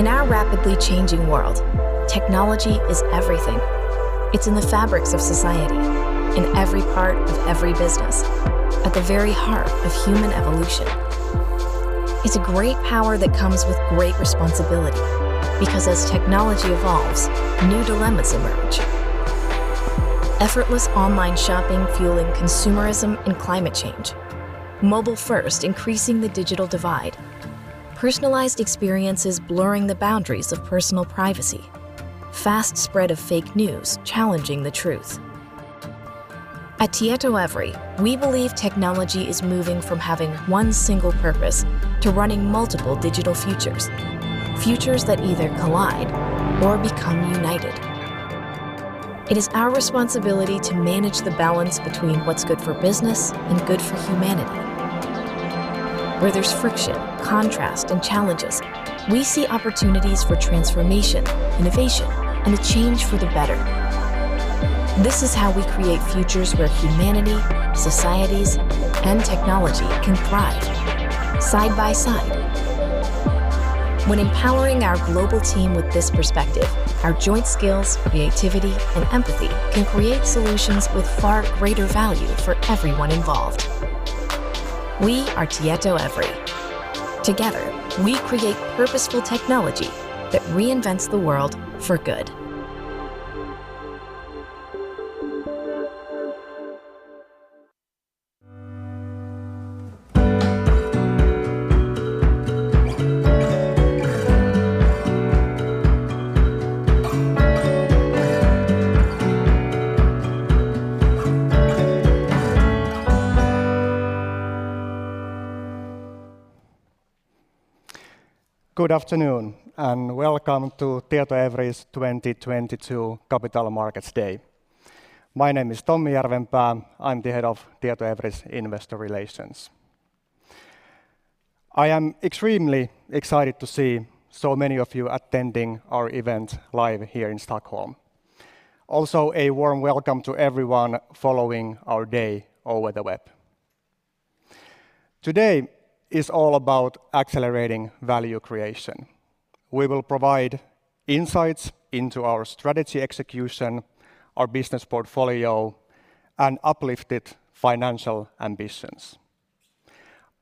In our rapidly changing world, technology is everything. It's in the fabrics of society, in every part of every business, at the very heart of human evolution. It's a great power that comes with great responsibility, because as technology evolves, new dilemmas emerge. Effortless online shopping fueling consumerism and climate change. Mobile first increasing the digital divide. Personalized experiences blurring the boundaries of personal privacy. Fast spread of fake news challenging the truth. At Tietoevry, we believe technology is moving from having one single purpose to running multiple digital futures that either collide or become united. It is our responsibility to manage the balance between what's good for business and good for humanity. Where there's friction, contrast, and challenges, we see opportunities for transformation, innovation, and a change for the better. This is how we create futures where humanity, societies, and technology can thrive side by side. When empowering our global team with this perspective, our joint skills, creativity, and empathy can create solutions with far greater value for everyone involved. We are Tietoevry. Together, we create purposeful technology that reinvents the world for good. Good afternoon, welcome to Tietoevry's 2022 Capital Markets Day. My name is Tommi Järvenpää. I'm the head of Tietoevry's Investor Relations. I am extremely excited to see so many of you attending our event live here in Stockholm. A warm welcome to everyone following our day over the web. Today is all about accelerating value creation. We will provide insights into our strategy execution, our business portfolio, and uplifted financial ambitions.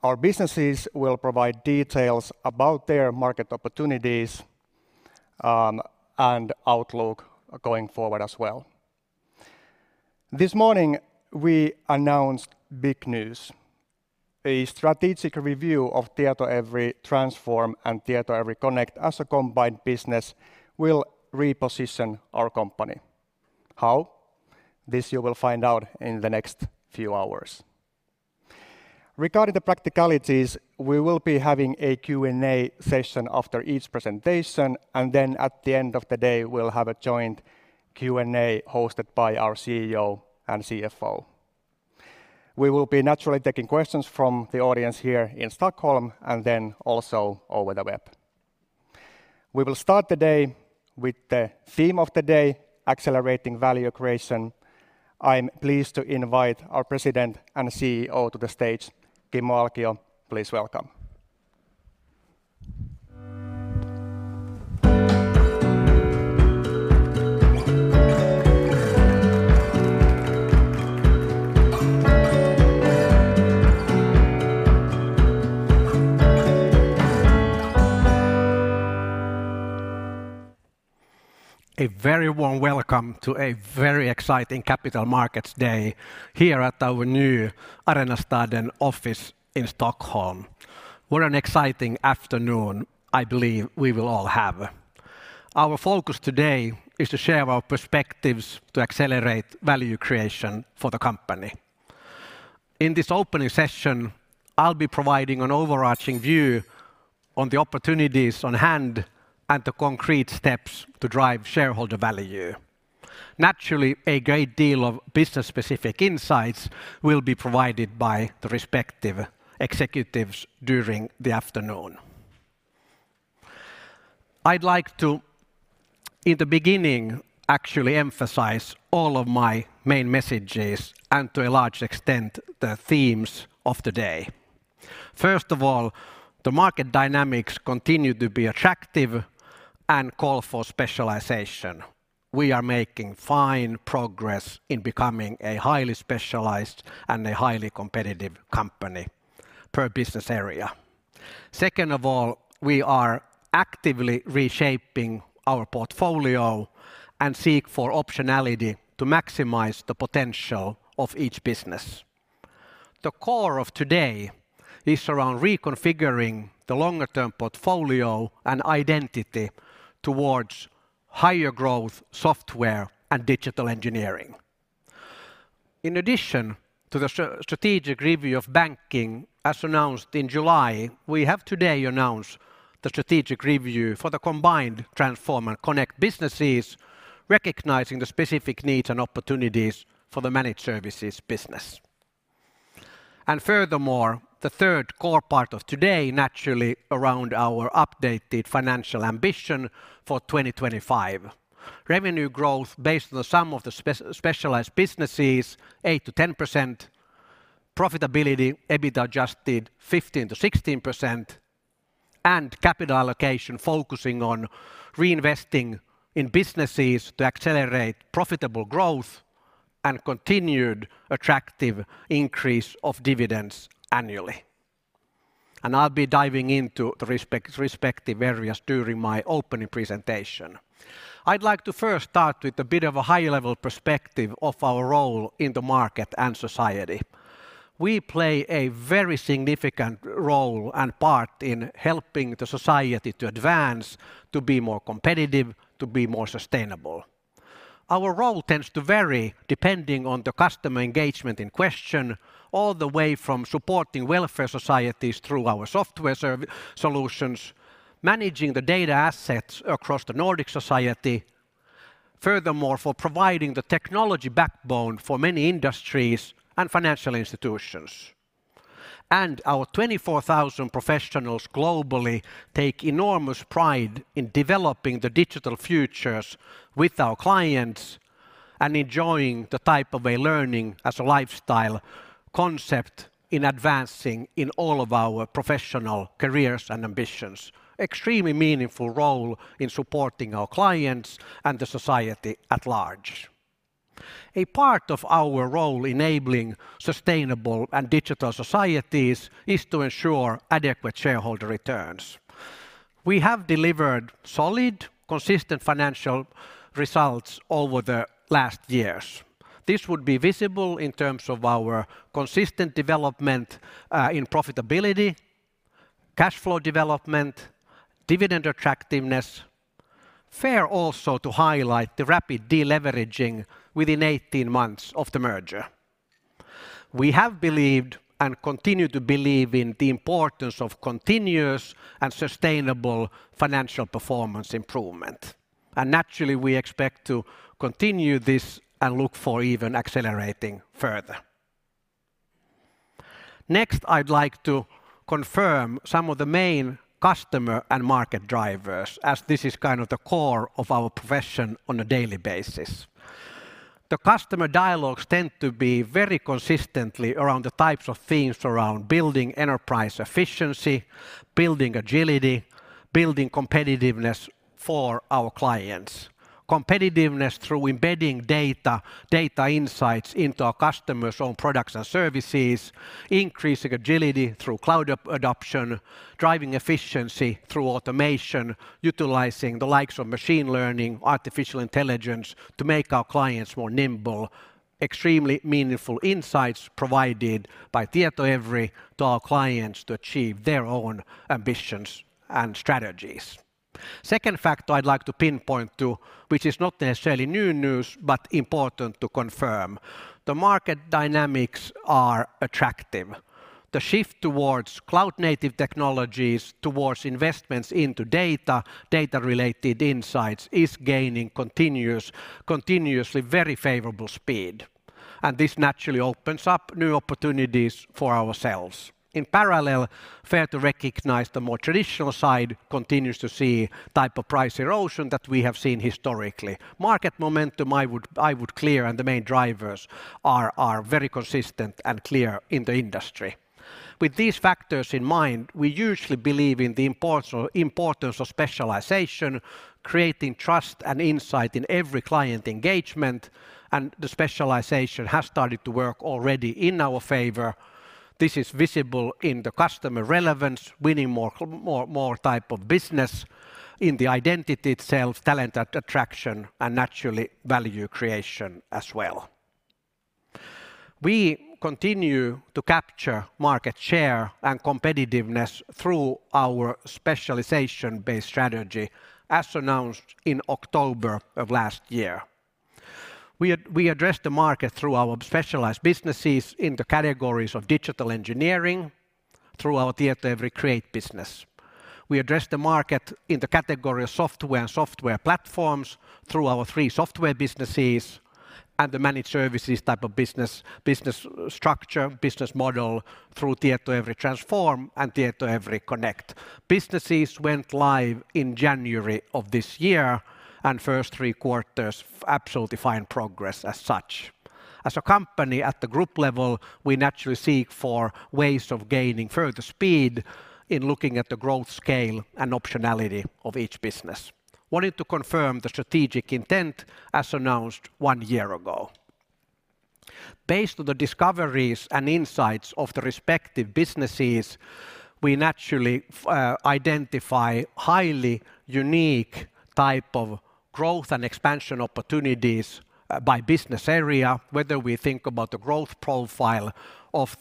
Our businesses will provide details about their market opportunities and outlook going forward as well. This morning, we announced big news, a strategic review of Tietoevry Transform and Tietoevry Connect as a combined business will reposition our company. How? This you will find out in the next few hours. Regarding the practicalities, we will be having a Q&A session after each presentation, and then at the end of the day we'll have a joint Q&A hosted by our CEO and CFO. We will be naturally taking questions from the audience here in Stockholm and then also over the web. We will start the day with the theme of the day, Accelerating Value Creation. I'm pleased to invite our President and CEO to the stage. Kimmo Alkio, please welcome. A very warm welcome to a very exciting Capital Markets Day here at our new Arenastaden office in Stockholm. What an exciting afternoon I believe we will all have. Our focus today is to share our perspectives to accelerate value creation for the company. In this opening session, I'll be providing an overarching view on the opportunities on hand and the concrete steps to drive shareholder value. Naturally, a great deal of business-specific insights will be provided by the respective executives during the afternoon. I'd like to, in the beginning, actually emphasize all of my main messages and to a large extent the themes of the day. First of all, the market dynamics continue to be attractive and call for specialization. We are making fine progress in becoming a highly specialized and a highly competitive company per business area. Second of all, we are actively reshaping our portfolio and seek for optionality to maximize the potential of each business. The core of today is around reconfiguring the longer term portfolio and identity towards higher growth software and digital engineering. In addition to the strategic review of Banking, as announced in July, we have today announced the strategic review for the combined Transform and Connect businesses, recognizing the specific needs and opportunities for the managed services business. Furthermore, the third core part of today, naturally around our updated financial ambition for 2025. Revenue growth based on the sum of the specialized businesses, 8%-10%. Profitability, EBITDA adjusted, 15%-16%. Capital allocation focusing on reinvesting in businesses to accelerate profitable growth and continued attractive increase of dividends annually. I'll be diving into the respective areas during my opening presentation. I'd like to first start with a bit of a high-level perspective of our role in the market and society. We play a very significant role and part in helping the society to advance, to be more competitive, to be more sustainable. Our role tends to vary depending on the customer engagement in question, all the way from supporting welfare societies through our software solutions, managing the data assets across the Nordic society. For providing the technology backbone for many industries and financial institutions. Our 24,000 professionals globally take enormous pride in developing the digital futures with our clients and enjoying the type of a learning as a lifestyle concept in advancing in all of our professional careers and ambitions. Extremely meaningful role in supporting our clients and the society at large. A part of our role enabling sustainable and digital societies is to ensure adequate shareholder returns. We have delivered solid, consistent financial results over the last years. This would be visible in terms of our consistent development in profitability, cash flow development, dividend attractiveness. Fair also to highlight the rapid deleveraging within 18 months of the merger. We have believed and continue to believe in the importance of continuous and sustainable financial performance improvement. Naturally, we expect to continue this and look for even accelerating further. Next, I'd like to confirm some of the main customer and market drivers, as this is kind of the core of our profession on a daily basis. The customer dialogues tend to be very consistently around the types of themes around building enterprise efficiency, building agility, building competitiveness for our clients. Competitiveness through embedding data insights into our customers' own products and services, increasing agility through cloud adoption, driving efficiency through automation, utilizing the likes of machine learning, artificial intelligence to make our clients more nimble. Extremely meaningful insights provided by Tietoevry to our clients to achieve their own ambitions and strategies. Second factor I'd like to pinpoint to, which is not necessarily new news, but important to confirm. The market dynamics are attractive. The shift towards cloud-native technologies, towards investments into data-related insights, is gaining continuously very favorable speed, and this naturally opens up new opportunities for ourselves. In parallel, fair to recognize the more traditional side continues to see type of price erosion that we have seen historically. Market momentum, I would clear, and the main drivers are very consistent and clear in the industry. With these factors in mind, we usually believe in the importance of specialization, creating trust and insight in every client engagement, and the specialization has started to work already in our favor. This is visible in the customer relevance, winning more type of business in the identity itself, talent attraction, and naturally, value creation as well. We continue to capture market share and competitiveness through our specialization-based strategy, as announced in October of last year. We address the market through our specialized businesses in the categories of digital engineering through our Tietoevry Create business. We address the market in the category of software and software platforms through our three software businesses and the managed services type of business structure, business model through Tietoevry Transform and Tietoevry Connect. Businesses went live in January of this year. First three quarters absolutely fine progress as such. As a company at the group level, we naturally seek for ways of gaining further speed in looking at the growth scale and optionality of each business. Wanted to confirm the strategic intent as announced 1 year ago. Based on the discoveries and insights of the respective businesses, we naturally identify highly unique type of growth and expansion opportunities by business area, whether we think about the growth profile of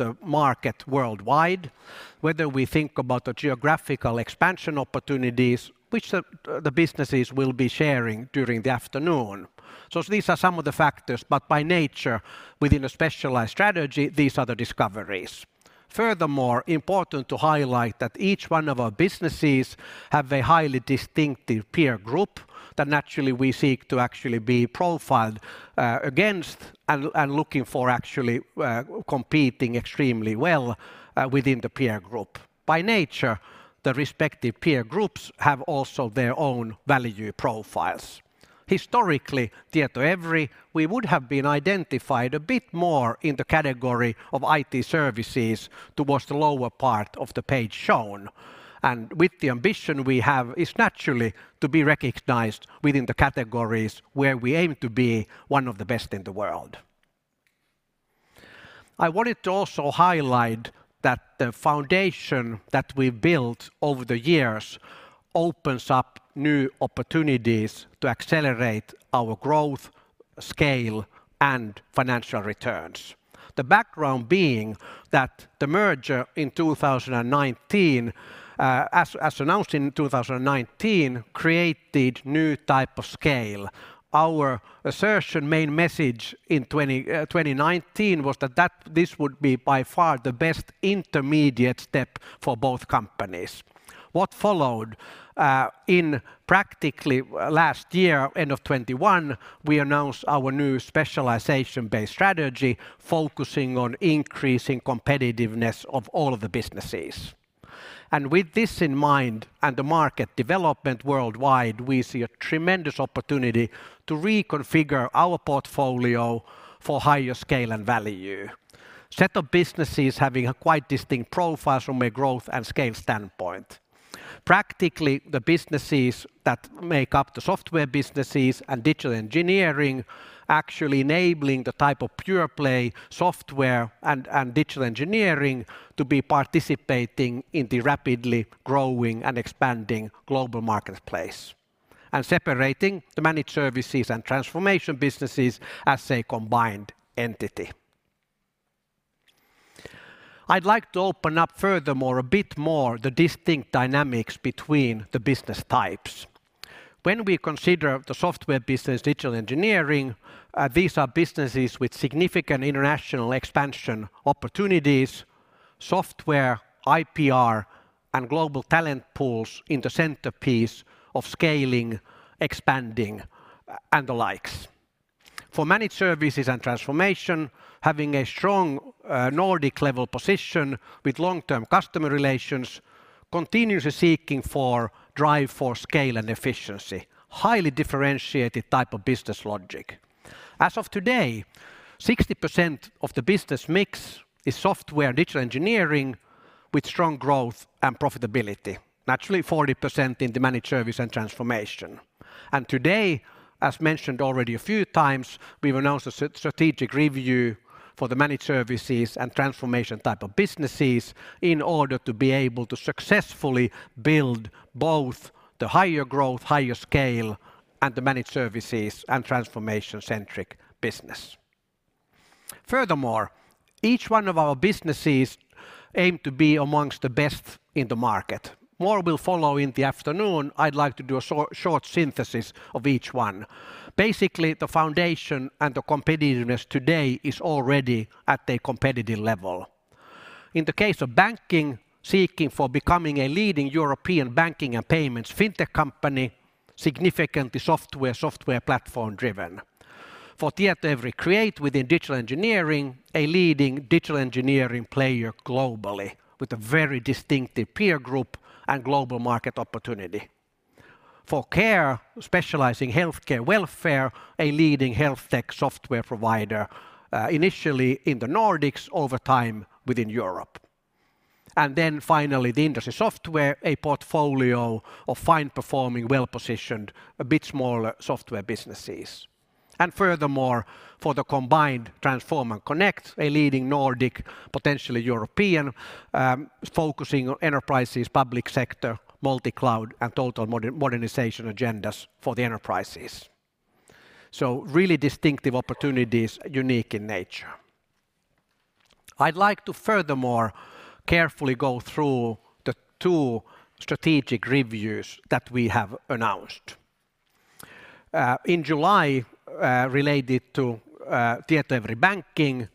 the market worldwide, whether we think about the geographical expansion opportunities which the businesses will be sharing during the afternoon. These are some of the factors, but by nature, within a specialized strategy, these are the discoveries. Important to highlight that each one of our businesses have a highly distinctive peer group that naturally we seek to actually be profiled, against and looking for actually, competing extremely well, within the peer group. By nature, the respective peer groups have also their own value profiles. Historically, Tietoevry, we would have been identified a bit more in the category of IT services towards the lower part of the page shown. With the ambition we have is naturally to be recognized within the categories where we aim to be one of the best in the world. I wanted to also highlight that the foundation that we've built over the years opens up new opportunities to accelerate our growth, scale, and financial returns. The background being that the merger in 2019, as announced in 2019, created new type of scale. Our assertion main message in 2019 was that this would be by far the best intermediate step for both companies. What followed, in practically last year, end of 2021, we announced our new specialization-based strategy focusing on increasing competitiveness of all of the businesses. With this in mind and the market development worldwide, we see a tremendous opportunity to reconfigure our portfolio for higher scale and value. Set of businesses having a quite distinct profiles from a growth and scale standpoint. Practically, the businesses that make up the software businesses and digital engineering actually enabling the type of pure-play software and digital engineering to be participating in the rapidly growing and expanding global marketplace, separating the managed services and transformation businesses as a combined entity. I'd like to open up furthermore a bit more the distinct dynamics between the business types. When we consider the software business digital engineering, these are businesses with significant international expansion opportunities, software, IPR, and global talent pools in the centerpiece of scaling, expanding, and the likes. For managed services and transformation, having a strong Nordic-level position with long-term customer relations, continuously seeking for drive for scale and efficiency, highly differentiated type of business logic. As of today, 60% of the business mix is software digital engineering with strong growth and profitability. Naturally, 40% in the managed service and transformation. Today, as mentioned already a few times, we've announced a strategic review for the managed services and transformation type of businesses in order to be able to successfully build both the higher growth, higher scale, and the managed services and transformation-centric business. Furthermore, each one of our businesses aim to be amongst the best in the market. More will follow in the afternoon. I'd like to do a short synthesis of each one. Basically, the foundation and the competitiveness today is already at a competitive level. In the case of banking, seeking for becoming a leading European banking and payments fintech company, significantly software platform-driven. For Tietoevry Create within digital engineering, a leading digital engineering player globally with a very distinctive peer group and global market opportunity. For Care, specializing healthcare welfare, a leading health tech software provider, initially in the Nordics, over time within Europe. Finally, the Industry Software, a portfolio of fine-performing, well-positioned, a bit smaller software businesses. Furthermore, for the combined Transform and Connect, a leading Nordic, potentially European, focusing on enterprises, public sector, multi-cloud, and total mode-modernization agendas for the enterprises. Really distinctive opportunities unique in nature. I'd like to furthermore carefully go through the two strategic reviews that we have announced. In July, related to Tietoevry Banking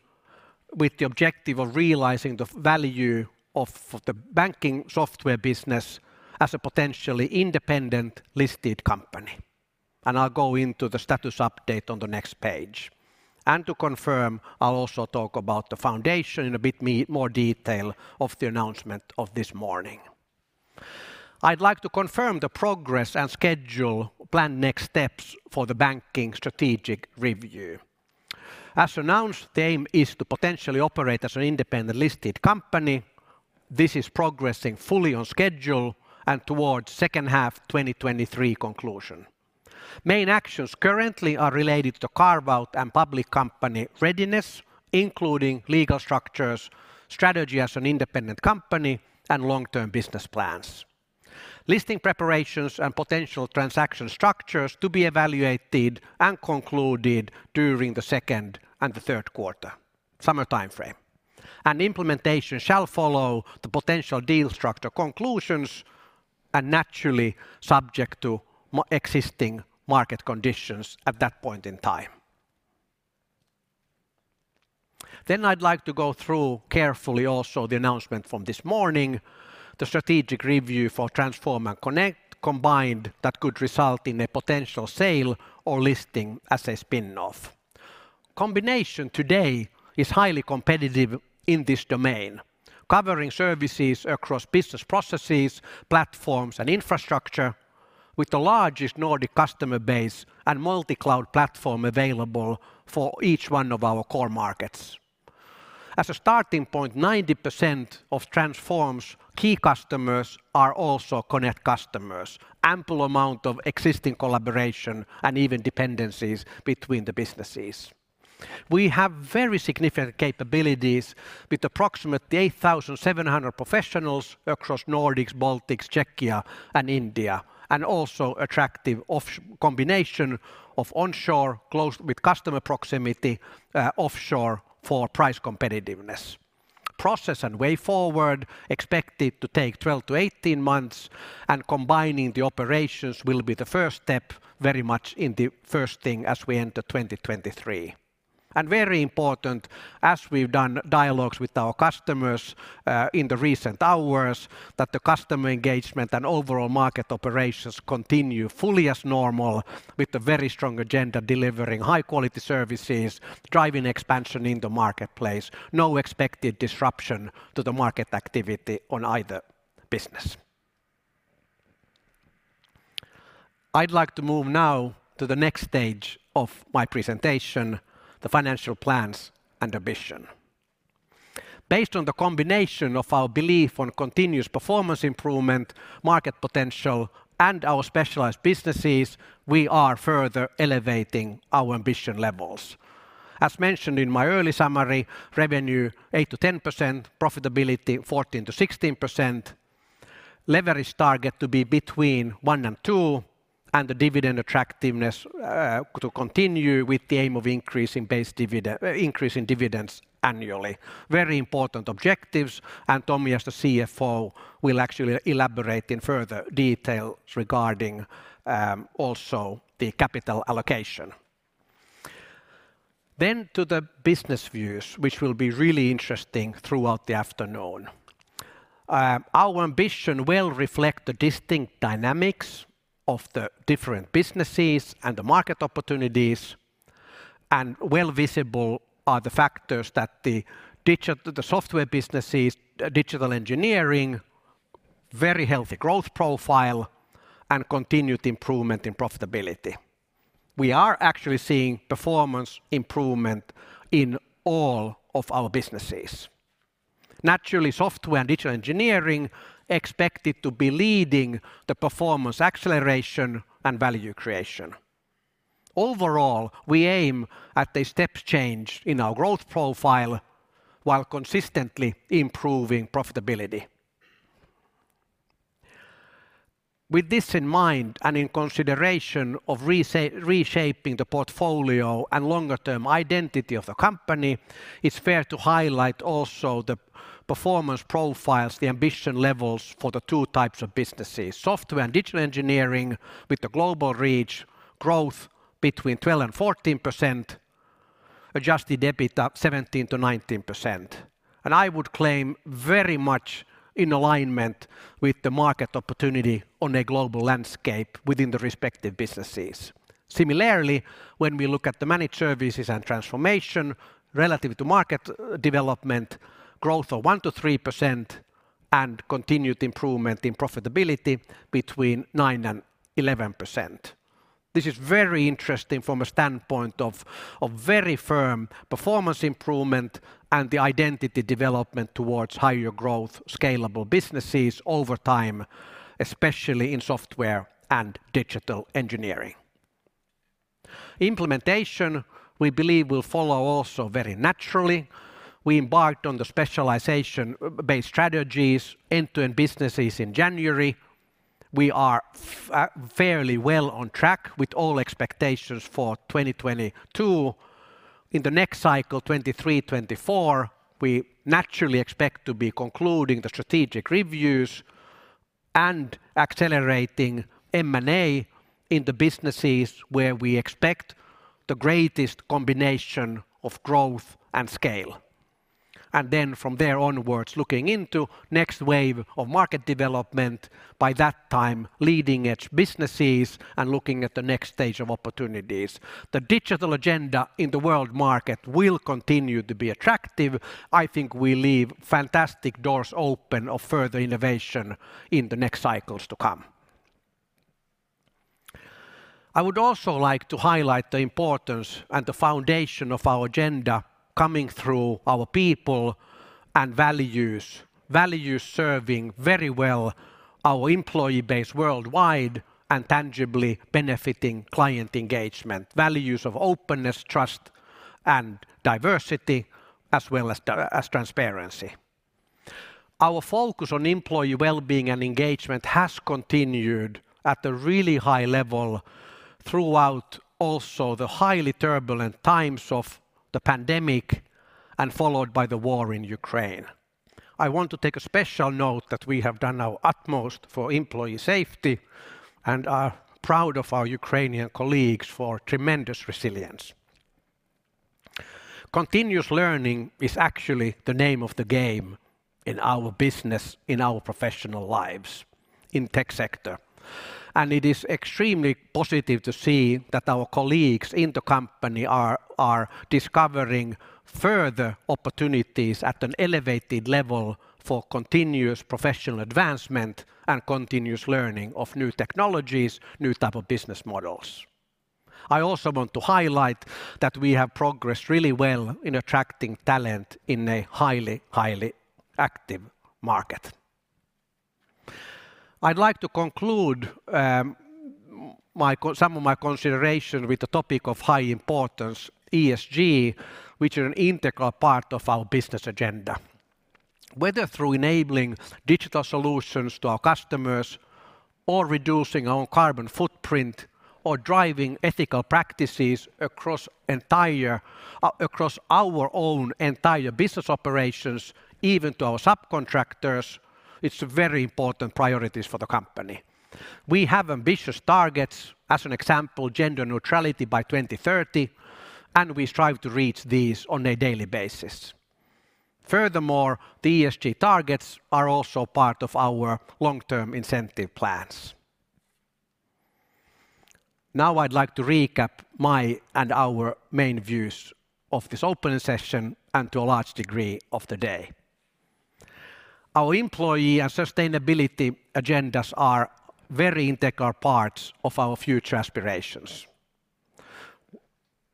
with the objective of realizing the value of the banking software business as a potentially independent listed company. I'll go into the status update on the next page. To confirm, I'll also talk about the foundation in a bit more detail of the announcement of this morning. I'd like to confirm the progress and schedule planned next steps for the banking strategic review. As announced, the aim is to potentially operate as an independent listed company. This is progressing fully on schedule and towards second half 2023 conclusion. Main actions currently are related to carve-out and public company readiness, including legal structures, strategy as an independent company, and long-term business plans. Listing preparations and potential transaction structures to be evaluated and concluded during the second and the third quarter, summer timeframe. Implementation shall follow the potential deal structure conclusions and naturally subject to existing market conditions at that point in time. I'd like to go through carefully also the announcement from this morning, the strategic review for Transform and Connect combined that could result in a potential sale or listing as a spin-off. Combination today is highly competitive in this domain, covering services across business processes, platforms, and infrastructure with the largest Nordic customer base and multi-cloud platform available for each one of our core markets. As a starting point, 90% of Transform's key customers are also Connect customers. Ample amount of existing collaboration and even dependencies between the businesses. We have very significant capabilities with approximately 8,700 professionals across Nordics, Baltics, Czechia, and India, and also attractive combination of onshore close with customer proximity, offshore for price competitiveness. Process and way forward expected to take 12-18 months, and combining the operations will be the first step very much in the first thing as we enter 2023. Very important, as we've done dialogues with our customers, in the recent hours, that the customer engagement and overall market operations continue fully as normal with the very strong agenda delivering high-quality services, driving expansion in the marketplace. No expected disruption to the market activity on either business. I'd like to move now to the next stage of my presentation, the financial plans and ambition. Based on the combination of our belief on continuous performance improvement, market potential, and our specialized businesses, we are further elevating our ambition levels. As mentioned in my early summary, revenue 8%-10%, profitability 14%-16%, leverage target to be between one and two, and the dividend attractiveness to continue with the aim of increasing dividends annually. Very important objectives, and Tomi, as the CFO, will actually elaborate in further detail regarding, also the capital allocation. To the business views, which will be really interesting throughout the afternoon. Our ambition will reflect the distinct dynamics of the different businesses and the market opportunities. Well visible are the factors that the software businesses, digital engineering, very healthy growth profile, and continued improvement in profitability. We are actually seeing performance improvement in all of our businesses. Naturally, software and digital engineering expected to be leading the performance acceleration and value creation. Overall, we aim at a step change in our growth profile while consistently improving profitability. With this in mind, and in consideration of reshaping the portfolio and longer-term identity of the company, it's fair to highlight also the performance profiles, the ambition levels for the two types of businesses. Software and digital engineering with the global reach, growth between 12%-14%, adjusted EBITDA up 17%-19%. I would claim very much in alignment with the market opportunity on a global landscape within the respective businesses. When we look at the managed services and transformation relative to market development, growth of 1%-3% and continued improvement in profitability between 9%-11%. This is very interesting from a standpoint of very firm performance improvement and the identity development towards higher growth, scalable businesses over time, especially in software and digital engineering. Implementation, we believe will follow also very naturally. We embarked on the specialization based strategies, end-to-end businesses in January. We are fairly well on track with all expectations for 2022. In the next cycle, 2023, 2024, we naturally expect to be concluding the strategic reviews and accelerating M&A in the businesses where we expect the greatest combination of growth and scale. From there onwards, looking into next wave of market development, by that time leading edge businesses and looking at the next stage of opportunities. The digital agenda in the world market will continue to be attractive. I think we leave fantastic doors open of further innovation in the next cycles to come. I would also like to highlight the importance and the foundation of our agenda coming through our people and values. Values serving very well our employee base worldwide and tangibly benefiting client engagement. Values of openness, trust, and diversity, as well as transparency. Our focus on employee wellbeing and engagement has continued at a really high level throughout also the highly turbulent times of the pandemic and followed by the war in Ukraine. I want to take a special note that we have done our utmost for employee safety and are proud of our Ukrainian colleagues for tremendous resilience. Continuous learning is actually the name of the game in our business, in our professional lives in tech sector. It is extremely positive to see that our colleagues in the company are discovering further opportunities at an elevated level for continuous professional advancement and continuous learning of new technologies, new type of business models. I also want to highlight that we have progressed really well in attracting talent in a highly active market. I'd like to conclude some of my consideration with the topic of high importance, ESG, which are an integral part of our business agenda. Whether through enabling digital solutions to our customers or reducing our carbon footprint or driving ethical practices across entire across our own entire business operations, even to our subcontractors, it's very important priorities for the company. We have ambitious targets, as an example, gender neutrality by 2030, and we strive to reach these on a daily basis. Furthermore, the ESG targets are also part of our long-term incentive plans. Now I'd like to recap my and our main views of this opening session and, to a large degree, of the day. Our employee and sustainability agendas are very integral parts of our future aspirations.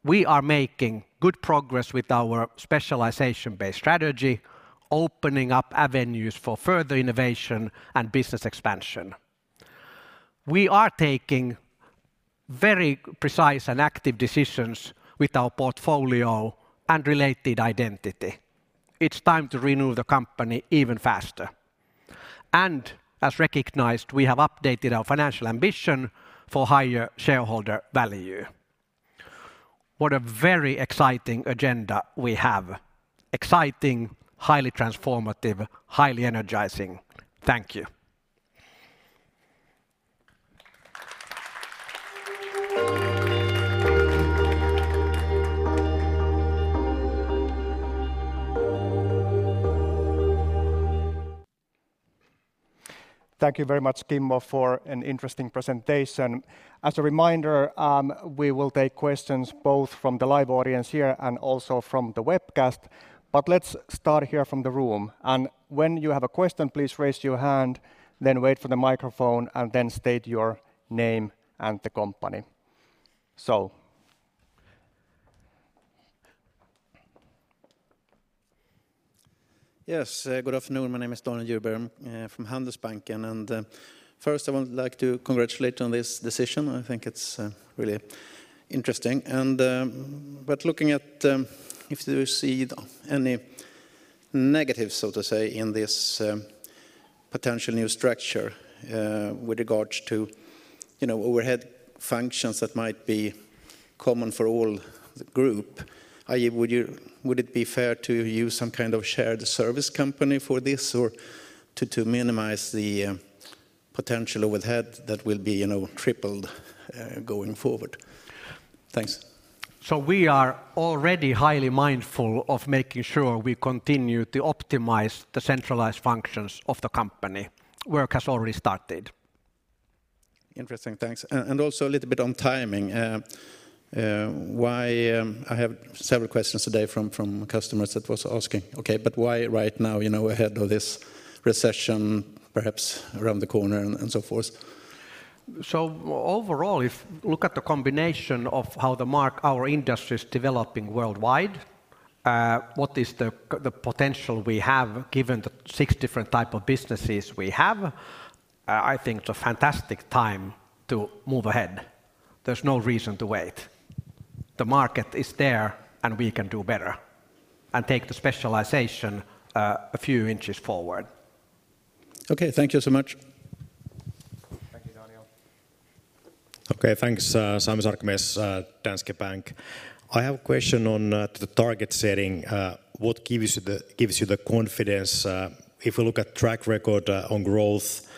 We are making good progress with our specialization-based strategy, opening up avenues for further innovation and business expansion. We are taking very precise and active decisions with our portfolio and related identity. It's time to renew the company even faster. As recognized, we have updated our financial ambition for higher shareholder value. What a very exciting agenda we have. Exciting, highly transformative, highly energizing. Thank you. Thank you very much, Kimmo, for an interesting presentation. As a reminder, we will take questions both from the live audience here and also from the webcast. Let's start here from the room, and when you have a question, please raise your hand, then wait for the microphone, and then state your name and the company. Yes. Good afternoon. My name is Daniel Djurberg, from Handelsbanken. First I would like to congratulate on this decision. I think it's really interesting. Looking at, if you see any negatives, so to say, in this potential new structure, with regards to, you know, overhead functions that might be common for all the group, would it be fair to use some kind of shared service company for this or to minimize the potential overhead that will be, you know, tripled going forward? Thanks. We are already highly mindful of making sure we continue to optimize the centralized functions of the company. Work has already started. Interesting. Thanks. Also a little bit on timing. Why? I have several questions today from customers that was asking, "Okay, but why right now, you know, ahead of this recession perhaps around the corner and so forth?" Overall, if look at the combination of how our industry is developing worldwide, what is the potential we have given the six different type of businesses we have, I think it's a fantastic time to move ahead. There's no reason to wait. The market is there, and we can do better and take the specialization, a few inches forward. Okay. Thank you so much. Thank you, Daniel. Okay, thanks. Sami Sarkamies, Danske Bank. I have a question on the target setting. What gives you the confidence? If we look at track record on growth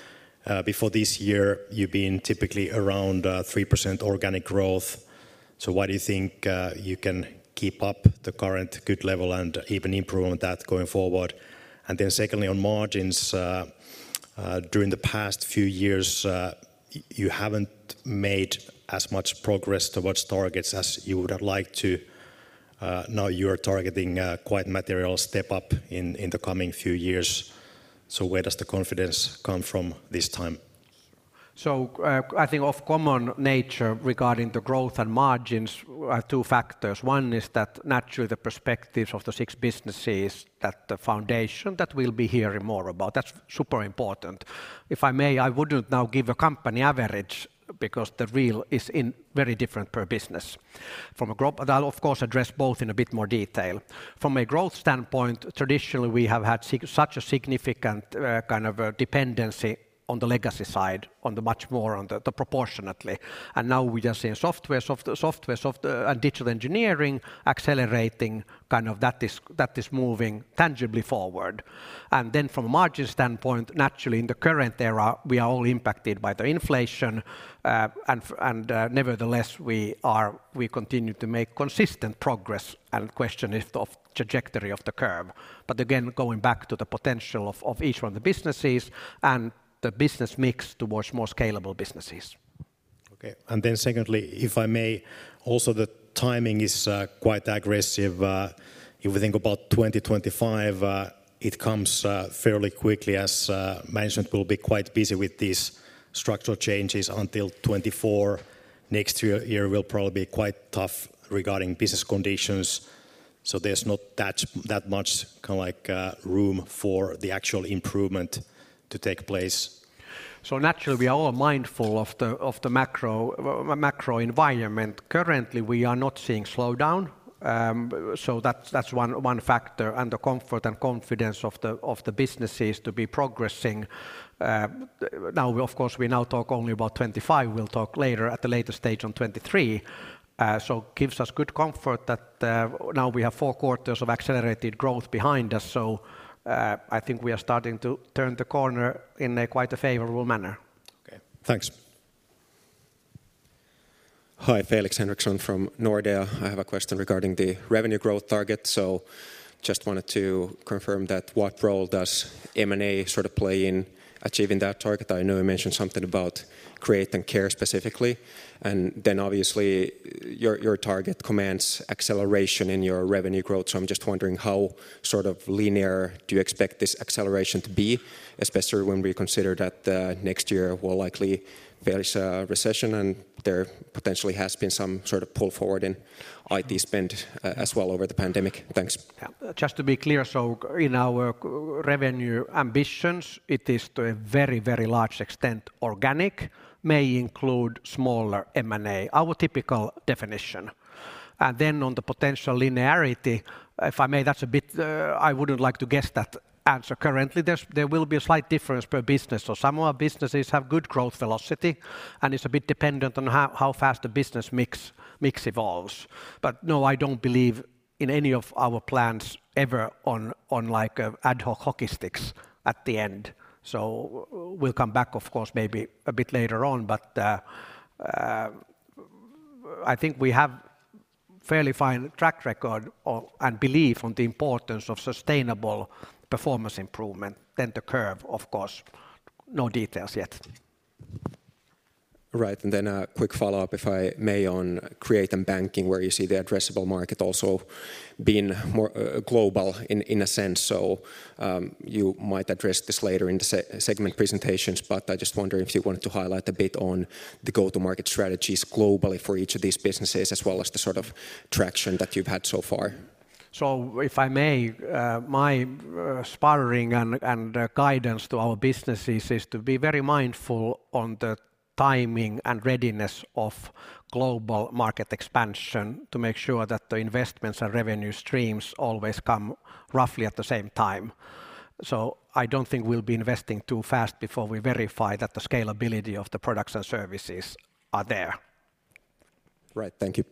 before this year, you've been typically around 3% organic growth. Why do you think you can keep up the current good level and even improve on that going forward? Secondly, on margins, during the past few years, you haven't made as much progress towards targets as you would have liked to. You are targeting a quite material step up in the coming few years. Where does the confidence come from this time? I think of common nature regarding the growth and margins are two factors. One is that naturally the perspectives of the six businesses that the foundation, that we'll be hearing more about. That's super important. If I may, I wouldn't now give a company average because the real is in very different per business. I'll of course address both in a bit more detail. From a growth standpoint, traditionally we have had such a significant kind of a dependency on the legacy side, on the much more on the proportionately. Now we are seeing software, digital engineering accelerating, kind of that is moving tangibly forward. From a margin standpoint, naturally in the current era, we are all impacted by the inflation. Nevertheless, we continue to make consistent progress and question if the trajectory of the curve. Again, going back to the potential of each one of the businesses and the business mix towards more scalable businesses. Okay. Secondly, if I may, also the timing is quite aggressive. If we think about 2025, it comes fairly quickly as management will be quite busy with these structural changes until 2024. Next year will probably be quite tough regarding business conditions. There's not that much kinda like room for the actual improvement to take place. Naturally we are all mindful of the macro environment. Currently, we are not seeing slowdown. That's one factor, and the comfort and confidence of the businesses to be progressing. Now of course we now talk only about 2025. We'll talk later at the later stage on 2023. Gives us good comfort that now we have four quarters of accelerated growth behind us. I think we are starting to turn the corner in a quite a favorable manner. Okay. Thanks. Hi. Felix Henriksson from Nordea. I have a question regarding the revenue growth target. Just wanted to confirm that what role does M&A sort of play in achieving that target? I know you mentioned something about Create and Care specifically, obviously your target commands acceleration in your revenue growth. I'm just wondering how sort of linear do you expect this acceleration to be, especially when we consider that next year more likely there is a recession and there potentially has been some sort of pull forward in IT spend as well over the pandemic. Thanks. Just to be clear, in our revenue ambitions, it is to a very, very large extent organic, may include smaller M&A, our typical definition. On the potential linearity, if I may, that's a bit, I wouldn't like to guess that answer currently. There will be a slight difference per business. Some of our businesses have good growth velocity, and it's a bit dependent on how fast the business mix evolves. No, I don't believe in any of our plans ever on like a ad hoc hockey sticks at the end. We'll come back of course maybe a bit later on, but I think we have fairly fine track record of, and belief on the importance of sustainable performance improvement than the curve of course. No details yet. Right. Then a quick follow-up, if I may, on Create and Banking, where you see the addressable market also being more global in a sense. You might address this later in the segment presentations, I just wonder if you wanted to highlight a bit on the go-to-market strategies globally for each of these businesses as well as the sort of traction that you've had so far. If I may, my sparring and guidance to our businesses is to be very mindful on the timing and readiness of global market expansion to make sure that the investments and revenue streams always come roughly at the same time. I don't think we'll be investing too fast before we verify that the scalability of the products and services are there. Right. Thank you.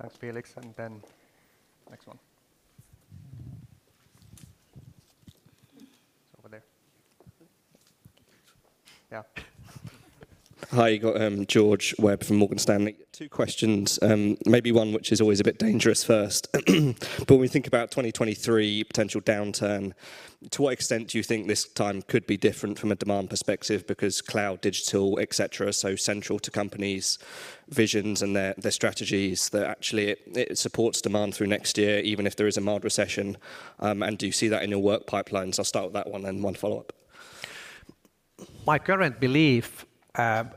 Thanks, Felix. Next one. Over there. Yeah. Hi. I'm George Webb from Morgan Stanley. Two questions, maybe one which is always a bit dangerous first. When we think about 2023 potential downturn, to what extent do you think this time could be different from a demand perspective because cloud, digital, et cetera, are so central to companies' visions and their strategies that actually it supports demand through next year even if there is a mild recession? Do you see that in your work pipelines? I'll start with that one, and one follow-up. My current belief,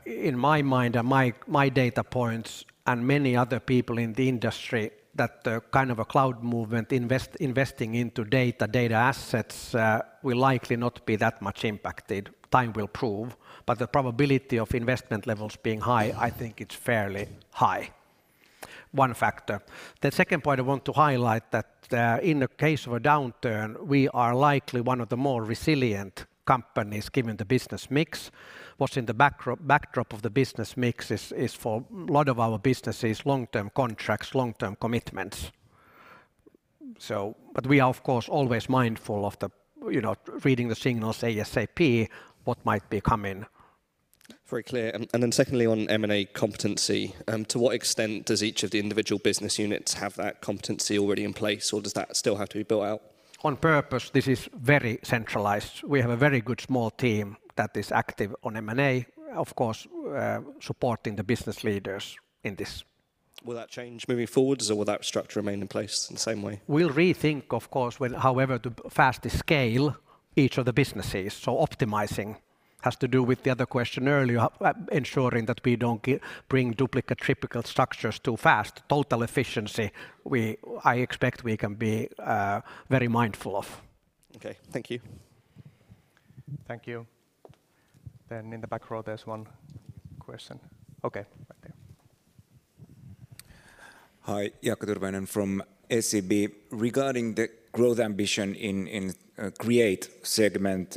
in my mind and my data points and many other people in the industry that the kind of a cloud movement, investing into data assets, will likely not be that much impacted. Time will prove, but the probability of investment levels being high, I think it's fairly high. One factor. The second point I want to highlight that, in the case of a downturn, we are likely one of the more resilient companies given the business mix. What's in the backdrop of the business mix is for a lot of our business is long-term contracts, long-term commitments. We are of course always mindful of the, you know, reading the signals ASAP, what might be coming. Very clear. Secondly on M&A competency, to what extent does each of the individual business units have that competency already in place, or does that still have to be built out? On purpose, this is very centralized. We have a very good small team that is active on M&A, of course, supporting the business leaders in this. Will that change moving forwards or will that structure remain in place in the same way? We'll rethink of course when however to fast the scale each of the businesses. Optimizing has to do with the other question earlier, ensuring that we don't bring duplicate, triplicate structures too fast. Total efficiency, we, I expect we can be very mindful of. Okay. Thank you. Thank you. In the back row, there's one question. Okay. Right there. Hi. Jaakko Tyrväinen from SEB. Regarding the growth ambition in Create segment,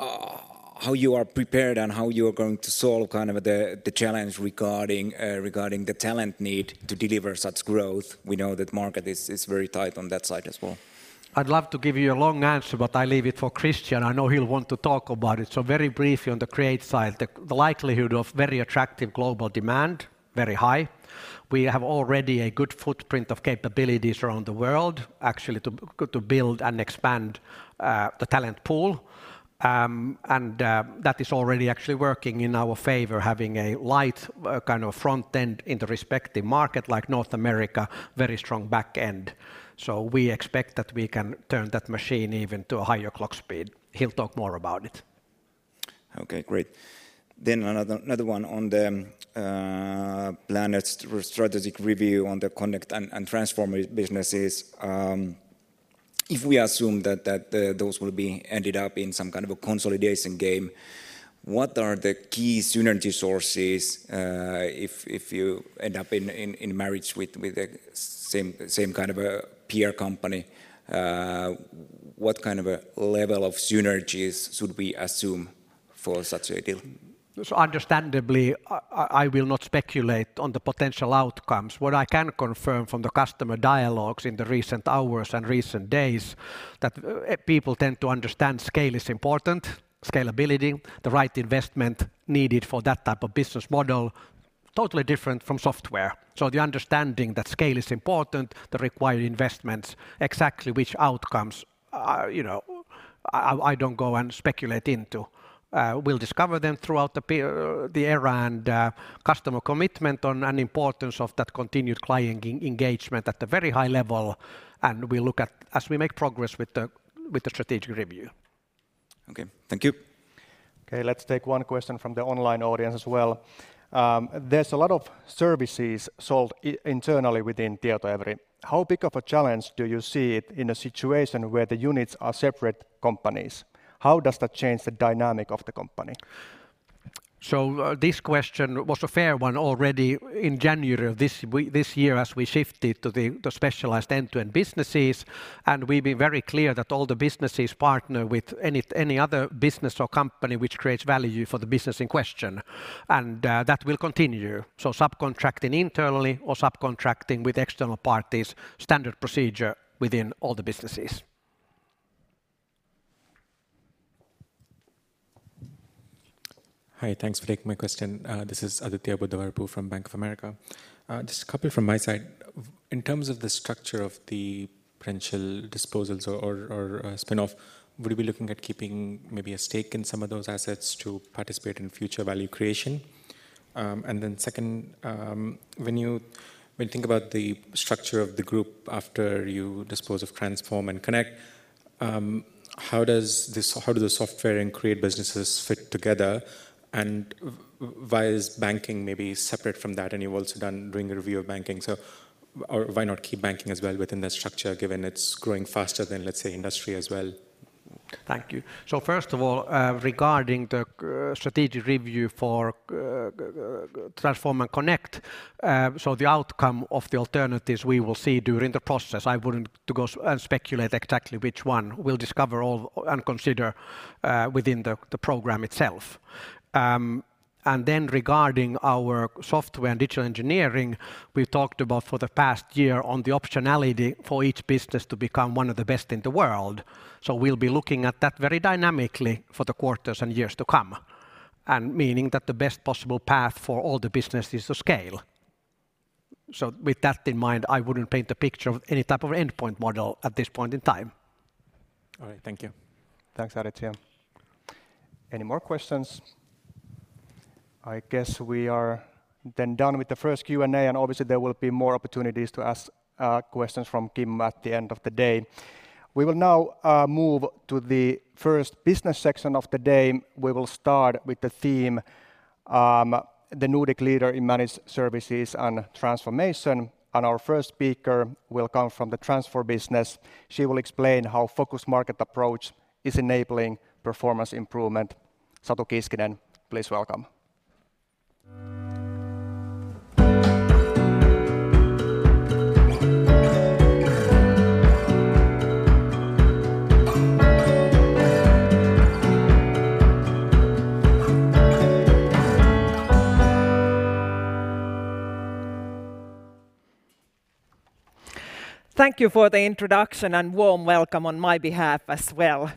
how you are prepared and how you are going to solve kind of the challenge regarding the talent need to deliver such growth? We know that market is very tight on that side as well. I'd love to give you a long answer, but I leave it for Christian. I know he'll want to talk about it. Very briefly on the Create side, the likelihood of very attractive global demand, very high. We have already a good footprint of capabilities around the world actually to build and expand the talent pool. That is already actually working in our favor, having a light kind of front end in the respective market like North America, very strong back end. We expect that we can turn that machine even to a higher clock speed. He'll talk more about it. Okay, great. another one on the planned strategic review on the Connect and Transform businesses. If we assume that, those will be ended up in some kind of a consolidation game, what are the key synergy sources, if you end up in, in marriage with a same kind of a peer company? What kind of a level of synergies should we assume for such a deal? Understandably, I will not speculate on the potential outcomes. What I can confirm from the customer dialogues in the recent hours and recent days that people tend to understand scale is important, scalability, the right investment needed for that type of business model, totally different from software. The understanding that scale is important, the required investments, exactly which outcomes, you know, I don't go and speculate into. We'll discover them throughout the era and customer commitment on an importance of that continued client engagement at a very high level, and we look as we make progress with the strategic review. Okay. Thank you. Okay, let's take one question from the online audience as well. There's a lot of services sold internally within Tietoevry. How big of a challenge do you see it in a situation where the units are separate companies? How does that change the dynamic of the company? This question was a fair one already in January of this year as we shifted to the specialized end-to-end businesses, and we've been very clear that all the businesses partner with any other business or company which creates value for the business in question, and that will continue. Subcontracting internally or subcontracting with external parties, standard procedure within all the businesses. Hi. Thanks for taking my question. This is Aditya Buddhavarapu from Bank of America. Just a couple from my side. In terms of the structure of the potential disposals or a spin-off, would you be looking at keeping maybe a stake in some of those assets to participate in future value creation? Second, when you think about the structure of the group after you dispose of Transform and Connect, how do the Software and Create businesses fit together, and why is Banking maybe separate from that? You've also doing a review of Banking, or why not keep Banking as well within the structure given it's growing faster than, let's say, industry as well? Thank you. First of all, regarding the strategic review for Transform and Connect, the outcome of the alternatives we will see during the process. I wouldn't to go and speculate exactly which one. We'll discover all and consider within the program itself. Regarding our software and digital engineering, we've talked about for the past year on the optionality for each business to become one of the best in the world, so we'll be looking at that very dynamically for the quarters and years to come, and meaning that the best possible path for all the business is to scale. With that in mind, I wouldn't paint a picture of any type of endpoint model at this point in time. All right. Thank you. Thanks, Aditya. Any more questions? I guess we are then done with the first Q&A. Obviously there will be more opportunities to ask questions from Kim at the end of the day. We will now move to the first business section of the day. We will start with the theme, the Nordic leader in managed services and transformation. Our first speaker will come from the Transform business. She will explain how focused market approach is enabling performance improvement. Satu Kiiskinen, please welcome. Thank you for the introduction and warm welcome on my behalf as well.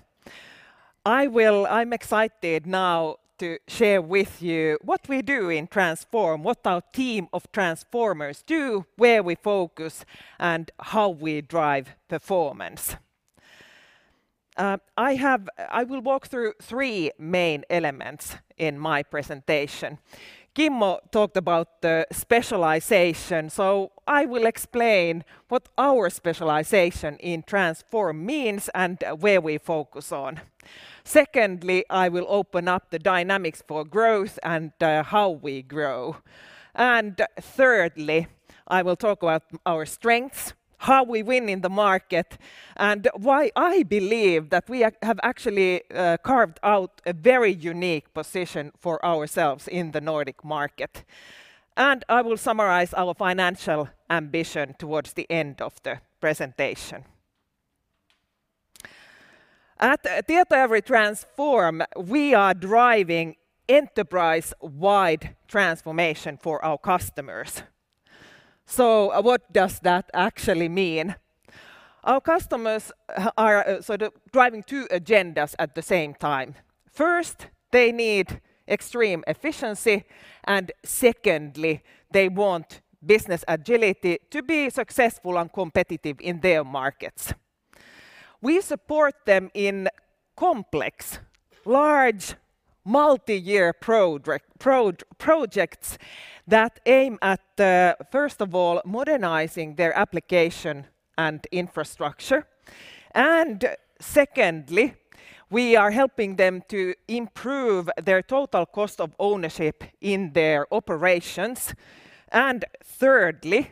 I'm excited now to share with you what we do in Transform, what our team of Transformers do, where we focus, and how we drive performance. I will walk through three main elements in my presentation. Kimmo talked about the specialization, I will explain what our specialization in Transform means and where we focus on. Secondly, I will open up the dynamics for growth and how we grow. Thirdly, I will talk about our strengths, how we win in the market, and why I believe that we have actually carved out a very unique position for ourselves in the Nordic market. I will summarize our financial ambition towards the end of the presentation. At Tietoevry Transform, we are driving enterprise-wide transformation for our customers. What does that actually mean? Our customers are, sort of driving two agendas at the same time. First, they need extreme efficiency, and secondly, they want business agility to be successful and competitive in their markets. We support them in complex, large, multi-year projects that aim at, first of all, modernizing their application and infrastructure, and secondly. We are helping them to improve their total cost of ownership in their operations. Thirdly,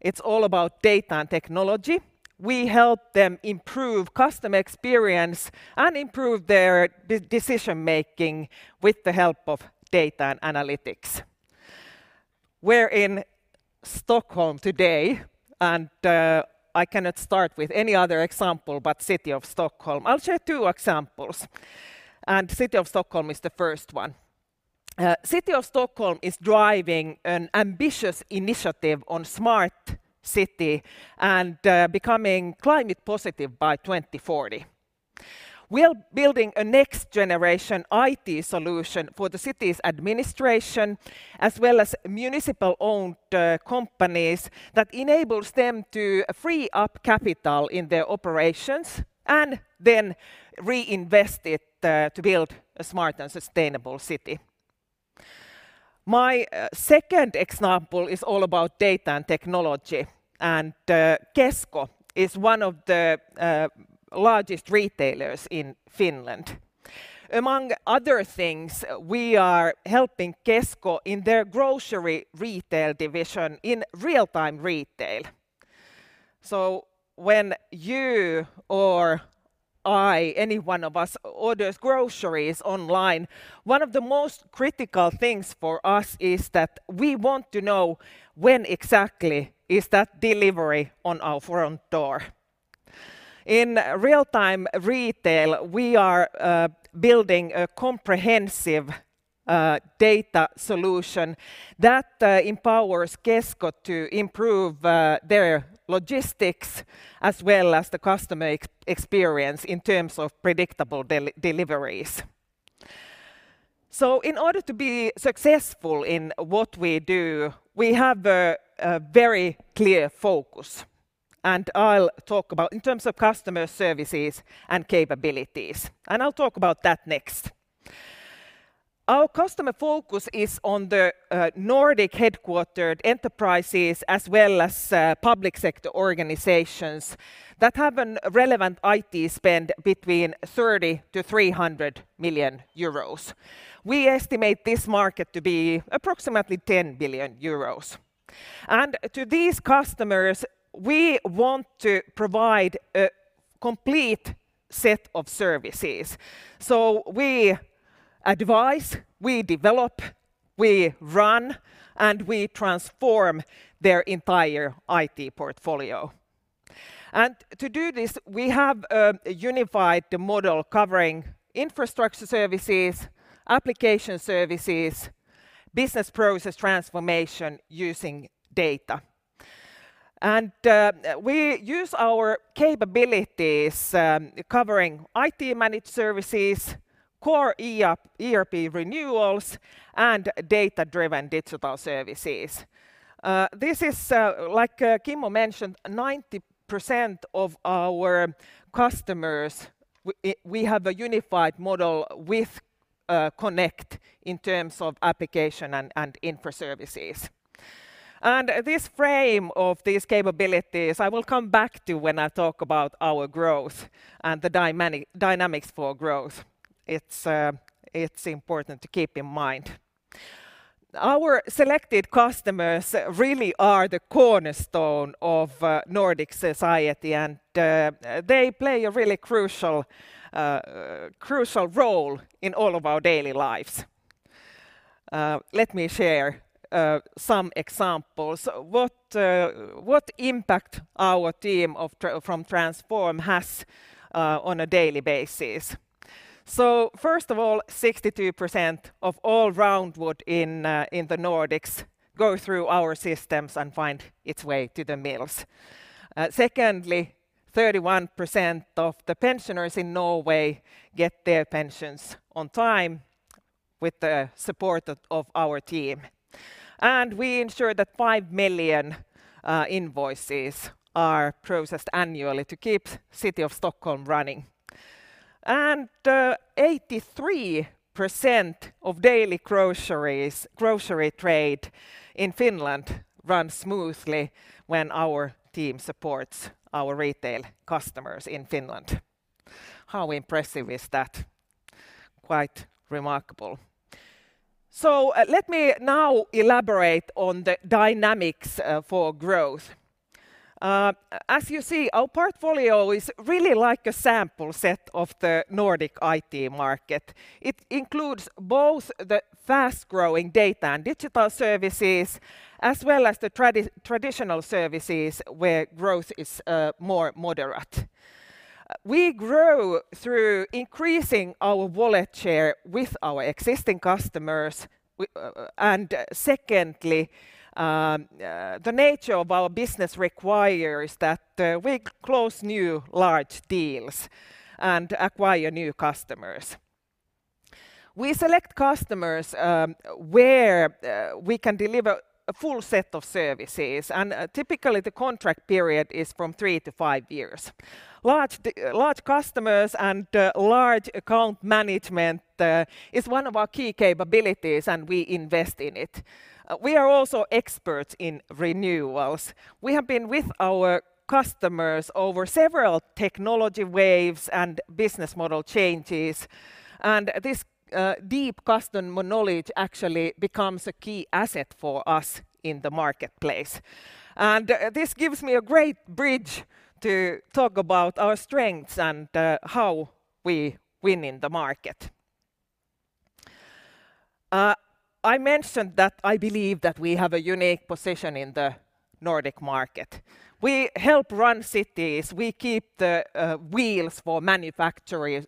it's all about data and technology. We help them improve customer experience and improve their decision-making with the help of data and analytics. We're in Stockholm today, and I cannot start with any other example but City of Stockholm. I'll share two examples, and City of Stockholm is the first one. City of Stockholm is driving an ambitious initiative on smart city and, becoming climate positive by 2040. We are building a next generation IT solution for the city's administration as well as municipal-owned companies that enables them to free up capital in their operations and then reinvest it to build a smart and sustainable city. My second example is all about data and technology. Kesko is one of the largest retailers in Finland. Among other things, we are helping Kesko in their grocery retail division in real-time retail. When you or I, any one of us, orders groceries online, one of the most critical things for us is that we want to know when exactly is that delivery on our front door. In real-time retail, we are building a comprehensive data solution that empowers Kesko to improve their logistics as well as the customer experience in terms of predictable deliveries. In order to be successful in what we do, we have a very clear focus, and I'll talk about in terms of customer services and capabilities, and I'll talk about that next. Our customer focus is on the Nordic headquartered enterprises as well as public sector organizations that have a relevant IT spend between 30 million-300 million euros. We estimate this market to be approximately 10 billion euros. To these customers, we want to provide a complete set of services. We advise, we develop, we run, and we transform their entire IT portfolio. To do this, we have unified the model covering infrastructure services, application services, business process transformation using data. We use our capabilities covering IT managed services, core ERP renewals, and data-driven digital services. This is like Kimmo mentioned, 90% of our customers, we have a unified model with Connect in terms of application and infra services. This frame of these capabilities, I will come back to when I talk about our growth and the dynamics for growth. It's important to keep in mind. Our selected customers really are the cornerstone of Nordic society, and they play a really crucial role in all of our daily lives. Let me share some examples. What impact our team from Transform has on a daily basis. First of all, 62% of all round wood in the Nordics go through our systems and find its way to the mills. Secondly, 31% of the pensioners in Norway get their pensions on time with the support of our team. We ensure that five million invoices are processed annually to keep City of Stockholm running. 83% of daily grocery trade in Finland runs smoothly when our team supports our retail customers in Finland. How impressive is that? Quite remarkable. Let me now elaborate on the dynamics for growth. As you see, our portfolio is really like a sample set of the Nordic IT market. It includes both the fast-growing data and digital services as well as the traditional services where growth is more moderate. We grow through increasing our wallet share with our existing customers. Secondly, the nature of our business requires that we close new large deals and acquire new customers. We select customers, where we can deliver a full set of services, and typically the contract period is from three to five years. Large customers and large account management is one of our key capabilities, and we invest in it. We are also experts in renewals. We have been with our customers over several technology waves and business model changes, and this deep custom knowledge actually becomes a key asset for us in the marketplace. This gives me a great bridge to talk about our strengths and how we win in the market. I mentioned that I believe that we have a unique position in the Nordic market. We help run cities. We keep the wheels for manufacturers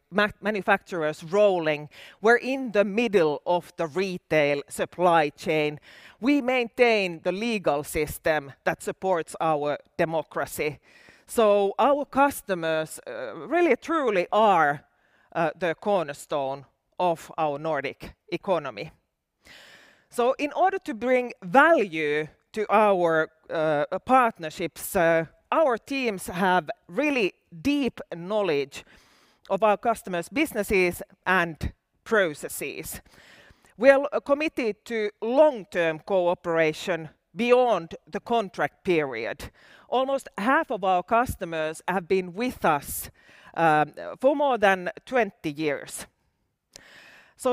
rolling. We're in the middle of the retail supply chain. We maintain the legal system that supports our democracy. Our customers really truly are the cornerstone of our Nordic economy. In order to bring value to our partnerships, our teams have really deep knowledge of our customers' businesses and processes. We are committed to long-term cooperation beyond the contract period. Almost half of our customers have been with us for more than 20 years.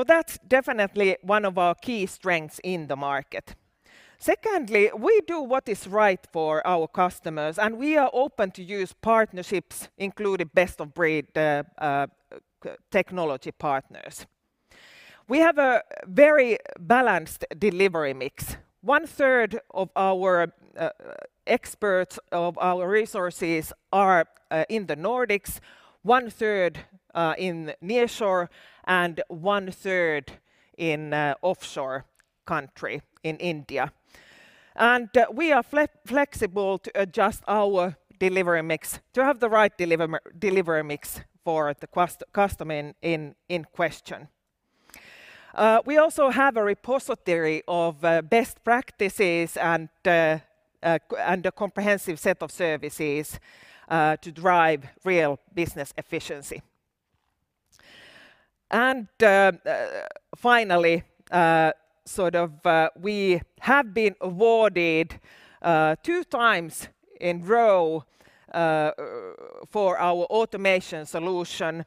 That's definitely one of our key strengths in the market. Secondly, we do what is right for our customers, and we are open to use partnerships, including best-of-breed technology partners. We have a very balanced delivery mix. One-third of our experts, of our resources are in the Nordics, one-third in nearshore, and one-third in offshore country, in India. We are flexible to adjust our delivery mix to have the right delivery mix for the customer in question. We also have a repository of best practices and a comprehensive set of services to drive real business efficiency. Finally, sort of, we have been awarded two times in row for our automation solution,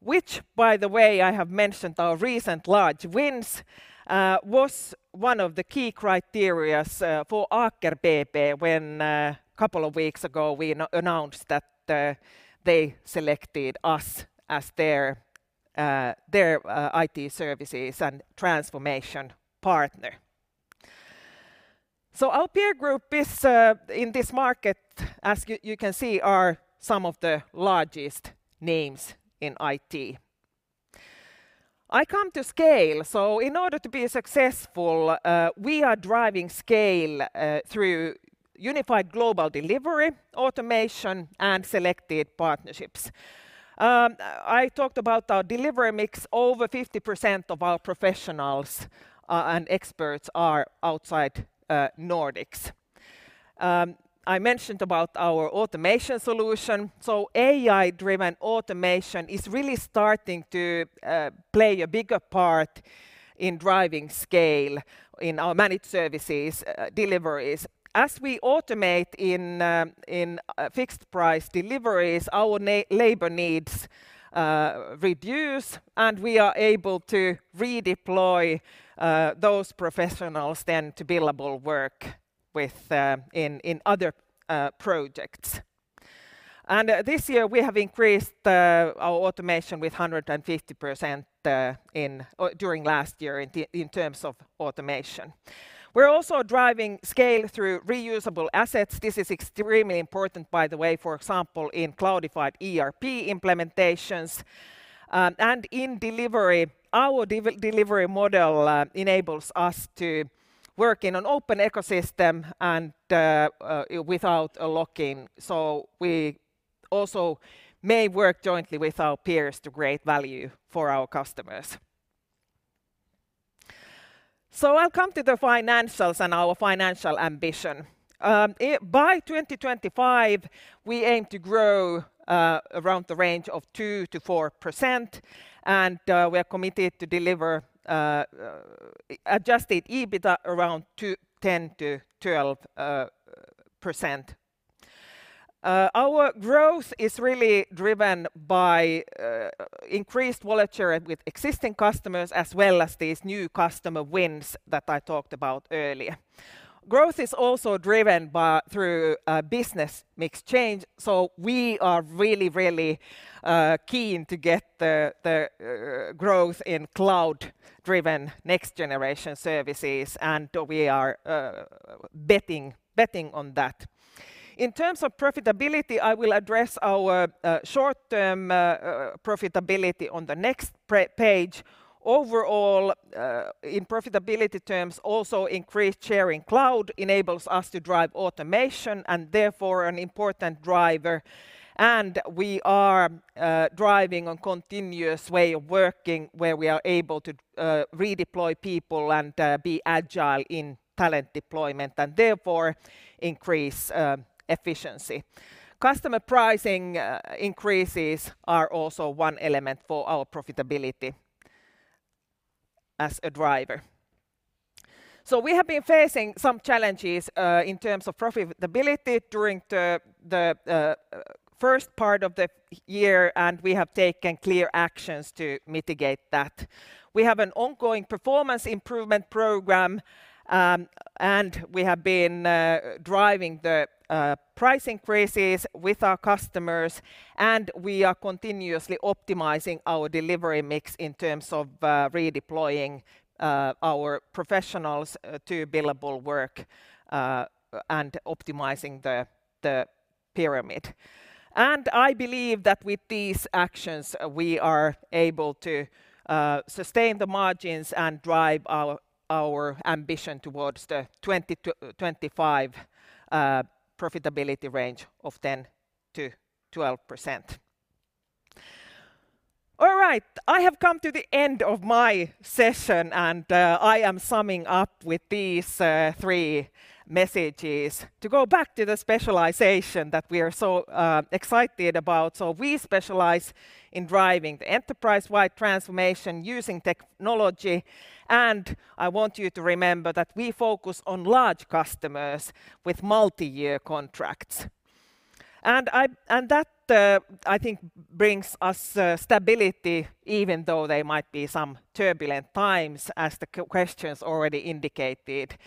which by the way, I have mentioned our recent large wins, was one of the key criteria for Aker BP when couple of weeks ago, we announced that they selected us as their IT services and transformation partner. Our peer group is in this market, as you can see, are some of the largest names in IT. I come to scale. In order to be successful, we are driving scale through unified global delivery, automation, and selected partnerships. I talked about our delivery mix. Over 50% of our professionals and experts are outside Nordics. I mentioned about our automation solution. AI-driven automation is really starting to play a bigger part in driving scale in our managed services deliveries. As we automate in fixed price deliveries, our labor needs reduce, and we are able to redeploy those professionals then to billable work with in other projects. This year we have increased our automation with 150% during last year in terms of automation. We're also driving scale through reusable assets. This is extremely important, by the way, for example, in cloudified ERP implementations, and in delivery. Our delivery model enables us to work in an open ecosystem and without a lock-in. We also may work jointly with our peers to create value for our customers. I'll come to the financials and our financial ambition. By 2025, we aim to grow around the range of 2%-4%, and we are committed to deliver adjusted EBITDA around 10%-12%. Our growth is really driven by increased wallet share with existing customers as well as these new customer wins that I talked about earlier. Growth is also driven by, through, business mix change, so we are really, really keen to get the growth in cloud-driven next-generation services, and we are betting on that. In terms of profitability, I will address our short-term profitability on the next page. Overall, in profitability terms also increased share in cloud enables us to drive automation and therefore an important driver. We are driving on continuous way of working where we are able to redeploy people and be agile in talent deployment and therefore increase efficiency. Customer pricing increases are also one element for our profitability as a driver. We have been facing some challenges in terms of profitability during the first part of the year, and we have taken clear actions to mitigate that. We have an ongoing performance improvement program, and we have been driving the price increases with our customers, and we are continuously optimizing our delivery mix in terms of redeploying our professionals to billable work and optimizing the pyramid. I believe that with these actions, we are able to sustain the margins and drive our ambition towards the 2025 profitability range of 10%-12%. All right. I have come to the end of my session, and I am summing up with these three messages. To go back to the specialization that we are so excited about. We specialize in driving the enterprise-wide transformation using technology, and I want you to remember that we focus on large customers with multi-year contracts. That, I think brings us stability even though there might be some turbulent times as the questions already indicated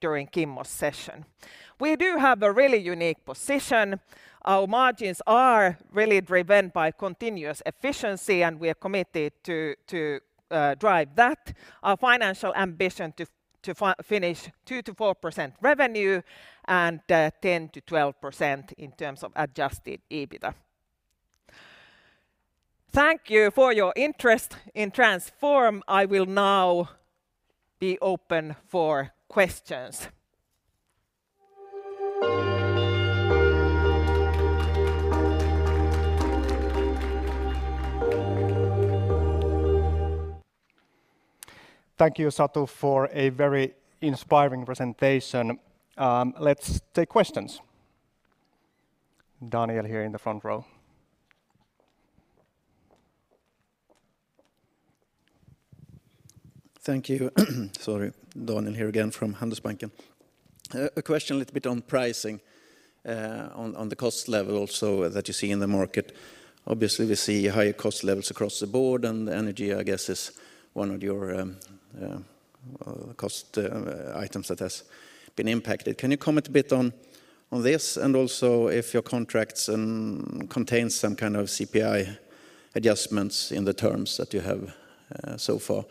during Kimmo's session. We do have a really unique position. Our margins are really driven by continuous efficiency, and we are committed to drive that. Our financial ambition to finish 2%-4% revenue and 10%-12% in terms of adjusted EBITDA. Thank you for your interest in Transform. I will now be open for questions. Thank you, Satu, for a very inspiring presentation. Let's take questions. Daniel here in the front row. Thank you. Sorry. Daniel here again from Handelsbanken. A question little bit on pricing, on the cost level so that you see in the market. Obviously, we see higher cost levels across the board, and energy, I guess, is one of your cost items that has been impacted. Can you comment a bit on this? Also, if your contracts contain some kind of CPI adjustments in the terms that you have so far,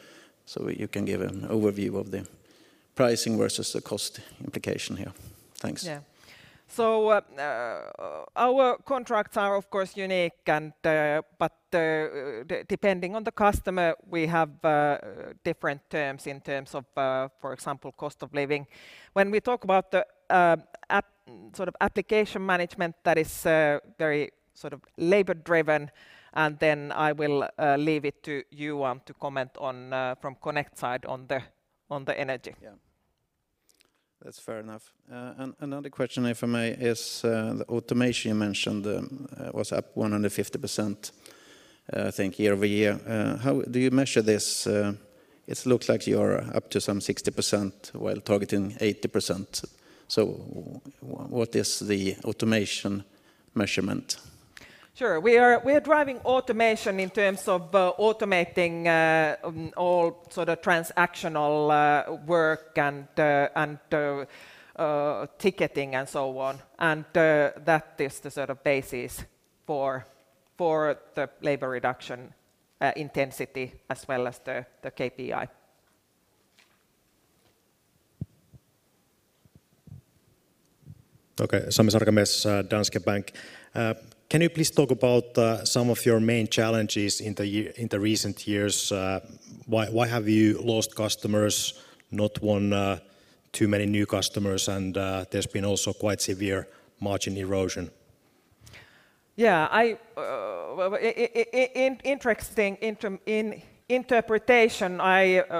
so you can give an overview of the pricing versus the cost implication here. Thanks. Our contracts are of course unique and, but depending on the customer, we have different terms in terms of, for example, cost of living. When we talk about the sort of application management that is very sort of labor-driven, and then I will leave it to you to comment on from Connect side on the energy. Yeah. That's fair enough. Another question if I may is, the automation you mentioned, was up 150%, I think year-over-year. How do you measure this? It looks like you're up to some 60% while targeting 80%, so what is the automation measurement? Sure. We are driving automation in terms of automating all sort of transactional work and ticketing and so on. That is the sort of basis for for the labor reduction intensity as well as the KPI. Okay. Sami Sarkamies, Danske Bank. Can you please talk about some of your main challenges in the recent years? Why, why have you lost customers, not won too many new customers, and there's been also quite severe margin erosion? I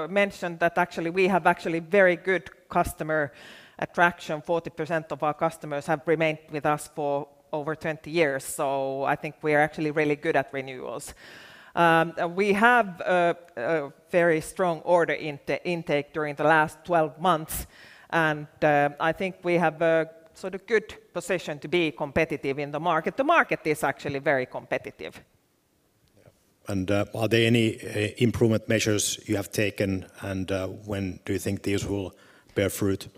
mentioned that actually we have actually very good customer attraction. 40% of our customers have remained with us for over 20 years, so I think we are actually really good at renewals. We have a very strong order intake during the last 12 months, and I think we have a sort of good position to be competitive in the market. The market is actually very competitive. Yeah. Are there any improvement measures you have taken, and when do you think these will bear fruit?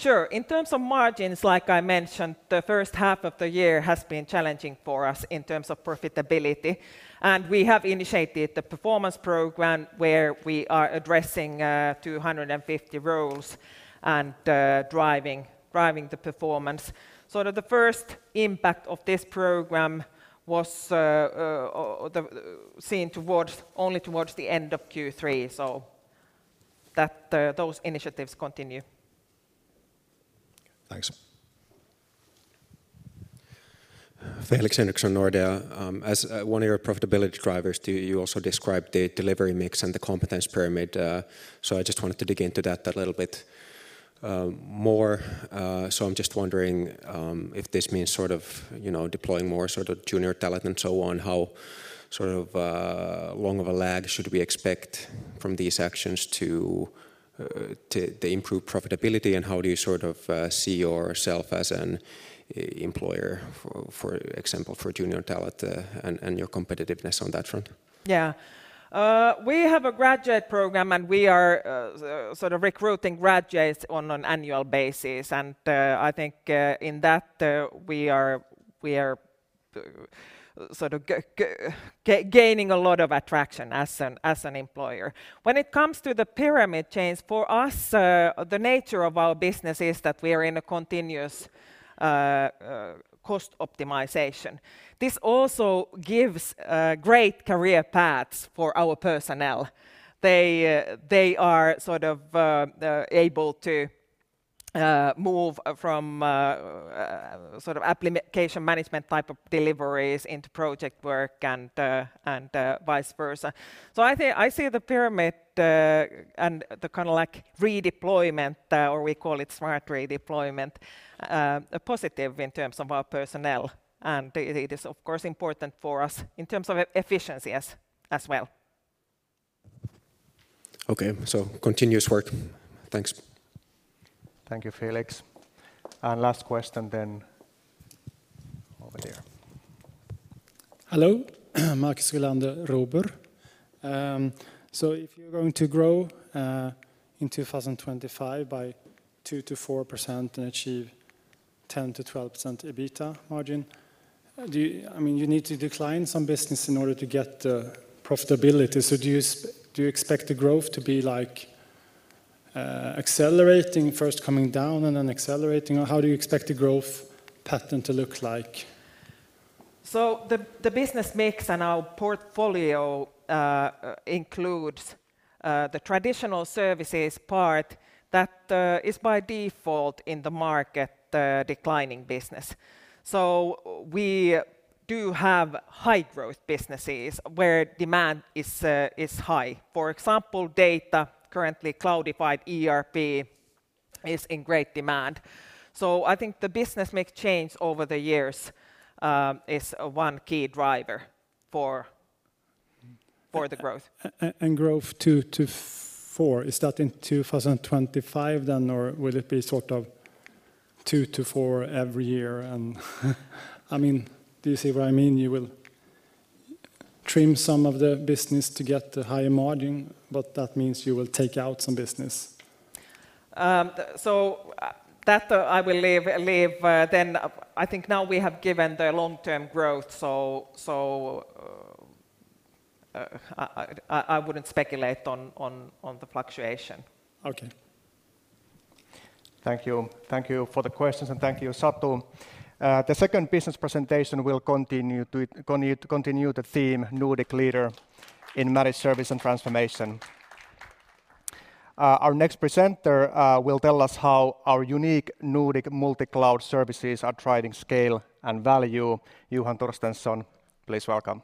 Sure. In terms of margins, like I mentioned, the first half of the year has been challenging for us in terms of profitability. We have initiated the performance program where we are addressing 250 roles and driving the performance. The first impact of this program was seen towards, only towards the end of Q3, so that those initiatives continue. Thanks. Felix Henriksson, Nordea. As one of your profitability drivers, do you also describe the delivery mix and the competence pyramid? So I just wanted to dig into that a little bit more. So I'm just wondering if this means sort of, you know, deploying more sort of junior talent and so on, how sort of long of a lag should we expect from these actions to the improved profitability and how do you sort of see yourself as an employer for example, for junior talent and your competitiveness on that front? Yeah. We have a graduate program and we are sort of recruiting graduates on an annual basis. I think, in that, we are sort of gaining a lot of attraction as an employer. When it comes to the pyramid change, for us, the nature of our business is that we are in a continuous cost optimization. This also gives great career paths for our personnel. They are sort of able to move from sort of application management type of deliveries into project work and vice versa. I see the pyramid, and the kind of like redeployment, or we call it smart redeployment, a positive in terms of our personnel. It is of course important for us in terms of efficiency as well. Okay. Continuous work. Thanks. Thank you, Felix. Last question then over here. Hello. Marcus Rylander, Robur. If you're going to grow in 2025 by 2%-4% and achieve 10%-12% EBITDA margin, do you, I mean, you need to decline some business in order to get profitability. Do you expect the growth to be like accelerating, first coming down and then accelerating, or how do you expect the growth pattern to look like? The business mix and our portfolio includes the traditional services part that is by default in the market declining business. We do have high growth businesses where demand is high. For example, data, currently cloudified ERP is in great demand. I think the business mix change over the years is one key driver for the growth. Growth 2%-4%, is that in 2025 then, or will it be sort of 2%-4% every year? I mean, do you see what I mean? You will trim some of the business to get the higher margin, that means you will take out some business. That, I will leave, then. I think now we have given the long-term growth so, I wouldn't speculate on the fluctuation. Okay. Thank you. Thank you for the questions, and thank you, Satu Kiiskinen. The second business presentation will continue the theme Nordic Leader in Managed Service and Transformation. Our next presenter will tell us how our unique Nordic multi-cloud services are driving scale and value. Johan Torstensson, please welcome.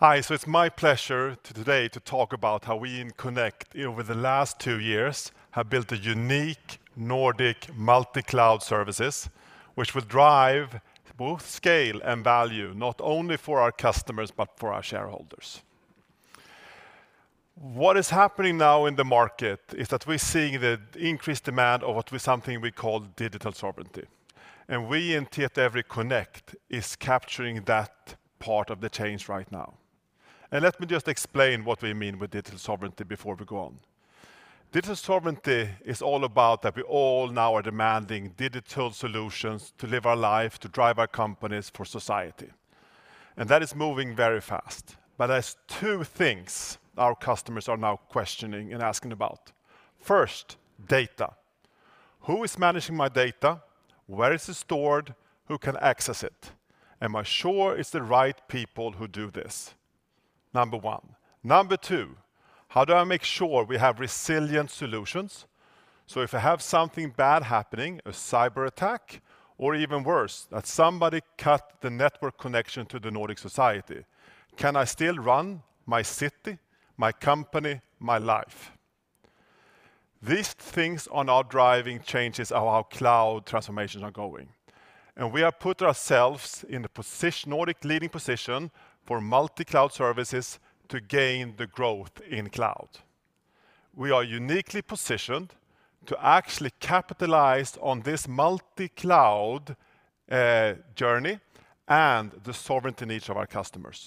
It's my pleasure today to talk about how we in Connect over the last two years have built a unique Nordic multi-cloud services which will drive both scale and value, not only for our customers, but for our shareholders. What is happening now in the market is that we're seeing the increased demand of what we something we call digital sovereignty. We in Tietoevry Connect is capturing that part of the change right now. Let me just explain what we mean with digital sovereignty before we go on. Digital sovereignty is all about that we all now are demanding digital solutions to live our life, to drive our companies for society, and that is moving very fast. There's two things our customers are now questioning and asking about. First, data. Who is managing my data? Where is it stored? Who can access it? Am I sure it's the right people who do this? Number one. Number two, how do I make sure we have resilient solutions? If I have something bad happening, a cyberattack, or even worse, that somebody cut the network connection to the Nordic society, can I still run my city, my company, my life? These things are now driving changes of how cloud transformations are going. We have put ourselves in the position, Nordic leading position for multi-cloud services to gain the growth in cloud. We are uniquely positioned to actually capitalize on this multi-cloud journey and the sovereignty needs of our customers.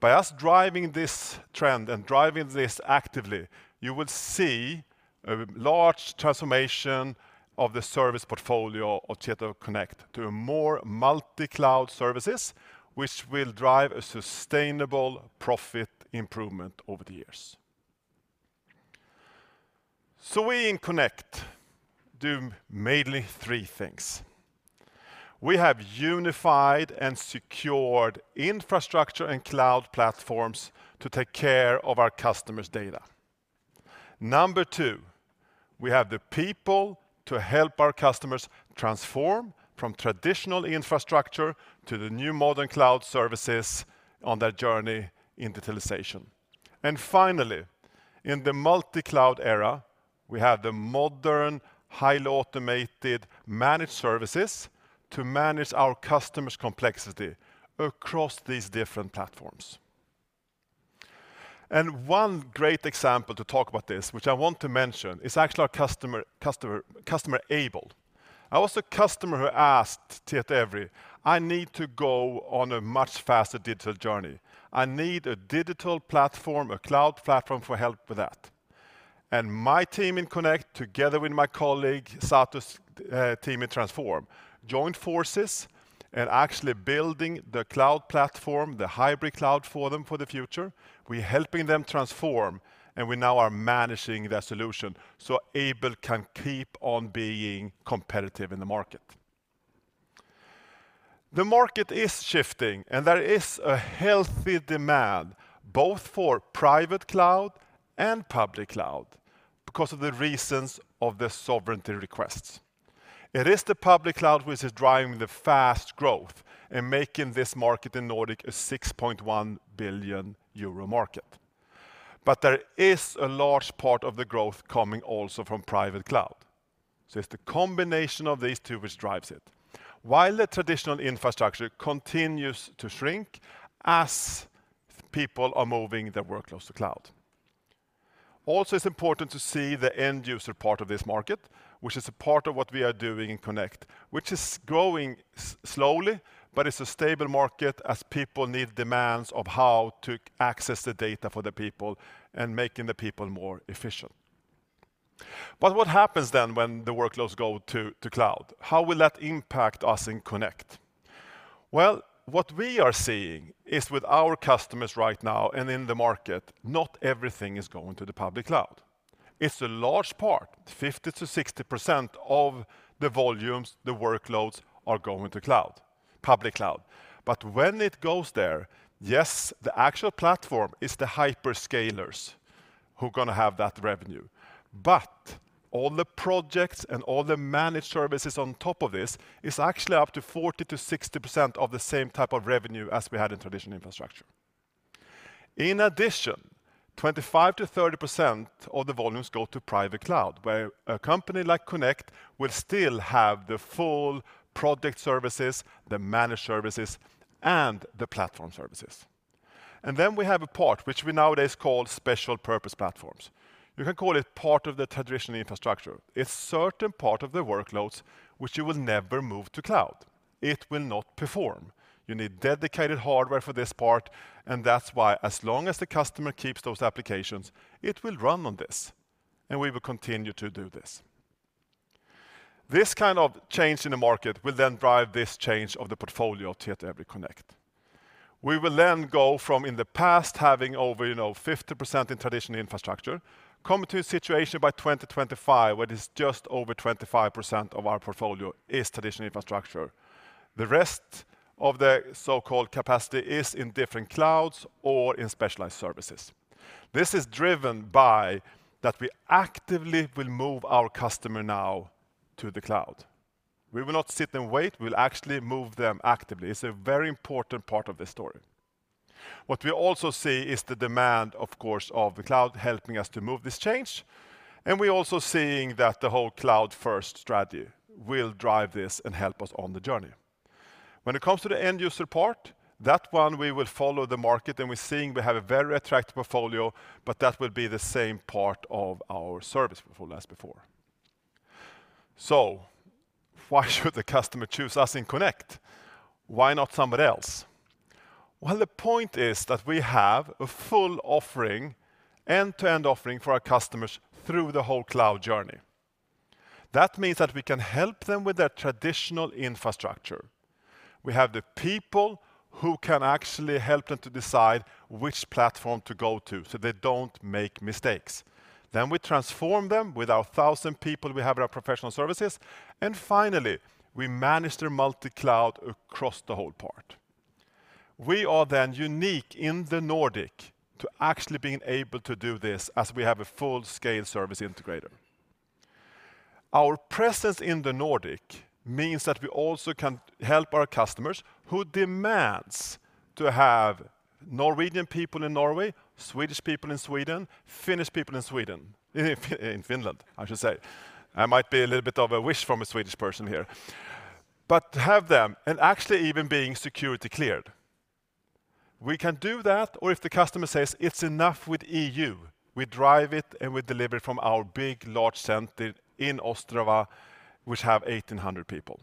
By us driving this trend and driving this actively, you will see a large transformation of the service portfolio of Tietoevry Connect to more multi-cloud services, which will drive a sustainable profit improvement over the years. We in Connect do mainly three things. We have unified and secured infrastructure and cloud platforms to take care of our customers' data. Number two, we have the people to help our customers transform from traditional infrastructure to the new modern cloud services on their journey in digitalization. Finally, in the multi-cloud era, we have the modern, highly automated managed services to manage our customers' complexity across these different platforms. One great example to talk about this, which I want to mention, is actually our customer, Aibel. It was the customer who asked Tietoevry, "I need to go on a much faster digital journey. I need a digital platform, a cloud platform for help with that." My team in Connect, together with my colleague, Satu's team in Transform, joined forces in actually building the cloud platform, the hybrid cloud for them for the future. We helping them transform, and we now are managing their solution, so Aibel can keep on being competitive in the market. The market is shifting, and there is a healthy demand both for private cloud and public cloud because of the reasons of the sovereignty requests. It is the public cloud which is driving the fast growth and making this market in Nordic a 6.1 billion euro market. There is a large part of the growth coming also from private cloud. It's the combination of these two which drives it while the traditional infrastructure continues to shrink as people are moving their workloads to cloud. It's important to see the end user part of this market, which is a part of what we are doing in Connect, which is growing slowly, but it's a stable market as people need demands of how to access the data for the people and making the people more efficient. What happens then when the workloads go to cloud? How will that impact us in Connect? Well, what we are seeing is with our customers right now and in the market, not everything is going to the public cloud. It's a large part, 50%-60% of the volumes, the workloads are going to cloud, public cloud. When it goes there, yes, the actual platform is the hyperscalers who gonna have that revenue. All the projects and all the managed services on top of this is actually up to 40%-60% of the same type of revenue as we had in traditional infrastructure. In addition, 25%-30% of the volumes go to private cloud, where a company like Tietoevry Connect will still have the full project services, the managed services, and the platform services. Then we have a part which we nowadays call special purpose platforms. You can call it part of the traditional infrastructure. It's certain part of the workloads which you will never move to cloud. It will not perform. You need dedicated hardware for this part, and that's why as long as the customer keeps those applications, it will run on this, and we will continue to do this. This kind of change in the market will then drive this change of the portfolio of Tietoevry Connect. We will then go from, in the past, having over, you know, 50% in traditional infrastructure, come to a situation by 2025 where it is just over 25% of our portfolio is traditional infrastructure. The rest of the so-called capacity is in different clouds or in specialized services. This is driven by that we actively will move our customer now to the cloud. We will not sit and wait. We'll actually move them actively. It's a very important part of the story. What we also see is the demand, of course, of the cloud helping us to move this change. We also seeing that the whole cloud-first strategy will drive this and help us on the journey. When it comes to the end user part, that one we will follow the market, and we're seeing we have a very attractive portfolio, but that will be the same part of our service portfolio as before. Why should the customer choose us in Connect? Why not somebody else? Well, the point is that we have a full offering, end-to-end offering for our customers through the whole cloud journey. That means that we can help them with their traditional infrastructure. We have the people who can actually help them to decide which platform to go to, so they don't make mistakes. We transform them with our 1,000 people we have in our professional services. Finally, we manage their multi-cloud across the whole part. We are unique in the Nordic to actually being able to do this as we have a full-scale service integrator. Our presence in the Nordic means that we also can help our customers who demand to have Norwegian people in Norway, Swedish people in Sweden, Finnish people in Finland, I should say. I might be a little bit of a wish from a Swedish person here. To have them and actually even being security cleared. We can do that, or if the customer says it's enough with EU, we drive it, and we deliver it from our big large center in Ostrava, which has 1,800 people.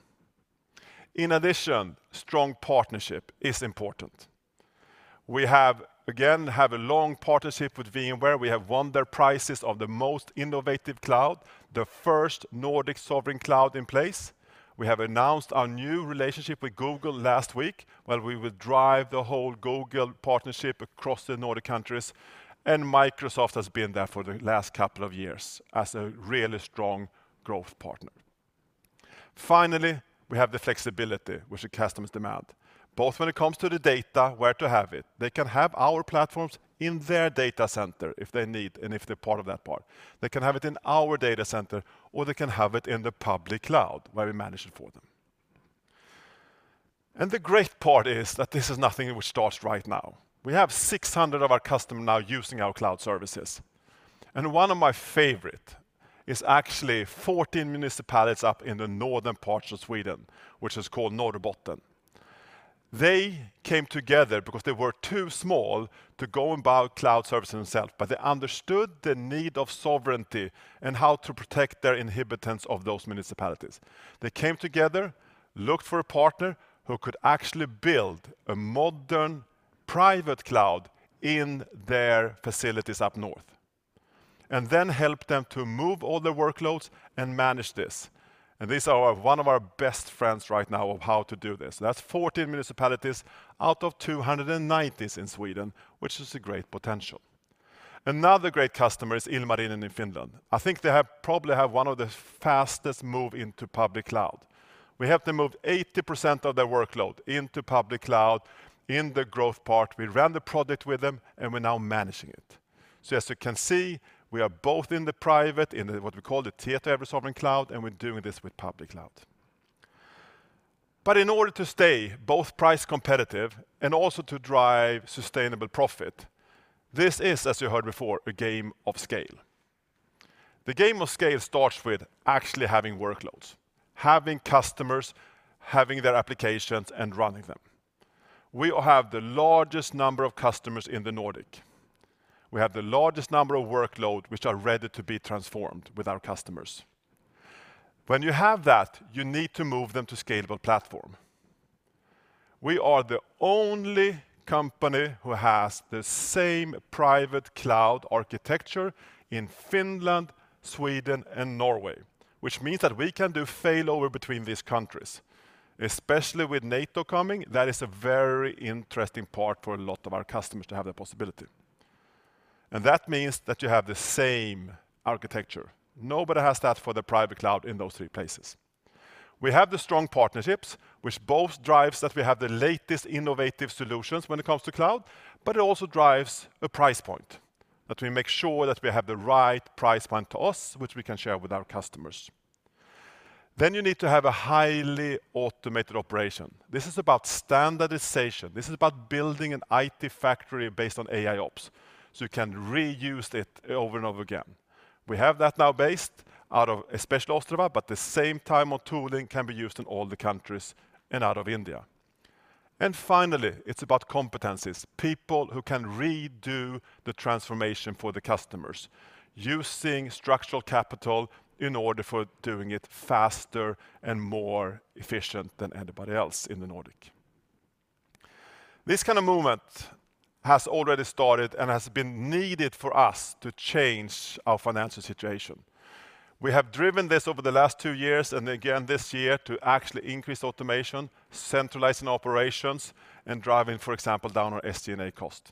Strong partnership is important. We have, again, a long partnership with VMware. We have won their prizes of the most innovative cloud, the first Nordic sovereign cloud in place. We have announced our new relationship with Google last week, where we will drive the whole Google partnership across the Nordic countries. Microsoft has been there for the last couple of years as a really strong growth partner. Finally, we have the flexibility which the customers demand, both when it comes to the data, where to have it. They can have our platforms in their data center if they need and if they're part of that part. They can have it in our data center, or they can have it in the public cloud, where we manage it for them. The great part is that this is nothing which starts right now. We have 600 of our customer now using our cloud services. One of my favorite is actually 14 municipalities up in the northern parts of Sweden, which is called Norrbotten. They came together because they were too small to go and buy cloud services themselves, but they understood the need of sovereignty and how to protect their inhabitants of those municipalities. They came together, looked for a partner who could actually build a modern private cloud in their facilities up north and then help them to move all their workloads and manage this. These are one of our best friends right now of how to do this. That's 14 municipalities out of 290 in Sweden, which is a great potential. Another great customer is Ilmarinen in Finland. I think they probably have one of the fastest move into public cloud. We helped them move 80% of their workload into public cloud in the growth part. We ran the project with them, and we're now managing it. As you can see, we are both in the private, in the what we call the Tietoevry Sovereign Cloud, and we're doing this with public cloud. In order to stay both price competitive and also to drive sustainable profit, this is, as you heard before, a game of scale. The game of scale starts with actually having workloads, having customers, having their applications, and running them. We have the largest number of customers in the Nordic. We have the largest number of workload which are ready to be transformed with our customers. When you have that, you need to move them to scalable platform. We are the only company who has the same private cloud architecture in Finland, Sweden, and Norway, which means that we can do failover between these countries, especially with NATO coming, that is a very interesting part for a lot of our customers to have that possibility. That means that you have the same architecture. Nobody has that for the private cloud in those three places. We have the strong partnerships, which both drives that we have the latest innovative solutions when it comes to cloud, but it also drives a price point that we make sure that we have the right price point to us, which we can share with our customers. You need to have a highly automated operation. This is about standardization. This is about building an IT factory based on AIOps, so you can reuse it over and over again. We have that now based out of especially Ostrava, but the same type of tooling can be used in all the countries and out of India. Finally, it's about competencies, people who can redo the transformation for the customers using structural capital in order for doing it faster and more efficient than anybody else in the Nordic. This kind of movement has already started and has been needed for us to change our financial situation. We have driven this over the last two years and again this year to actually increase automation, centralizing operations, and driving, for example, down our SG&A cost.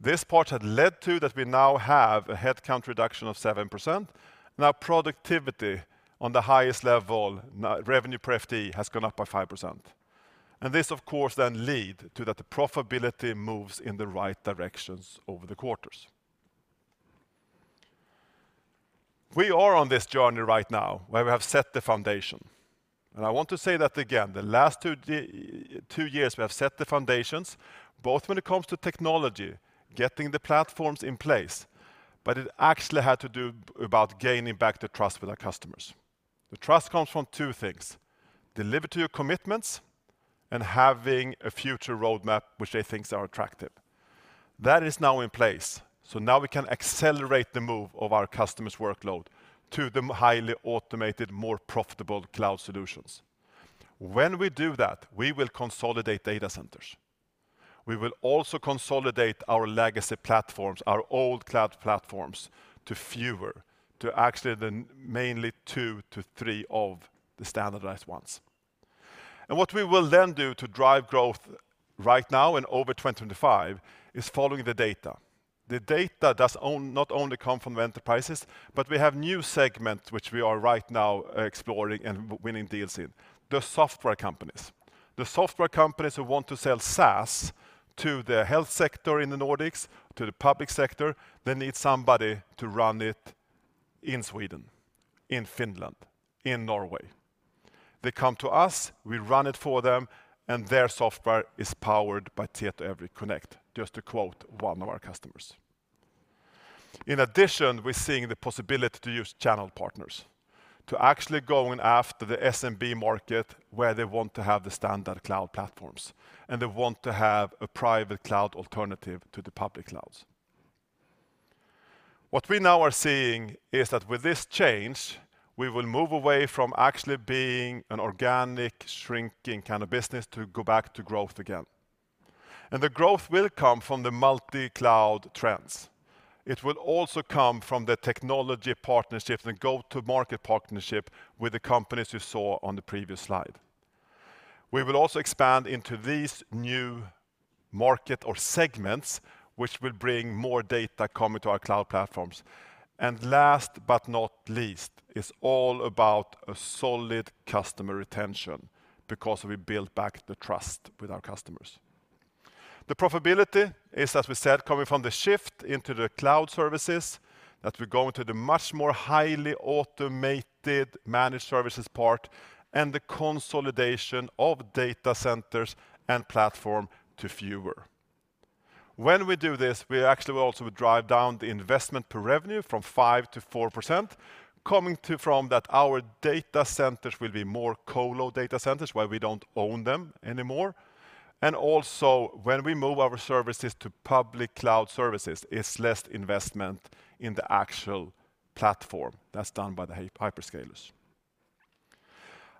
This part had led to that we now have a headcount reduction of 7%. Now productivity on the highest level, now revenue per FTE has gone up by 5%. This of course then lead to that the profitability moves in the right directions over the quarters. We are on this journey right now where we have set the foundation. I want to say that again, the last two years, we have set the foundations, both when it comes to technology, getting the platforms in place, but it actually had to do about gaining back the trust with our customers. The trust comes from two things: deliver to your commitments and having a future roadmap which they think are attractive. That is now in place, so now we can accelerate the move of our customers' workload to the highly automated, more profitable cloud solutions. When we do that, we will consolidate data centers. We will also consolidate our legacy platforms, our old cloud platforms to fewer, to actually the mainly two to three of the standardized ones. What we will then do to drive growth right now and over 2025 is following the data. The data does not only come from enterprises, but we have new segments which we are right now exploring and winning deals in, the software companies. The software companies who want to sell SaaS to the health sector in the Nordics, to the public sector, they need somebody to run it in Sweden, in Finland, in Norway. They come to us, we run it for them, and their software is powered by Tietoevry Connect, just to quote one of our customers. We're seeing the possibility to use channel partners to actually going after the SMB market where they want to have the standard cloud platforms and they want to have a private cloud alternative to the public clouds. What we now are seeing is that with this change, we will move away from actually being an organic shrinking kind of business to go back to growth again. The growth will come from the multi-cloud trends. It will also come from the technology partnerships and go-to-market partnership with the companies you saw on the previous slide. We will also expand into these new market or segments which will bring more data coming to our cloud platforms. Last but not least, it's all about a solid customer retention because we built back the trust with our customers. The profitability is, as we said, coming from the shift into the cloud services that will go into the much more highly automated managed services part and the consolidation of data centers and platform to fewer. When we do this, we actually will also drive down the investment per revenue from 5% to 4%, coming to from that our data centers will be more colo data centers where we don't own them anymore. When we move our services to public cloud services, it's less investment in the actual platform that's done by the hyperscalers.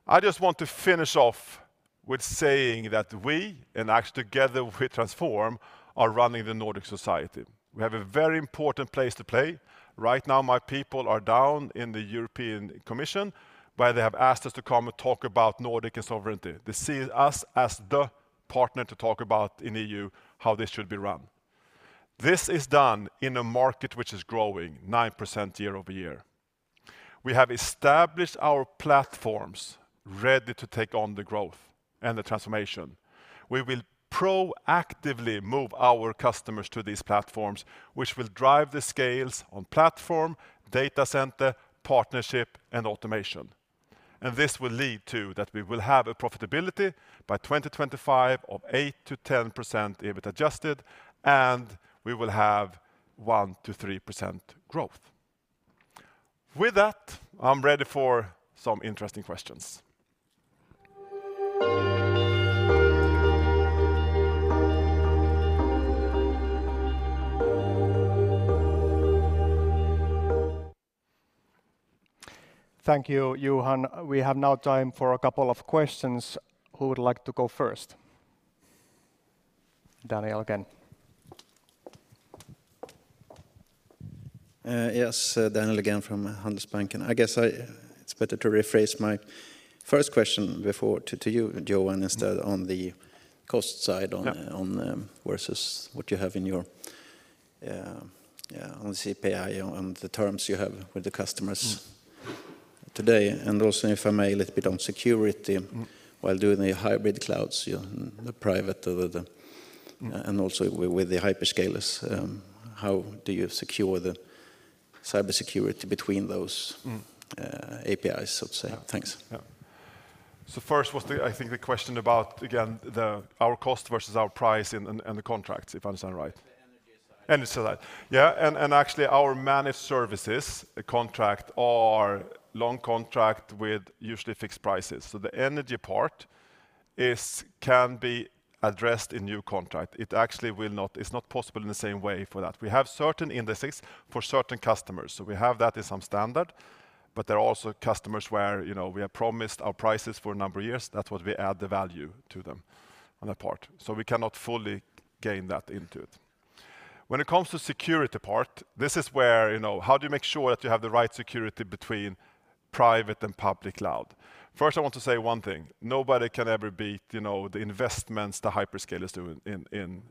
I just want to finish off with saying that we, and actually together with Transform, are running the Nordic society. We have a very important place to play. Right now, my people are down in the European Commission, where they have asked us to come and talk about Nordic sovereignty. They see us as the partner to talk about in EU how this should be run. This is done in a market which is growing 9% year-over-year. We have established our platforms ready to take on the growth and the transformation. We will proactively move our customers to these platforms, which will drive the scales on platform, data center, partnership, and automation. This will lead to that we will have a profitability by 2025 of 8%-10% EBITDA adjusted, and we will have 1%-3% growth. With that, I'm ready for some interesting questions. Thank you, Johan. We have now time for a couple of questions. Who would like to go first? Daniel again. Yes, Daniel again from Handelsbanken. I guess it's better to rephrase my first question before to you, Johan, instead on the cost side versus what you have in your, yeah, on the CPI and the terms you have with the customers today. If I may, a little bit on security while doing the hybrid clouds, you know, the private or the and also with the hyperscalers, how do you secure the cybersecurity between those APIs, so to say? Thanks. Yeah. First was the, I think the question about again, our cost versus our price and the contracts, if I understand right. The energy side. Energy side. Yeah, actually our managed services contract are long contract with usually fixed prices. The energy part can be addressed in new contract. It actually is not possible in the same way for that. We have certain indices for certain customers. We have that as some standard. There are also customers where, you know, we have promised our prices for a number of years. That's what we add the value to them on that part. We cannot fully gain that into it. When it comes to security part, this is where, you know, how do you make sure that you have the right security between private and public cloud? First, I want to say one thing. Nobody can ever beat, you know, the investments the hyperscalers do in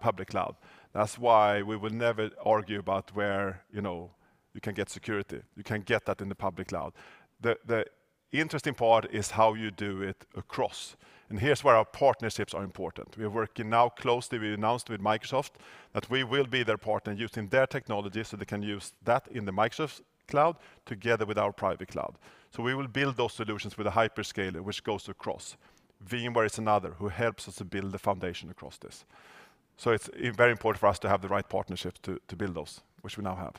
public cloud. That's why we will never argue about where, you know, you can get security. You can get that in the public cloud. The interesting part is how you do it across. Here's where our partnerships are important. We are working now closely, we announced with Microsoft, that we will be their partner using their technology so they can use that in the Microsoft cloud together with our private cloud. We will build those solutions with a hyperscaler which goes across. VMware is another who helps us to build the foundation across this. It's very important for us to have the right partnership to build those, which we now have.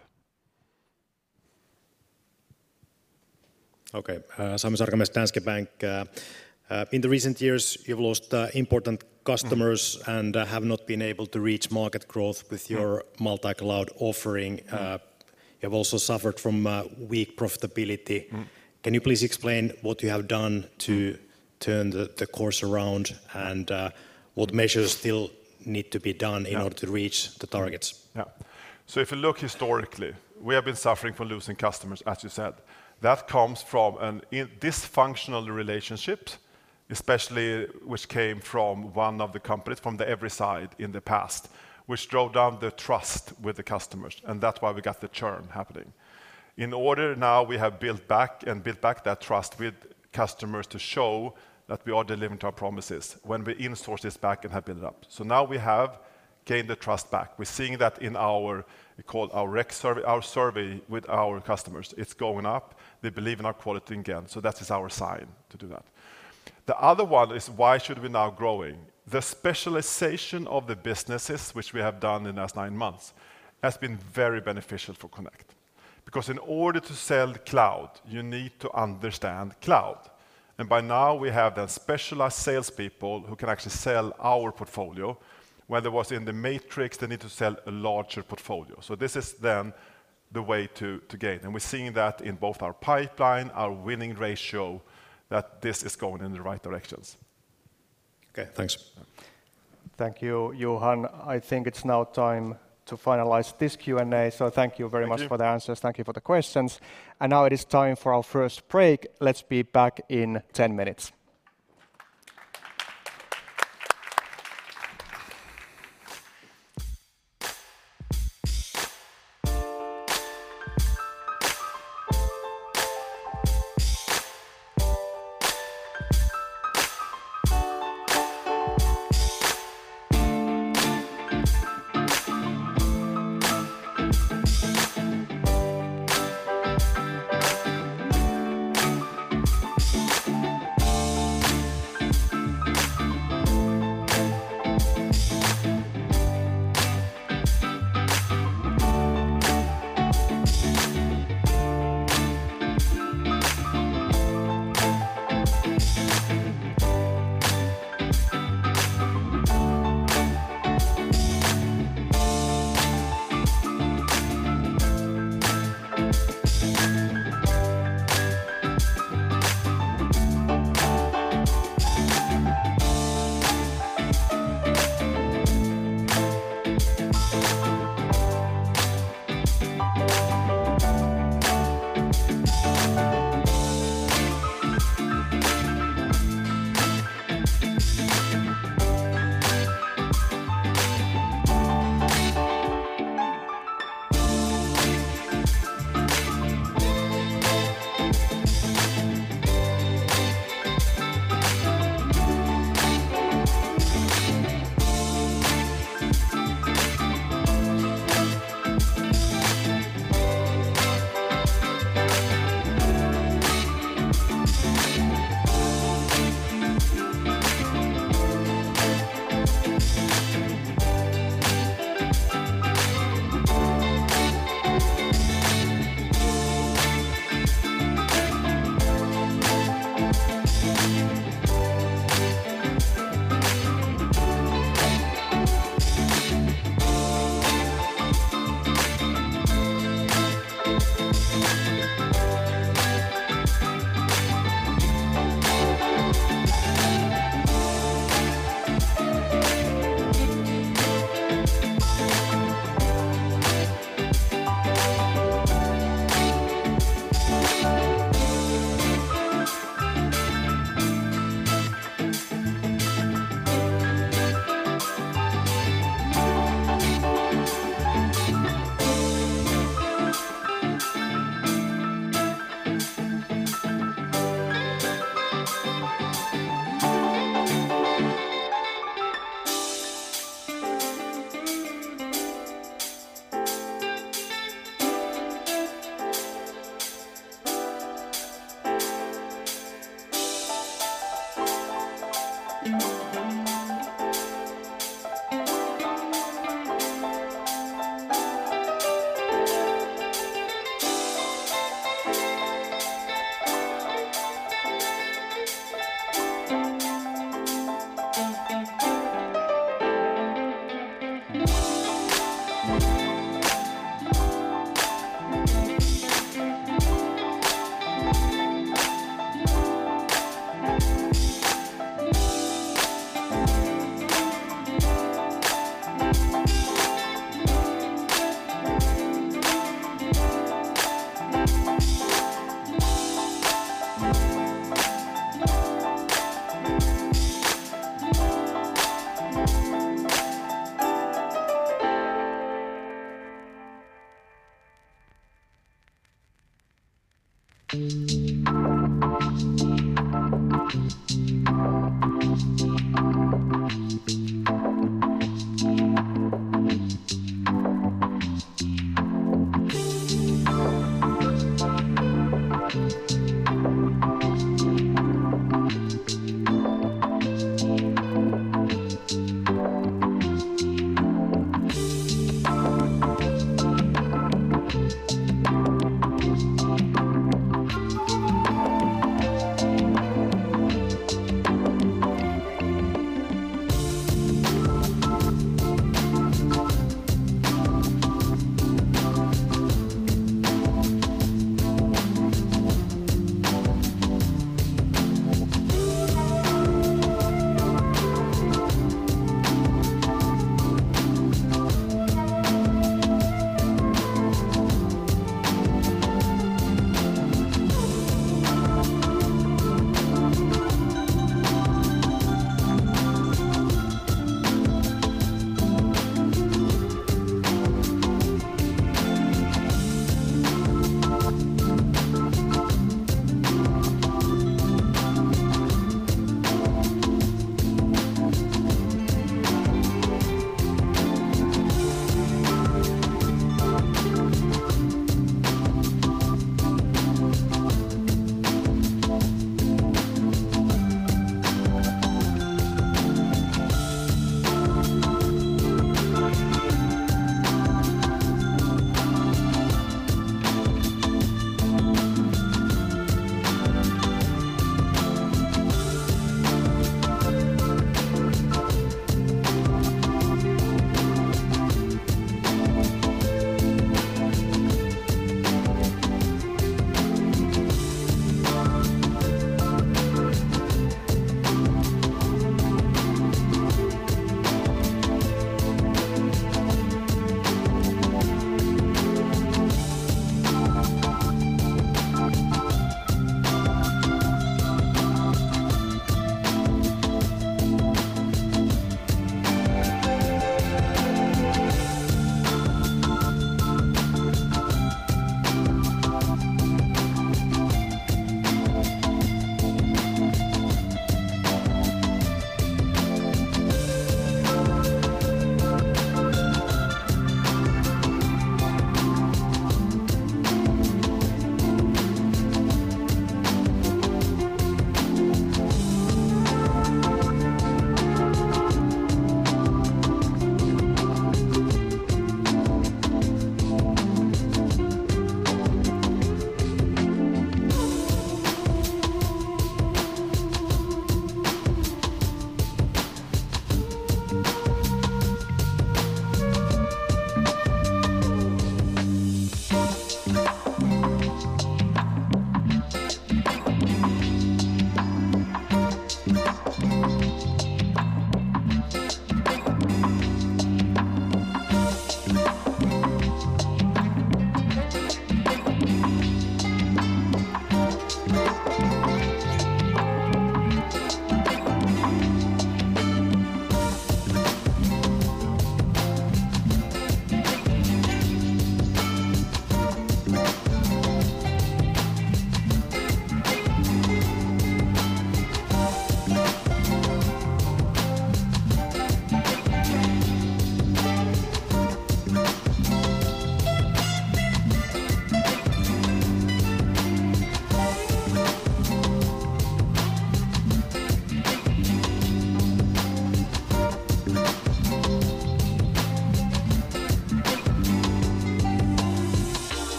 Okay. Sami Sarkamies, Danske Bank. In the recent years, you've lost important customers and have not been able to reach market growth with your multi-cloud offering. You have also suffered from weak profitability. Mm. Can you please explain what you have done to turn the course around and what measures still need to be done in order to reach the targets? If you look historically, we have been suffering from losing customers, as you said. That comes from dysfunctional relationships, especially which came from one of the companies, from the EVRY side in the past, which drove down the trust with the customers, and that's why we got the churn happening. In order now, we have built back that trust with customers to show that we are delivering to our promises when we insourced this back and have built it up. Now we have gained the trust back. We're seeing that in our, we call it our survey with our customers. It's going up. They believe in our quality again, so that is our sign to do that. The other one is why should we now growing? The specialization of the businesses which we have done in the last nine months has been very beneficial for Connect. In order to sell cloud, you need to understand cloud. By now we have the specialized salespeople who can actually sell our portfolio, where there was in the matrix, they need to sell a larger portfolio. This is then the way to gain. We're seeing that in both our pipeline, our winning ratio, that this is going in the right directions. Okay, thanks. Thank you, Johan. I think it's now time to finalize this Q&A. Thank you very much. Thank you. for the answers. Thank you for the questions. Now it is time for our first break. Let's be back in 10 minutes.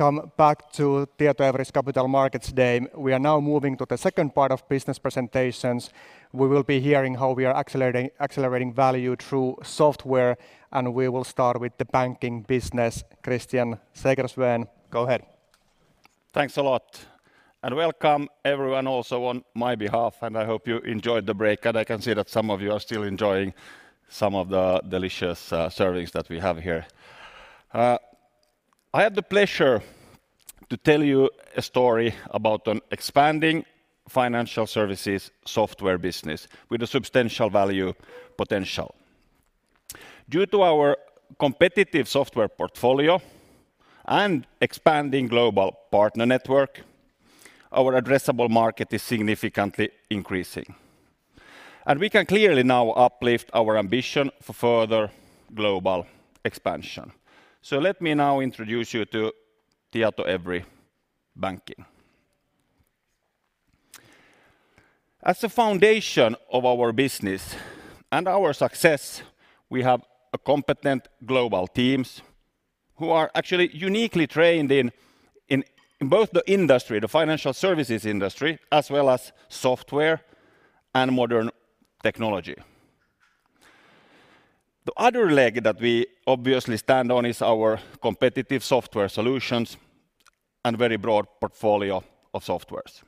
Welcome back to Tietoevry's Capital Markets Day. We are now moving to the second part of business presentations. We will be hearing how we are accelerating value through software, and we will start with the banking business. Christian Segersven, go ahead. Thanks a lot. Welcome everyone also on my behalf, and I hope you enjoyed the break. I can see that some of you are still enjoying some of the delicious servings that we have here. I have the pleasure to tell you a story about an expanding financial services software business with a substantial value potential. Due to our competitive software portfolio and expanding global partner network, our addressable market is significantly increasing, and we can clearly now uplift our ambition for further global expansion. Let me now introduce you to Tietoevry Banking. As a foundation of our business and our success, we have a competent global teams who are actually uniquely trained in both the industry, the financial services industry, as well as software and modern technology. The other leg that we obviously stand on is our competitive software solutions and very broad portfolio of softwares.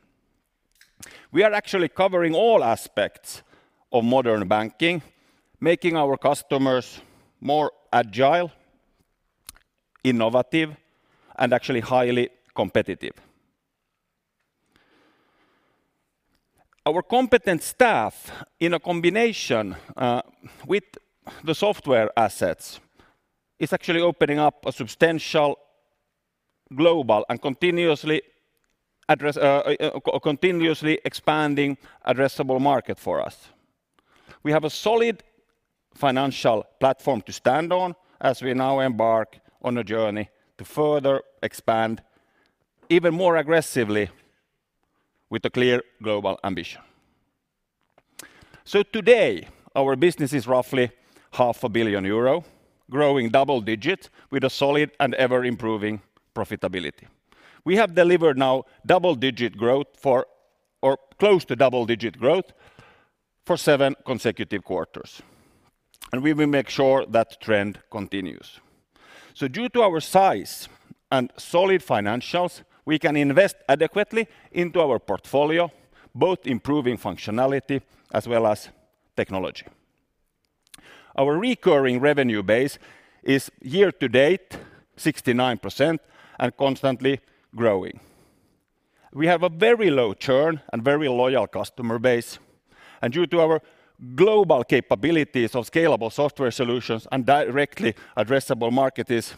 We are actually covering all aspects of modern banking, making our customers more agile, innovative, and actually highly competitive. Our competent staff, in a combination with the software assets, is actually opening up a substantial global and continuously expanding addressable market for us. We have a solid financial platform to stand on as we now embark on a journey to further expand even more aggressively with a clear global ambition. Today our business is roughly half a billion euro, growing double-digit with a solid and ever improving profitability. We have delivered now double-digit growth for, or close to double-digit growth for seven consecutive quarters. We will make sure that trend continues. Due to our size and solid financials, we can invest adequately into our portfolio, both improving functionality as well as technology. Our recurring revenue base is year-to-date 69% and constantly growing. We have a very low churn and very loyal customer base, and due to our global capabilities of scalable software solutions and directly addressable market is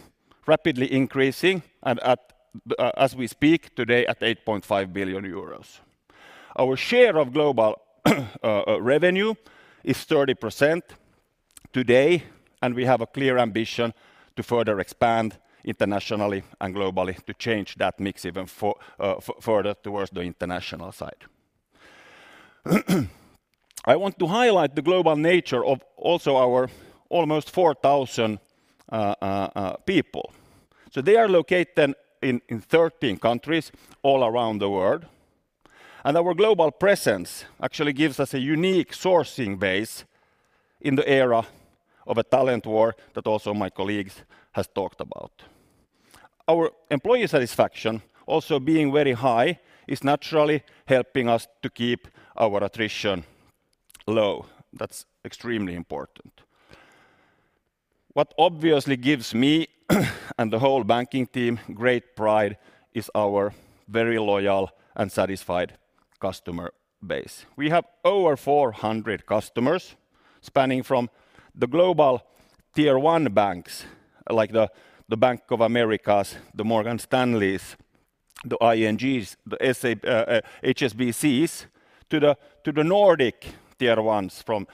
rapidly increasing and at, as we speak today at 8.5 billion euros. Our share of global revenue is 30% today, and we have a clear ambition to further expand internationally and globally to change that mix even further towards the international side. I want to highlight the global nature of also our almost 4,000 people. They are located in 13 countries all around the world, and our global presence actually gives us a unique sourcing base in the era of a talent war that also my colleagues has talked about. Our employee satisfaction also being very high is naturally helping us to keep our attrition low. That's extremely important. What obviously gives me and the whole Banking team great pride is our very loyal and satisfied customer base. We have over 400 customers spanning from the global tier one banks like the Bank of America, the Morgan Stanley, the ING, the HSBC to the Nordic tier ones from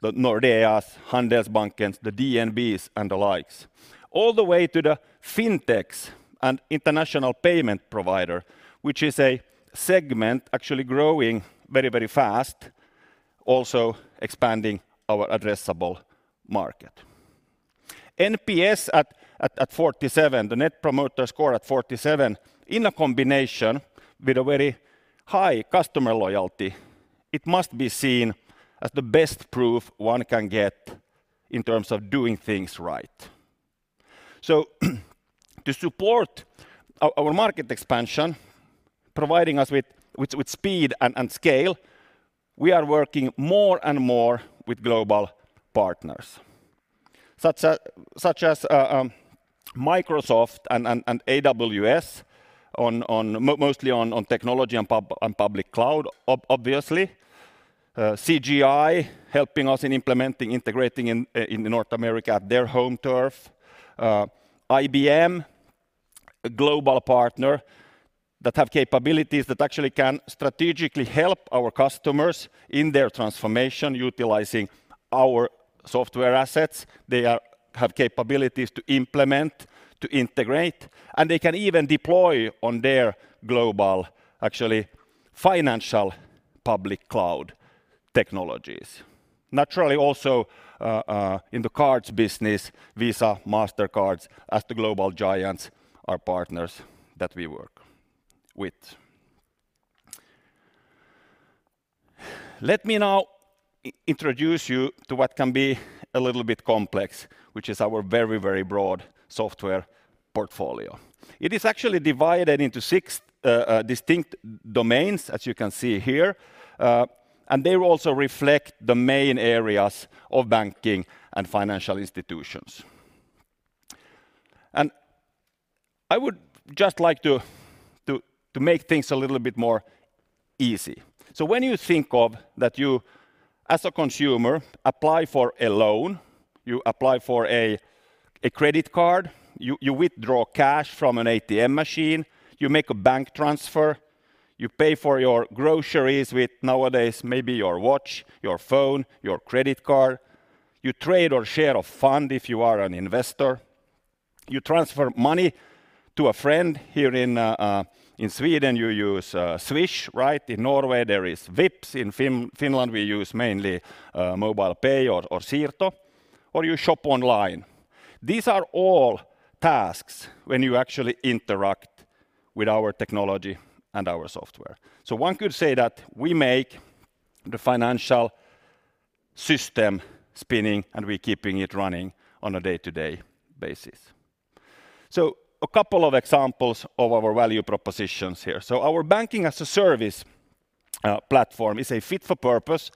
the Nordea, Handelsbanken, the DNB, and the likes, all the way to the Fintechs and international payment provider, which is a segment actually growing very, very fast, also expanding our addressable market. NPS at 47, the net promoter score at 47 in a combination with a very high customer loyalty, it must be seen as the best proof one can get in terms of doing things right. To support our market expansion, providing us with speed and scale, we are working more and more with global partners. Such as Microsoft and AWS on mostly on technology and public cloud obviously. CGI helping us in implementing, integrating in North America, their home turf. IBM, a global partner that have capabilities that actually can strategically help our customers in their transformation utilizing our software assets. They have capabilities to implement, to integrate, and they can even deploy on their global, actually financial public cloud technologies. Naturally, also, in the cards business, Visa, Mastercard as the global giants are partners that we work with. Let me now introduce you to what can be a little bit complex, which is our very broad software portfolio. It is actually divided into six distinct domains, as you can see here, and they also reflect the main areas of banking and financial institutions. I would just like to make things a little bit more easy. When you think of that you as a consumer apply for a loan, you apply for a credit card, you withdraw cash from an ATM machine, you make a bank transfer, you pay for your groceries with nowadays maybe your watch, your phone, your credit card, you trade or share a fund if you are an investor, you transfer money to a friend. Here in Sweden, you use Swish, right? In Norway, there is Vipps. In Finland, we use mainly MobilePay or Siirto, or you shop online. These are all tasks when you actually interact with our technology and our software. One could say that we make the financial system spinning, and we're keeping it running on a day-to-day basis. A couple of examples of our value propositions here. Our banking as a service platform is a fit for purpose,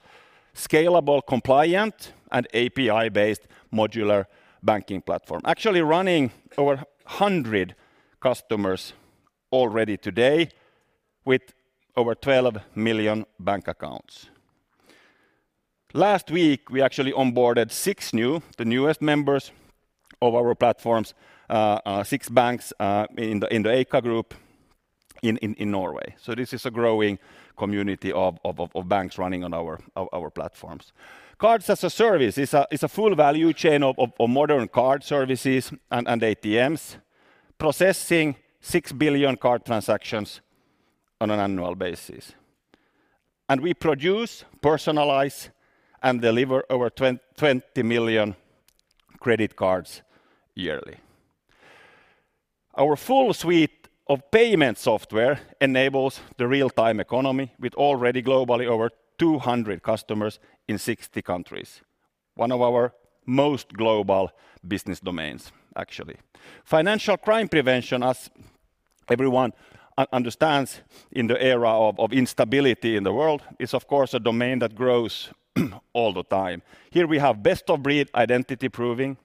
scalable, compliant, and API-based modular banking platform, actually running over 100 customers already today with over 12 million bank accounts. Last week, we actually onboarded six new, the newest members of our platforms, six banks in the Eika Gruppen in Norway. This is a growing community of banks running on our platforms. Cards as a service is a full value chain of modern card services and ATMs, processing six billion card transactions on an annual basis. We produce, personalize, and deliver over 20 million credit cards yearly. Our full suite of payment software enables the real-time economy with already globally over 200 customers in 60 countries, one of our most global business domains, actually. Financial crime prevention, as everyone understands in the era of instability in the world, is of course a domain that grows all the time. Here we have best-of-breed identity proving,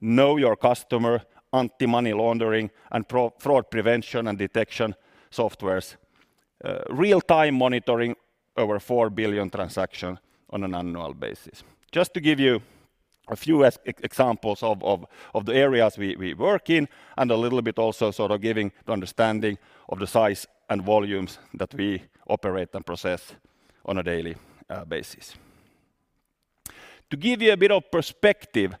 know your customer, anti-money laundering, and anti-fraud prevention and detection softwares, real-time monitoring over four billion transactions on an annual basis. Just to give you a few examples of the areas we work in and a little bit also sort of giving the understanding of the size and volumes that we operate and process on a daily basis. To give you a bit of perspective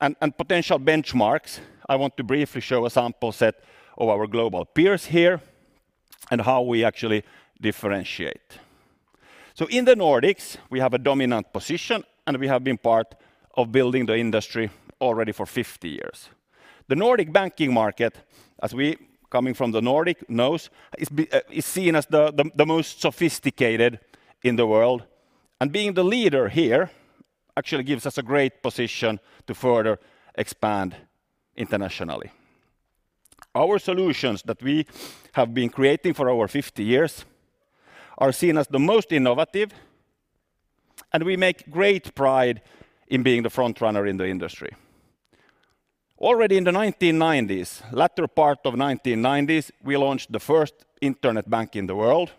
and potential benchmarks, I want to briefly show a sample set of our global peers here and how we actually differentiate. In the Nordics, we have a dominant position, and we have been part of building the industry already for 50 years. The Nordic banking market, as we coming from the Nordic knows, is seen as the most sophisticated in the world, and being the leader here actually gives us a great position to further expand internationally. Our solutions that we have been creating for over 50 years are seen as the most innovative, we make great pride in being the front runner in the industry. Already in the 1990s, latter part of 1990s, we launched the first internet bank in the world,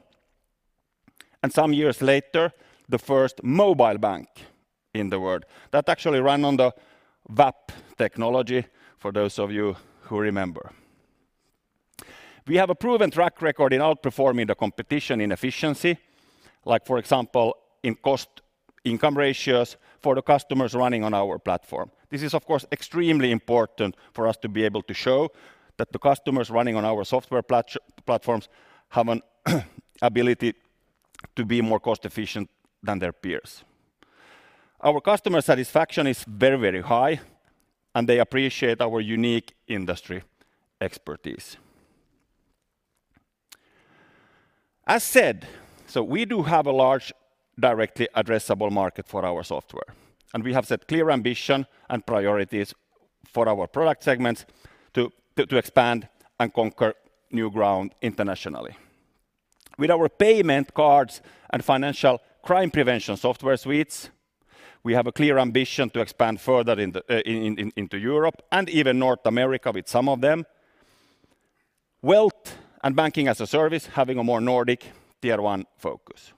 some years later, the first mobile bank in the world. That actually ran on the WAP technology, for those of you who remember. We have a proven track record in outperforming the competition in efficiency, like for example, in cost-income ratios for the customers running on our platform. This is of course, extremely important for us to be able to show that the customers running on our software platforms have an ability to be more cost-efficient than their peers. Our customer satisfaction is very high, they appreciate our unique industry expertise. As said, we do have a large, directly addressable market for our software, and we have set clear ambition and priorities for our product segments to expand and conquer new ground internationally. With our payment cards and financial crime prevention software suites, we have a clear ambition to expand further into Europe and even North America with some of them. Wealth and banking as a service having a more Nordic tier one focus.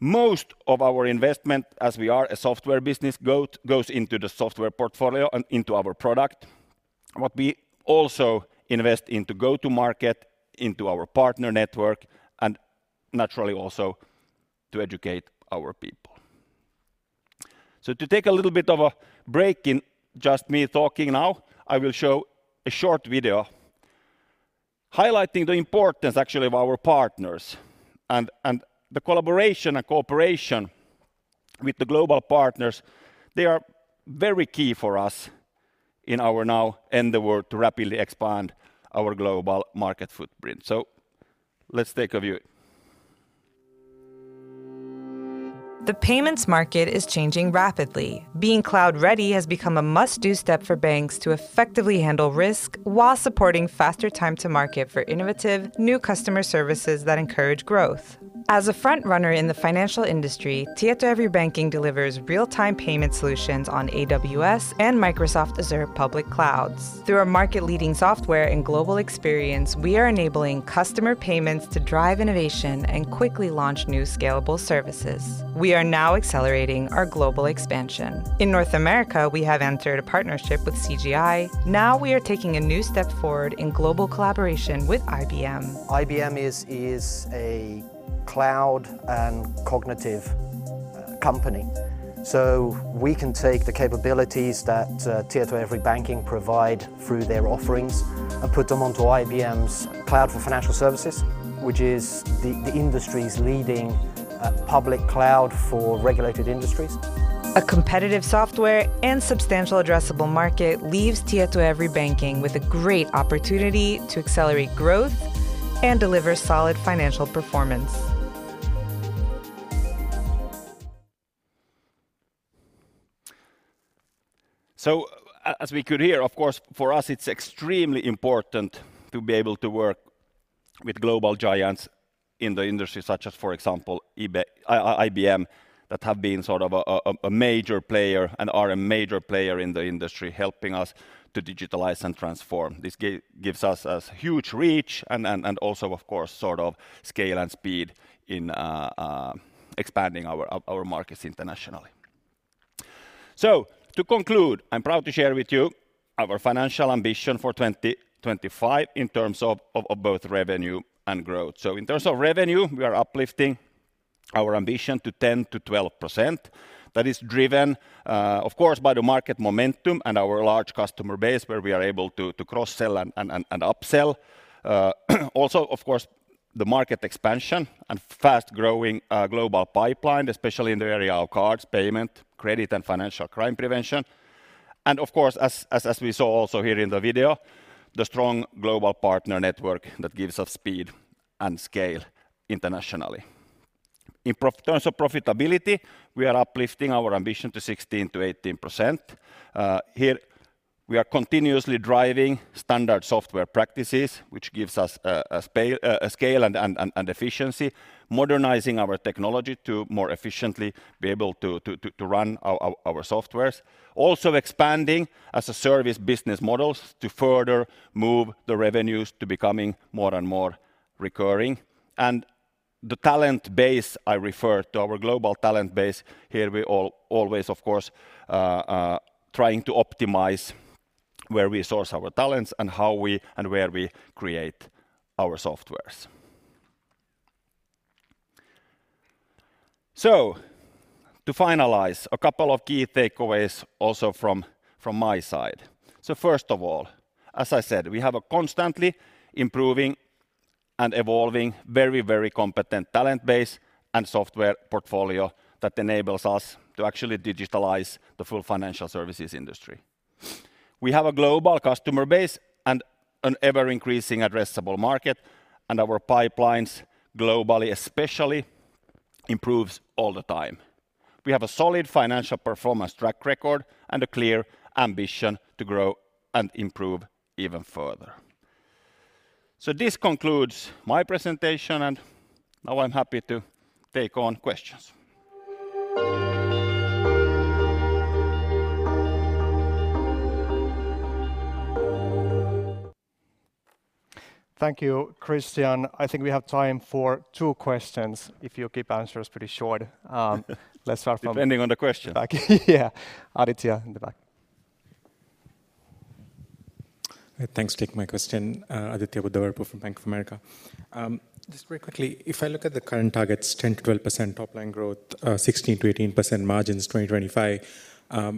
Most of our investment, as we are a software business, goes into the software portfolio and into our product. What we also invest in to go to market, into our partner network, and naturally also to educate our people. To take a little bit of a break in just me talking now, I will show a short video highlighting the importance actually of our partners and the collaboration and cooperation with the global partners, they are very key for us in our now and the world to rapidly expand our global market footprint. Let's take a view. The payments market is changing rapidly. Being cloud-ready has become a must-do step for banks to effectively handle risk while supporting faster time to market for innovative new customer services that encourage growth. As a front-runner in the financial industry, Tietoevry Banking delivers real-time payment solutions on AWS and Microsoft Azure public clouds. Through our market-leading software and global experience, we are enabling customer payments to drive innovation and quickly launch new scalable services. We are now accelerating our global expansion. In North America, we have entered a partnership with CGI. We are taking a new step forward in global collaboration with IBM. IBM is a cloud and cognitive company, so we can take the capabilities that Tietoevry Banking provide through their offerings and put them onto IBM Cloud for Financial Services, which is the industry's leading public cloud for regulated industries. A competitive software and substantial addressable market leaves Tietoevry Banking with a great opportunity to accelerate growth and deliver solid financial performance. As we could hear, of course, for us, it's extremely important to be able to work with global giants in the industry such as, for example, eBay, IBM, that have been sort of a major player and are a major player in the industry helping us to digitalize and transform. This gives us a huge reach and also, of course, sort of scale and speed in expanding our markets internationally. To conclude, I'm proud to share with you our financial ambition for 2025 in terms of both revenue and growth. In terms of revenue, we are uplifting our ambition to 10%-12%. That is driven, of course, by the market momentum and our large customer base where we are able to cross-sell and up-sell. Also, of course, the market expansion and fast-growing global pipeline, especially in the area of cards, payment, credit and financial crime prevention and of course as we saw also here in the video, the strong global partner network that gives us speed and scale internationally. In terms of profitability, we are uplifting our ambition to 16%-18%. Here we are continuously driving standard software practices which gives us a scale and efficiency, modernizing our technology to more efficiently be to run our softwares. Expanding as-a-service business models to further move the revenues to becoming more and more recurring. The talent base, I refer to our global talent base here we always, of course, trying to optimize where we source our talents and how we and where we create our softwares. To finalize, a couple of key takeaways also from my side. First of all, as I said, we have a constantly improving and evolving, very competent talent base and software portfolio that enables us to actually digitalize the full financial services industry. We have a global customer base and an ever-increasing addressable market. Our pipelines globally especially improves all the time. We have a solid financial performance track record and a clear ambition to grow and improve even further. This concludes my presentation. Now I'm happy to take on questions. Thank you, Christian. I think we have time for two questions if you keep answers pretty short. Let's start. Depending on the question. Back. Yeah. Aditya in the back. Thanks for taking my question. Aditya Buddhavarapu from Bank of America. Just very quickly, if I look at the current targets, 10%-12% top line growth, 16%-18% margins 2025, if I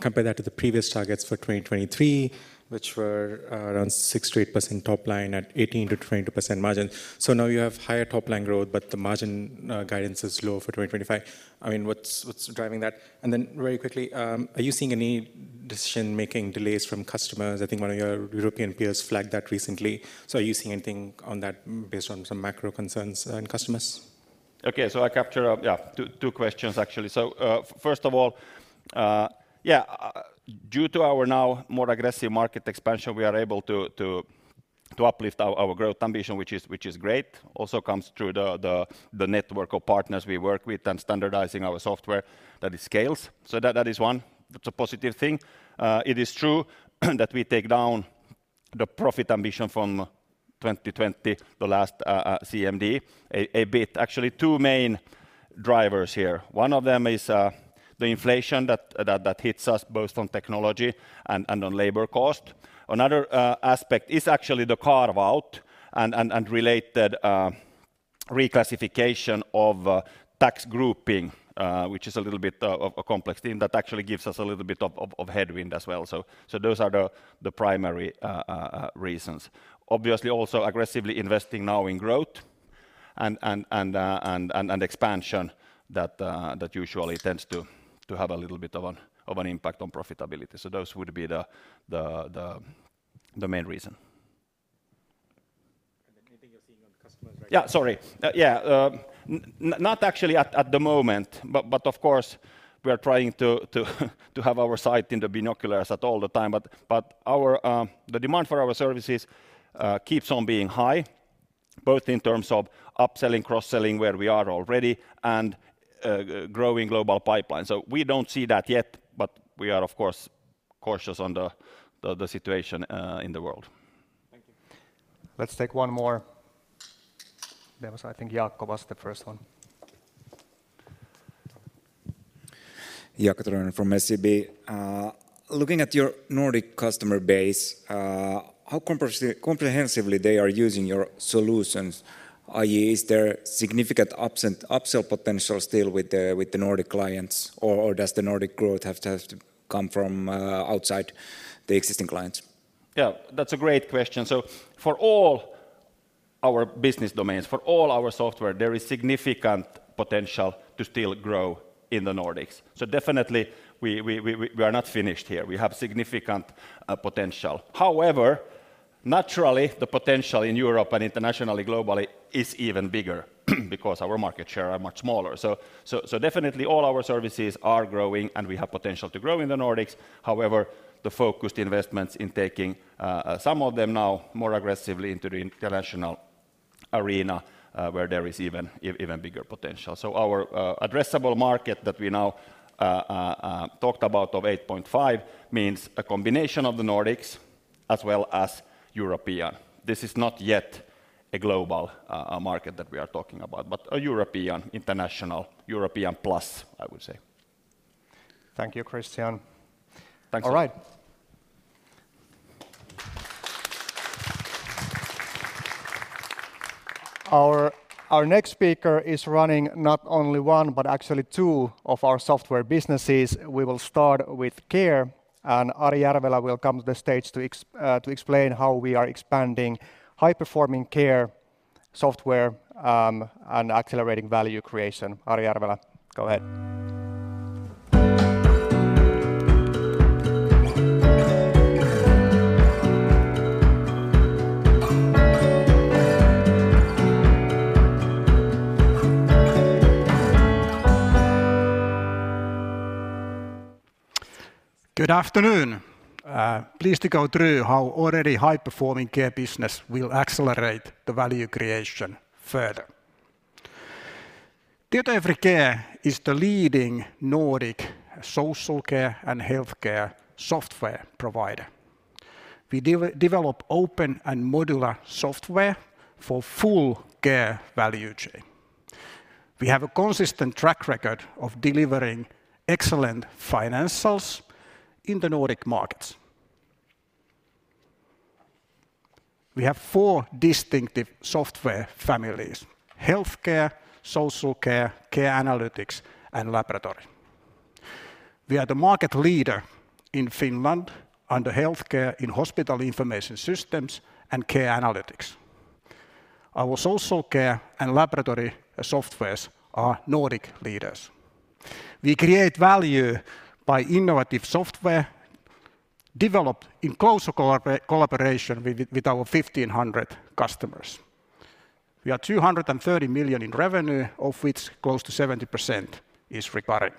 compare that to the previous targets for 2023, which were around 6%-8% top line at 18%-20% margin. Now you have higher top line growth, but the margin guidance is low for 2025. I mean, what's driving that? Very quickly, are you seeing any decision-making delays from customers? I think one of your European peers flagged that recently. Are you seeing anything on that based on some macro concerns in customers? I capture. Yeah. Two questions actually. First of all, yeah, due to our now more aggressive market expansion, we are able to uplift our growth ambition, which is great, also comes through the network of partners we work with and standardizing our software that it scales. That is one. That's a positive thing. It is true that we take down the profit ambition from 2020, the last CMD, a bit. Actually two main drivers here. One of them is the inflation that hits us both on technology and on labor cost. Another aspect is actually the carve-out and related reclassification of tax grouping, which is a little bit of a complex thing that actually gives us a little bit of headwind as well. Those are the primary reasons. Obviously, also aggressively investing now in growth and expansion that usually tends to have a little bit of an impact on profitability. Those would be the main reason. Anything you're seeing on customers right now? Yeah, sorry. Not actually at the moment. Of course we are trying to have our sight in the binoculars at all the time. Our demand for our services keeps on being high, both in terms of upselling, cross-selling where we are already and growing global pipeline. We don't see that yet, but we are of course cautious on the situation in the world. Thank you. Let's take one more. There was, I think Jakob was the first one. Jaakko Tyrväinen from SEB. Looking at your Nordic customer base, how comprehensively they are using your solutions, i.e., is there significant upsell potential still with the Nordic clients? Does the Nordic growth have to come from outside the existing clients? Yeah, that's a great question. For all our business domains, for all our software, there is significant potential to still grow in the Nordics. Definitely we are not finished here. We have significant potential. However, naturally, the potential in Europe and internationally, globally is even bigger because our market share are much smaller. Definitely all our services are growing and we have potential to grow in the Nordics. However, the focused investments in taking some of them now more aggressively into the international arena, where there is even bigger potential. Our addressable market that we now talked about of 8.5 means a combination of the Nordics as well as European. This is not yet a global market that we are talking about, but a European, international, European plus, I would say. Thank you, Christian. Thanks. All right. Our next speaker is running not only one, but actually two of our software businesses. We will start with Care, and Ari Järvelä will come to the stage to explain how we are expanding high-performing Care software, and accelerating value creation. Ari Järvelä, go ahead. Good afternoon. Pleased to go through how already high-performing Tietoevry Care business will accelerate the value creation further. Tietoevry Care is the leading Nordic social care and healthcare software provider. We develop open and modular software for full care value chain. We have a consistent track record of delivering excellent financials in the Nordic markets. We have four distinctive software families: healthcare, social care analytics, and laboratory. We are the market leader in Finland under healthcare in hospital information systems and care analytics. Our social care and laboratory softwares are Nordic leaders. We create value by innovative software developed in close collaboration with our 1,500 customers. We are 230 million in revenue, of which close to 70% is recurring.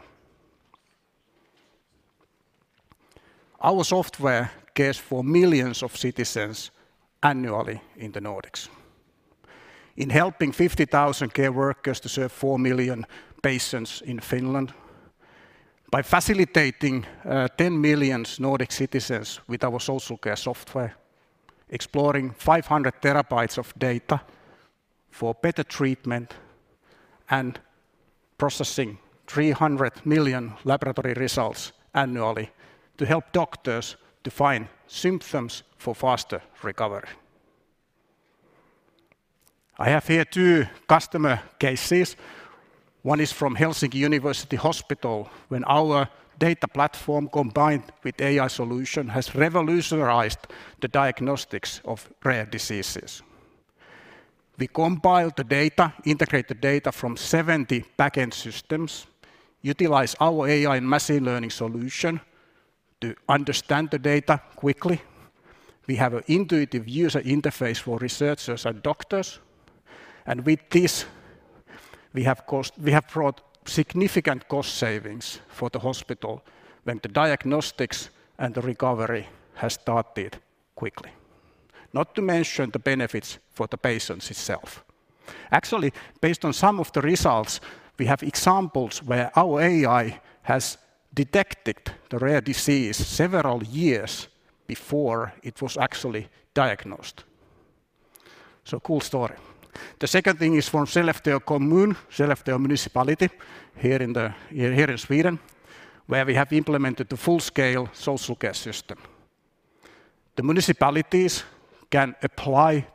Our software cares for millions of citizens annually in the Nordics. In helping 50,000 care workers to serve four million patients in Finland, by facilitating 10 million Nordic citizens with our social care software, exploring 500 terabytes of data for better treatment, and processing 300 million laboratory results annually to help doctors to find symptoms for faster recovery. I have here two customer cases. One is from Helsinki University Hospital, when our data platform combined with AI solution has revolutionized the diagnostics of rare diseases. We compile the data, integrate the data from 70 back-end systems, utilize our AI and machine learning solution to understand the data quickly. We have a intuitive user interface for researchers and doctors. With this we have brought significant cost savings for the hospital when the diagnostics and the recovery has started quickly. Not to mention the benefits for the patients itself. Actually, based on some of the results, we have examples where our AI has detected the rare disease several years before it was actually diagnosed. Cool story. The second thing is from Skellefteå Kommun, Skellefteå Municipality here in Sweden, where we have implemented the full-scale social care system. The municipalities can apply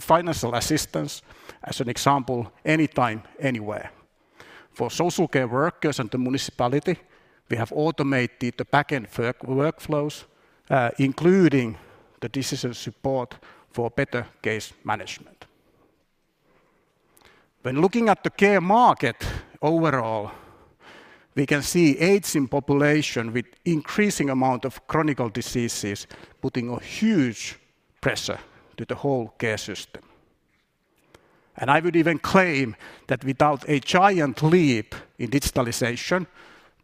financial assistance as an example anytime, anywhere. For social care workers and the municipality, we have automated the backend workflows, including the decision support for better case management. When looking at the care market overall, we can see aging population with increasing amount of chronic diseases, putting a huge pressure to the whole care system. I would even claim that without a giant leap in digitalization,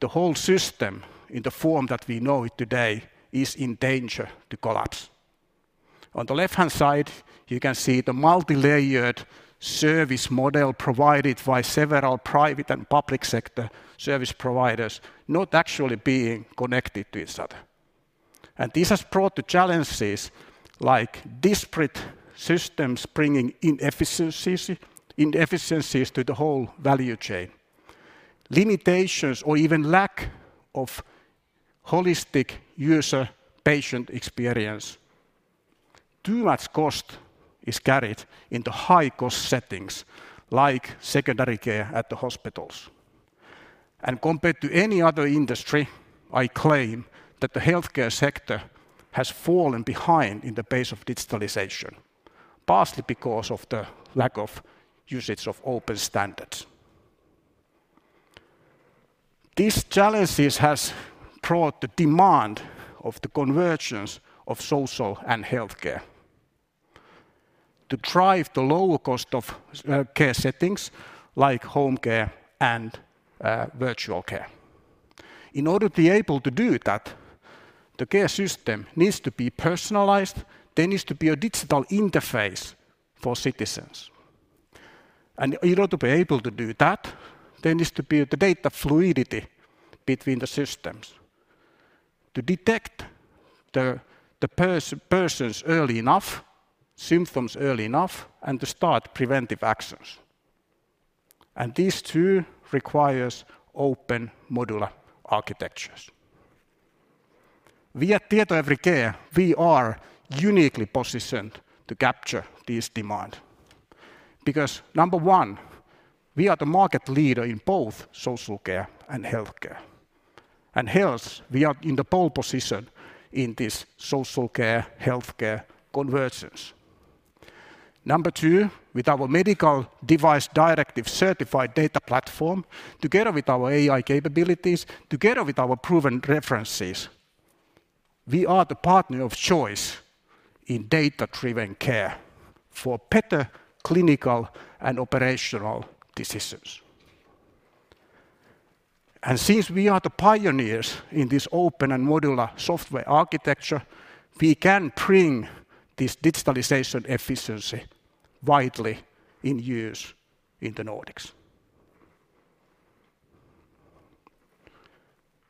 the whole system in the form that we know it today, is in danger to collapse. On the left-hand side, you can see the multi-layered service model provided by several private and public sector service providers not actually being connected to each other. This has brought the challenges like disparate systems bringing inefficiencies to the whole value chain. Limitations or even lack of holistic user-patient experience. Too much cost is carried in the high cost settings like secondary care at the hospitals. Compared to any other industry, I claim that the healthcare sector has fallen behind in the pace of digitalization, partly because of the lack of usage of open standards. These challenges have brought the demand of the convergence of social and healthcare to drive the lower cost of care settings like home care and virtual care. In order to be able to do that, the care system needs to be personalized. There needs to be a digital interface for citizens. In order to be able to do that, there needs to be the data fluidity between the systems to detect the persons early enough, symptoms early enough, and to start preventive actions. These two requires open modular architectures. We at Tietoevry Care, we are uniquely positioned to capture this demand because number 1, we are the market leader in both social care and healthcare. Hence, we are in the pole position in this social care, healthcare convergence. Number two, with our Medical Device Directive certified data platform, together with our AI capabilities, together with our proven references, we are the partner of choice in data-driven care for better clinical and operational decisions. Since we are the pioneers in this open and modular software architecture, we can bring this digitalization efficiency widely in use in the Nordics.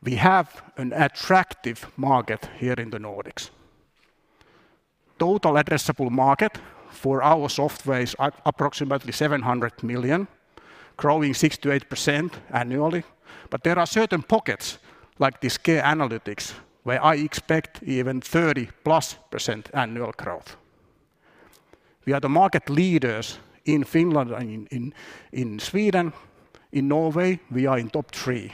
We have an attractive market here in the Nordics. Total addressable market for our software is approximately 700 million, growing 6%-8% annually. There are certain pockets like this care analytics, where I expect even 30%+ annual growth. We are the market leaders in Finland and in Sweden. In Norway, we are in top three.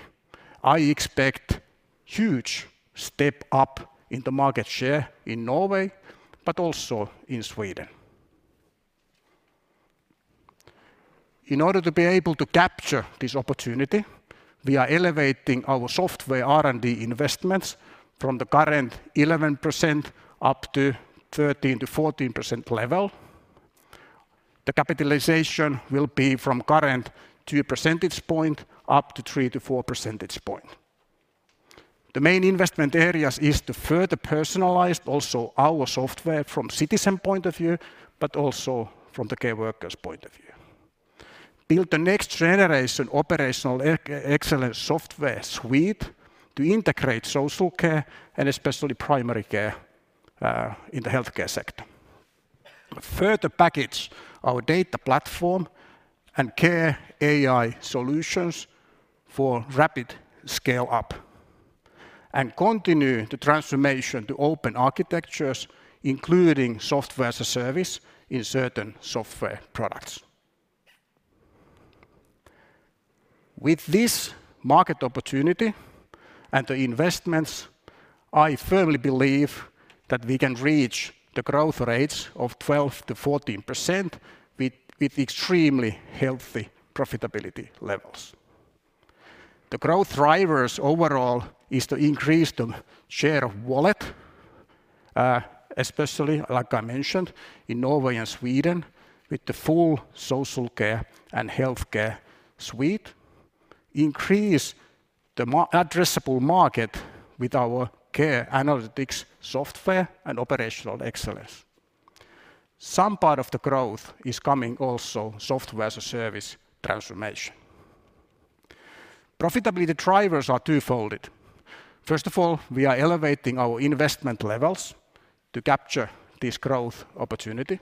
I expect huge step up in the market share in Norway, but also in Sweden. In order to be able to capture this opportunity, we are elevating our software R&D investments from the current 11% up to 13%-14% level. The capitalization will be from current two percentage point up to three-four percentage point. The main investment areas is to further personalize also our software from citizen point of view, but also from the care worker's point of view. Build the next generation operational excellence software suite to integrate social care and especially primary care in the healthcare sector. Further package our data platform and care AI solutions for rapid scale up. Continue the transformation to open architectures, including software as a service in certain software products. With this market opportunity and the investments, I firmly believe that we can reach the growth rates of 12%-14% with extremely healthy profitability levels. The growth drivers overall is to increase the share of wallet, especially, like I mentioned, in Norway and Sweden with the full social care and healthcare suite. Increase the addressable market with our care analytics software and operational excellence. Some part of the growth is coming also software-as-a-service transformation. Profitability drivers are twofold. First of all, we are elevating our investment levels to capture this growth opportunity.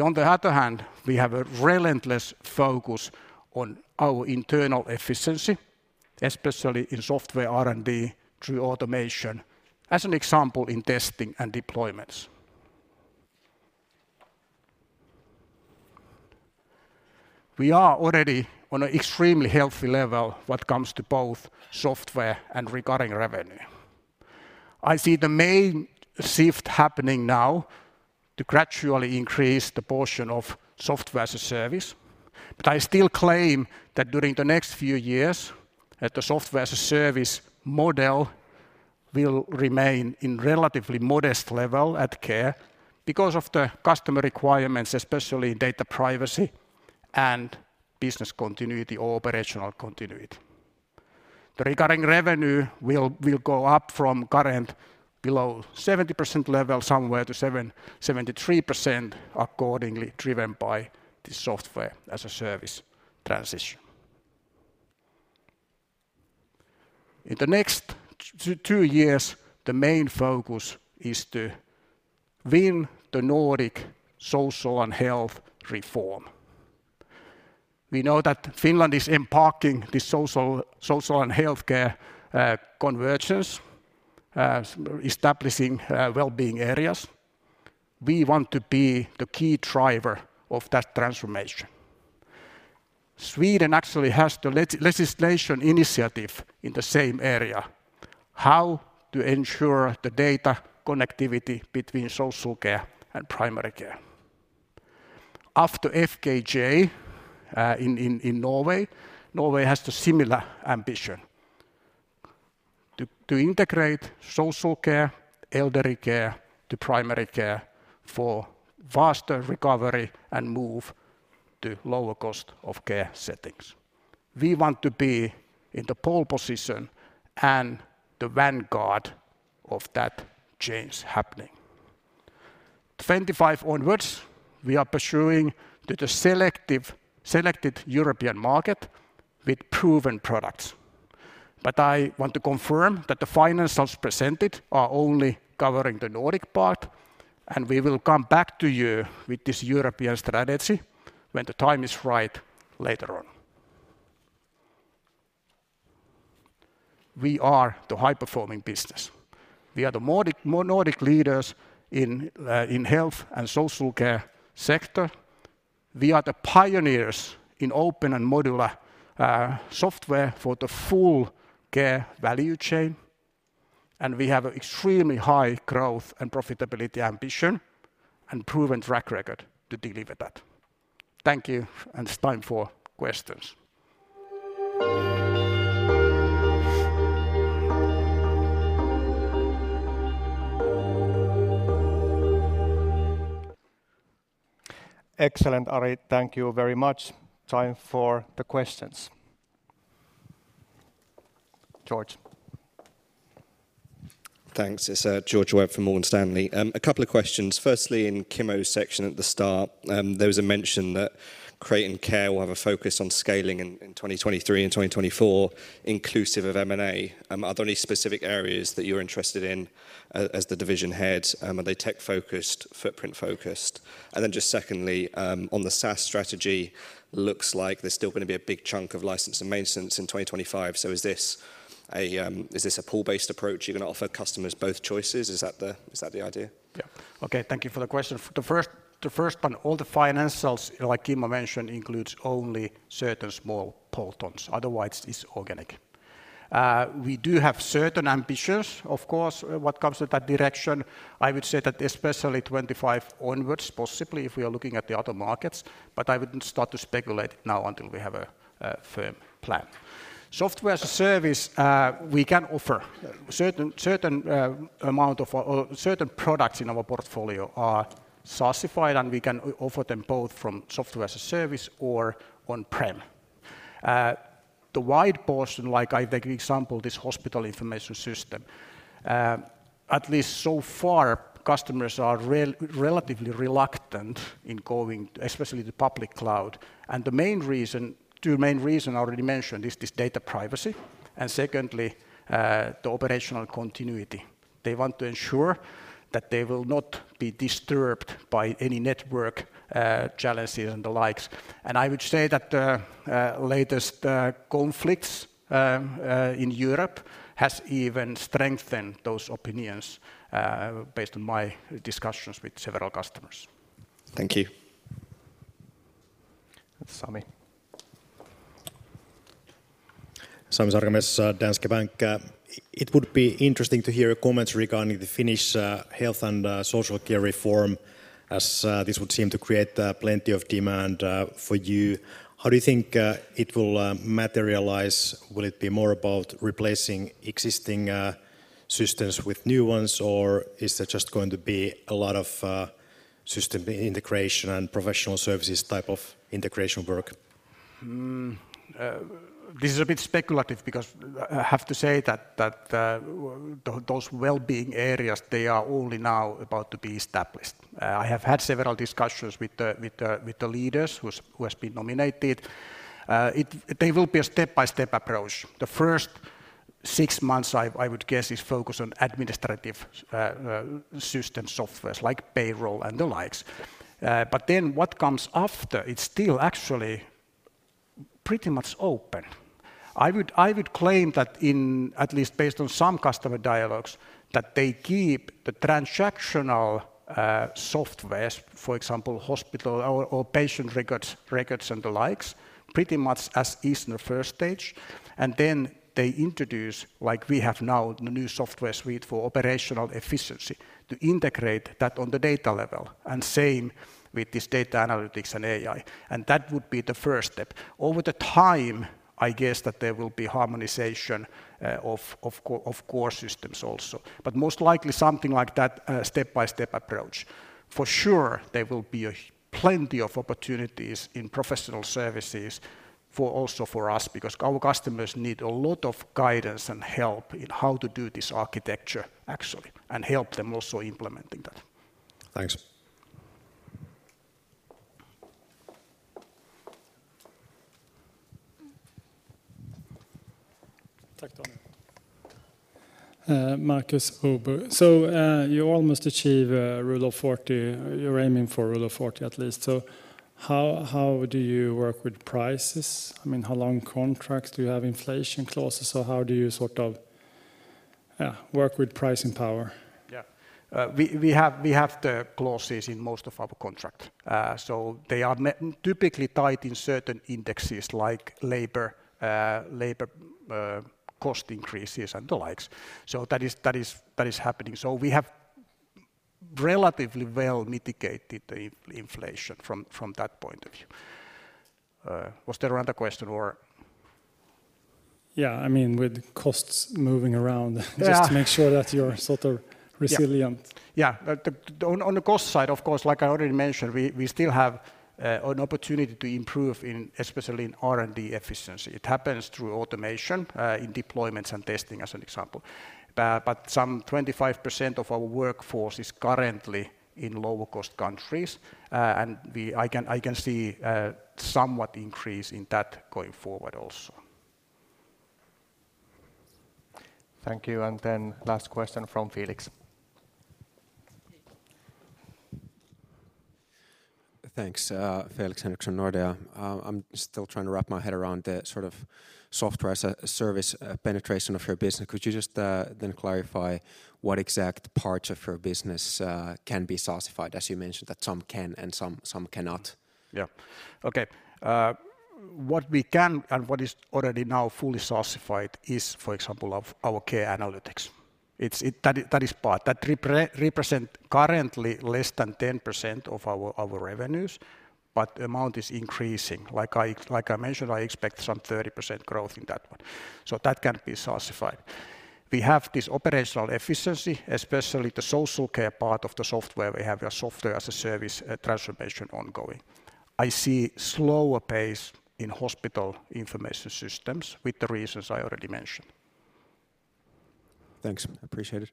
On the other hand, we have a relentless focus on our internal efficiency, especially in software R&D through automation, as an example in testing and deployments. We are already on a extremely healthy level what comes to both software and recurring revenue. I see the main shift happening now to gradually increase the portion of software as a service. I still claim that during the next few years, that the software as a service model will remain in relatively modest level at Care because of the customer requirements, especially data privacy and business continuity or operational continuity. The recurring revenue will go up from current below 70% level somewhere to 70%-73% accordingly driven by the software as a service transition. In the next two years, the main focus is to win the Nordic social and health reform. We know that Finland is embarking the social and healthcare convergence, establishing well-being areas. We want to be the key driver of that transformation. Sweden actually has the legislation initiative in the same area, how to ensure the data connectivity between social care and primary care. After FKJ in Norway has the similar ambition to integrate social care, elderly care to primary care for faster recovery and move to lower cost of care settings. We want to be in the pole position and the vanguard of that change happening. 25 onwards, we are pursuing the selected European market with proven products. I want to confirm that the financials presented are only covering the Nordic part, and we will come back to you with this European strategy when the time is right later on. We are the high-performing business. We are the Nordic leaders in health and social care sector. We are the pioneers in open and modular software for the full care value chain. We have extremely high growth and profitability ambition and proven track record to deliver that. Thank you. It's time for questions. Excellent, Ari. Thank you very much. Time for the questions. George. Thanks. It's George Webb from Morgan Stanley. A couple of questions. Firstly, in Kimmo's section at the start, there was a mention that Create and Care will have a focus on scaling in 2023 and 2024 inclusive of M&A. Are there any specific areas that you're interested in as the division head? Are they tech-focused, footprint-focused? Then just secondly, on the SaaS strategy, looks like there's still gonna be a big chunk of license and maintenance in 2025. Is this a, is this a pool-based approach? You're gonna offer customers both choices? Is that the idea? Okay. Thank you for the question. The first one, all the financials, like Kimmo mentioned, includes only certain small portions. Otherwise, it's organic. We do have certain ambitions, of course, what comes with that direction. I would say that especially 25 onwards, possibly if we are looking at the other markets, but I wouldn't start to speculate now until we have a firm plan. Software as a service, we can offer certain amount of, or certain products in our portfolio are SaaSified, and we can offer them both from software as a service or on-prem. The wide portion, like I take example, this hospital information system, at least so far, customers are relatively reluctant in going, especially the public cloud. The main reason, two main reason already mentioned is this data privacy, and secondly, the operational continuity. They want to ensure that they will not be disturbed by any network challenges and the likes. I would say that latest conflicts in Europe has even strengthened those opinions based on my discussions with several customers. Thank you. Sami. Sami Sarkamies, Danske Bank. It would be interesting to hear your comments regarding the Finnish health and social care reform, as this would seem to create plenty of demand for you. How do you think it will materialize? Will it be more about replacing existing systems with new ones, or is there just going to be a lot of system integration and professional services type of integration work? This is a bit speculative because I have to say that those well-being areas, they are only now about to be established. I have had several discussions with the leaders who's, who has been nominated. They will be a step-by-step approach. The first six months I would guess is focused on administrative system softwares like payroll and the likes. What comes after, it's still actually pretty much open. I would claim that in, at least based on some customer dialogues, that they keep the transactional softwares, for example, hospital or patient records and the likes pretty much as is in the first stage. They introduce, like we have now, the new software suite for operational efficiency to integrate that on the data level and same with this data analytics and AI, and that would be the first step. Over the time, I guess that there will be harmonization of core systems also. Most likely something like that, step-by-step approach. For sure there will be a plenty of opportunities in professional services for... also for us because our customers need a lot of guidance and help in how to do this architecture actually, and help them also implementing that. Thanks. Markus, Robur. You almost achieve Rule of 40. You're aiming for Rule of 40 at least. How do you work with prices? I mean, how long contracts? Do you have inflation clauses, or how do you sort of work with pricing power? Yeah. We have the clauses in most of our contract. They are typically tied in certain indexes like labor cost increases and the likes. That is happening. We have relatively well mitigated the inflation from that point of view. Was there another question or? Yeah. I mean, with costs moving around- Yeah... just to make sure that you're sort of resilient. Yeah. The on the cost side, of course, like I already mentioned, we still have an opportunity to improve in, especially in R&D efficiency. It happens through automation in deployments and testing as an example. Some 25% of our workforce is currently in lower cost countries. I can see somewhat increase in that going forward also. Thank you. Last question from Felix. Thanks. Felix Henriksson, Nordea. I'm still trying to wrap my head around the sort of software as a service penetration of your business. Could you just then clarify what exact parts of your business can be SaaSified? As you mentioned, that some can and some cannot. Okay. What we can and what is already now fully SaaSified is, for example, of our care analytics. That is part. That represent currently less than 10% of our revenues, amount is increasing. Like I mentioned, I expect some 30% growth in that one, That can be SaaSified. We have this operational efficiency, especially the social care part of the software. We have a Software as a Service, a transformation ongoing. I see slower pace in hospital information systems with the reasons I already mentioned. Thanks. Appreciate it.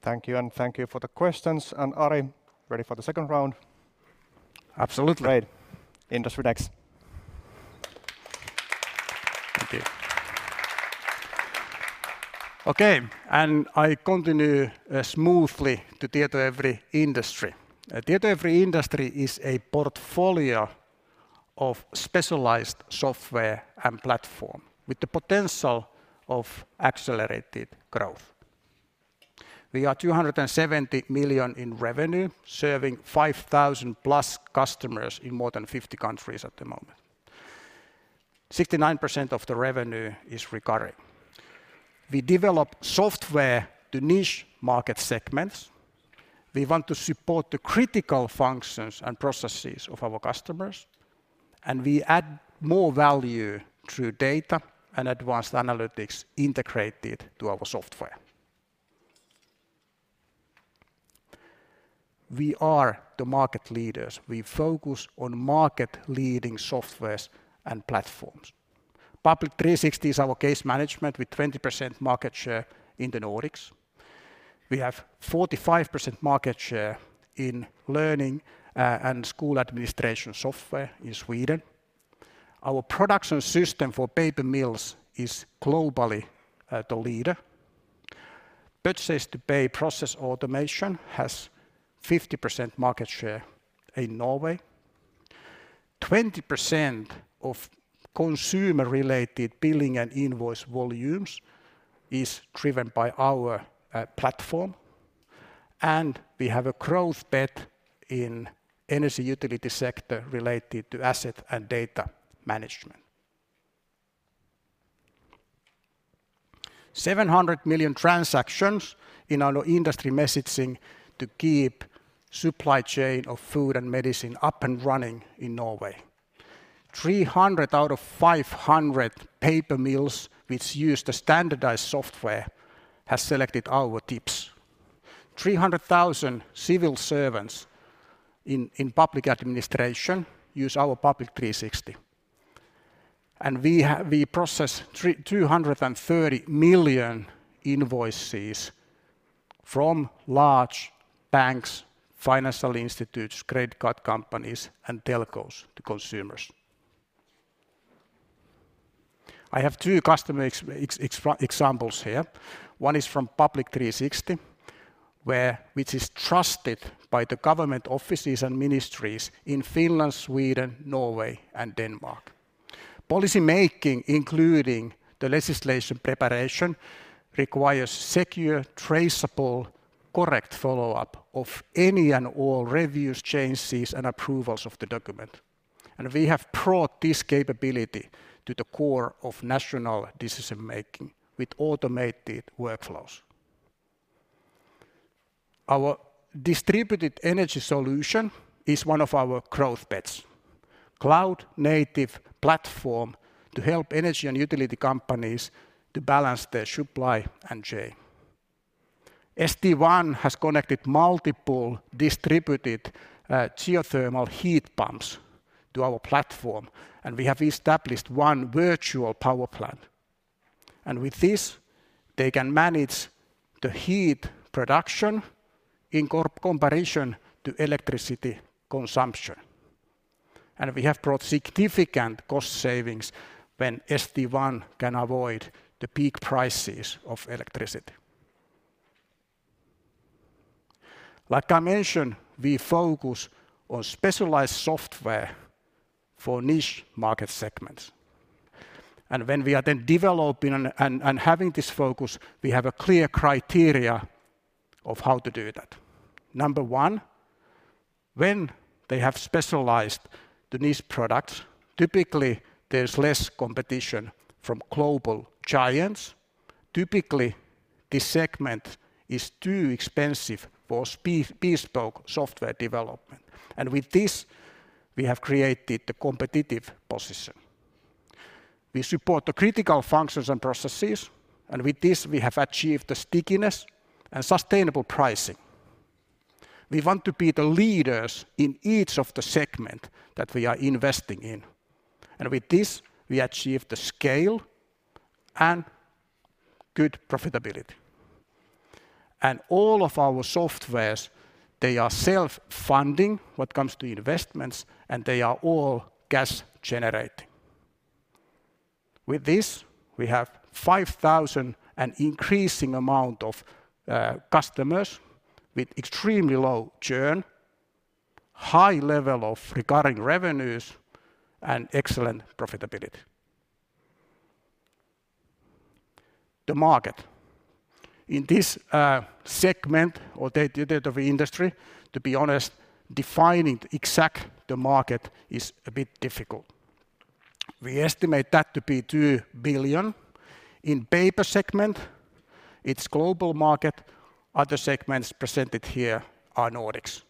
Thank you, and thank you for the questions. Ari, ready for the second round? Absolutely. Great. Industry next. Thank you. Okay. I continue smoothly to Tietoevry Industry. Tietoevry Industry is a portfolio of specialized software and platform with the potential of accelerated growth. We are 270 million in revenue, serving 5,000 plus customers in more than 50 countries at the moment. 69% of the revenue is recurring. We develop software to niche market segments. We want to support the critical functions and processes of our customers. We add more value through data and advanced analytics integrated to our software. We are the market leaders. We focus on market leading softwares and platforms. Public 360° is our case management with 20% market share in the Nordics. We have 45% market share in learning and school administration software in Sweden. Our production system for paper mills is globally the leader. Purchase-to-pay process automation has 50% market share in Norway. 20% of consumer related billing and invoice volumes is driven by our platform. We have a growth bet in energy utility sector related to asset and data management. 700 million transactions in our industry messaging to keep supply chain of food and medicine up and running in Norway. 300 out of 500 paper mills which use the standardized software has selected our TIPS. 300,000 civil servants in public administration use our Public 360. I have two customer examples here. One is from Public 360, where which is trusted by the government offices and ministries in Finland, Sweden, Norway, and Denmark. Policy making, including the legislation preparation, requires secure, traceable, correct follow-up of any and all reviews, changes, and approvals of the document. We have brought this capability to the core of national decision-making with automated workflows. Our distributed energy solution is one of our growth bets. Cloud-native platform to help energy and utility companies to balance their supply and chain. St1 has connected multiple distributed geothermal heat pumps to our platform, and we have established one virtual power plant. With this, they can manage the heat production in comparison to electricity consumption. We have brought significant cost savings when St1 can avoid the peak prices of electricity. Like I mentioned, we focus on specialized software for niche market segments. When we are then developing and having this focus, we have a clear criteria of how to do that. Number one, when they have specialized the niche products, typically, there's less competition from global giants. Typically, this segment is too expensive for bespoke software development. With this, we have created the competitive position. We support the critical functions and processes, and with this we have achieved the stickiness and sustainable pricing. We want to be the leaders in each of the segment that we are investing in. With this, we achieve the scale and good profitability. All of our softwares, they are self-funding when it comes to investments, and they are all cash generating. With this, we have 5,000 and increasing amount of customers with extremely low churn, high level of recurring revenues, and excellent profitability. The market. In this segment or data center industry, to be honest, defining exact the market is a bit difficult. We estimate that to be 2 billion. In paper segment, it's global market. Other segments presented here are Nordics.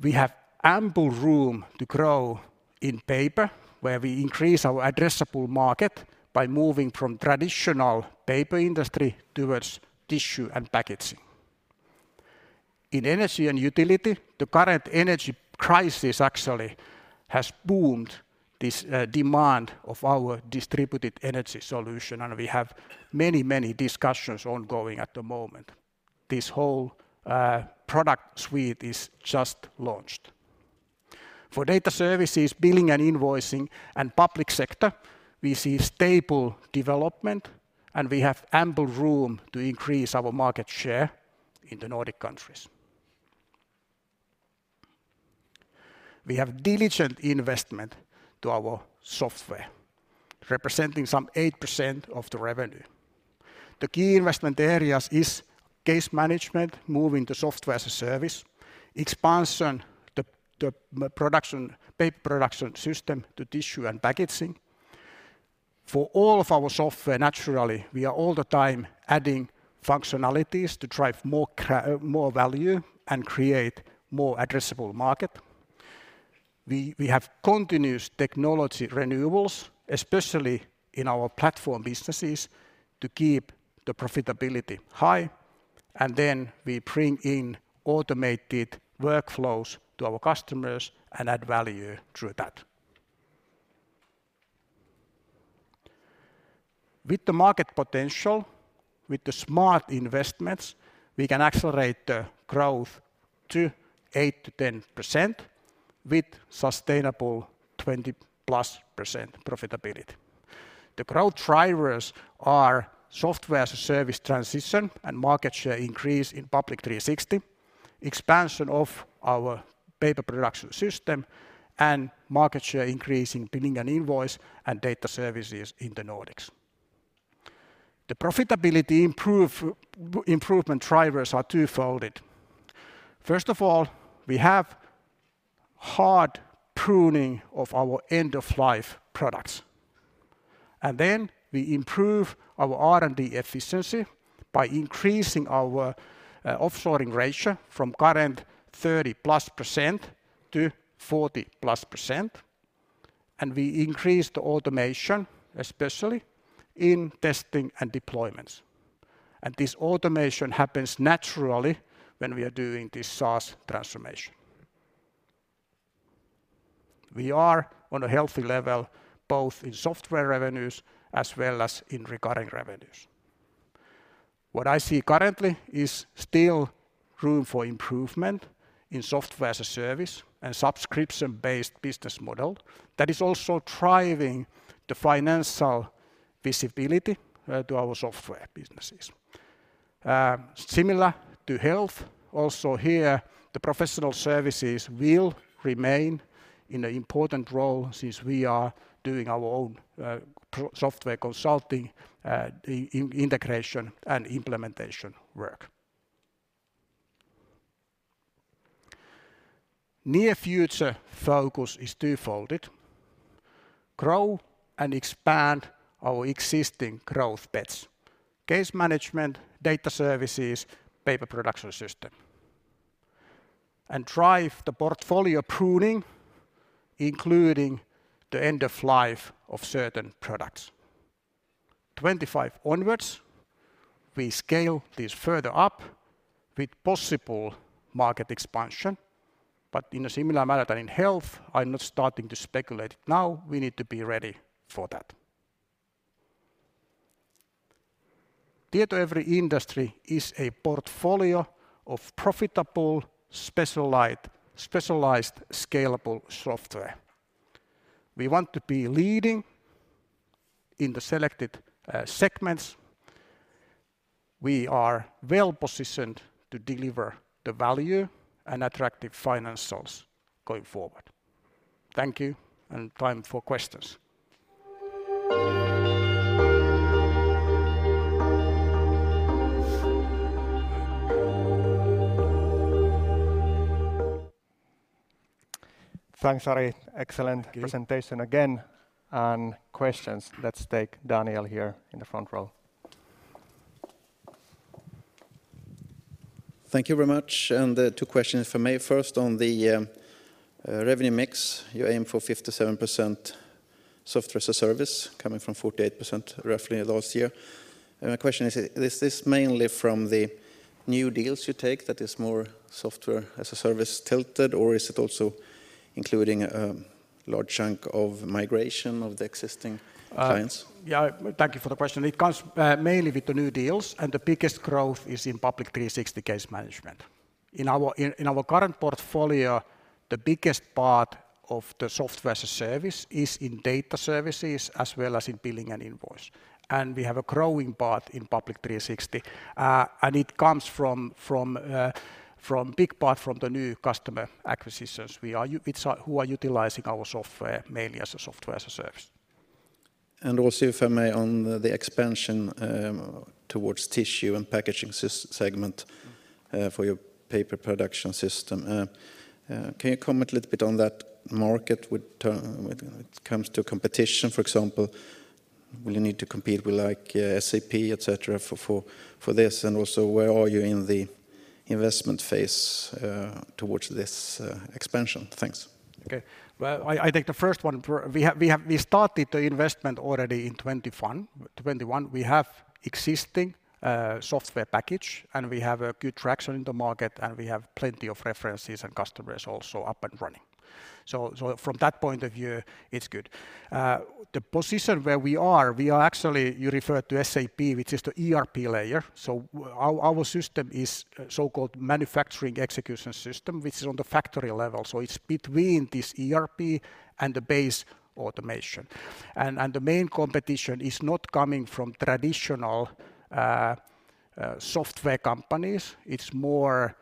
We have ample room to grow in paper, where we increase our addressable market by moving from traditional paper industry towards tissue and packaging. In energy and utility, the current energy crisis actually has boomed this demand of our distributed energy solution, and we have many discussions ongoing at the moment. This whole product suite is just launched. For data services, billing and invoicing, and public sector, we see stable development, and we have ample room to increase our market share in the Nordic countries. We have diligent investment to our software, representing some 8% of the revenue. The key investment areas is case management, moving to SaaS, expansion the production, paper production system to tissue and packaging. For all of our software, naturally, we are all the time adding functionalities to drive more value and create more addressable market. We have continuous technology renewals, especially in our platform businesses, to keep the profitability high, then we bring in automated workflows to our customers and add value through that. With the market potential, with the smart investments, we can accelerate the growth to 8%-10% with sustainable 20%+ profitability. The growth drivers are software-as-a-service transition and market share increase in Public 360°, expansion of our paper production system, and market share increase in billing and invoice and data services in the Nordics. The profitability improvement drivers are twofold. First of all, we have hard pruning of our end-of-life products. We improve our R&D efficiency by increasing our offshoring ratio from current 30+% to 40+%, and we increase the automation, especially in testing and deployments. This automation happens naturally when we are doing this SaaS transformation. We are on a healthy level, both in software revenues as well as in recurring revenues. What I see currently is still room for improvement in software as a service and subscription-based business model that is also driving the financial visibility to our software businesses. Similar to health, also here, the professional services will remain in an important role since we are doing our own pro- software consulting, integration and implementation work. Near future focus is twofolded: grow and expand our existing growth beds, case management, data services, paper production system, and drive the portfolio pruning, including the end of life of certain products. 2025 onwards, we scale this further up with possible market expansion, but in a similar manner than in health, I'm not starting to speculate it now. We need to be ready for that. Tietoevry Industry is a portfolio of profitable specialized scalable software. We want to be leading in the selected segments. We are well-positioned to deliver the value and attractive financials going forward. Thank you, and time for questions. Thanks, Ari. Excellent. Thank you. presentation again. Questions, let's take Daniel here in the front row. Thank you very much, and two questions from me. First, on the revenue mix. You aim for 57% Software as a Service coming from 48% roughly last year. My question is this mainly from the new deals you take that is more Software as a Service tilted, or is it also including a large chunk of migration of the existing clients? Yeah. Thank you for the question. It comes mainly with the new deals, and the biggest growth is in Public 360° case management. In our current portfolio, the biggest part of the software as a service is in data services as well as in billing and invoice, and we have a growing part in Public 360°. It comes from big part from the new customer acquisitions we are utilizing our software mainly as a software as a service. Also, if I may, on the expansion, towards tissue and packaging segment, for your paper production system. Can you comment a little bit on that market when it comes to competition, for example, will you need to compete with, like, SAP, et cetera, for this? Also, where are you in the investment phase, towards this expansion? Thanks. Okay. Well, I take the first one. We have, we started the investment already in 2021. We have existing software package, and we have a good traction in the market, and we have plenty of references and customers also up and running. From that point of view, it's good. The position where we are, we are actually... You referred to SAP, which is the ERP layer. Our system is a so-called manufacturing execution system, which is on the factory level. It's between this ERP and the base automation. The main competition is not coming from traditional software companies. More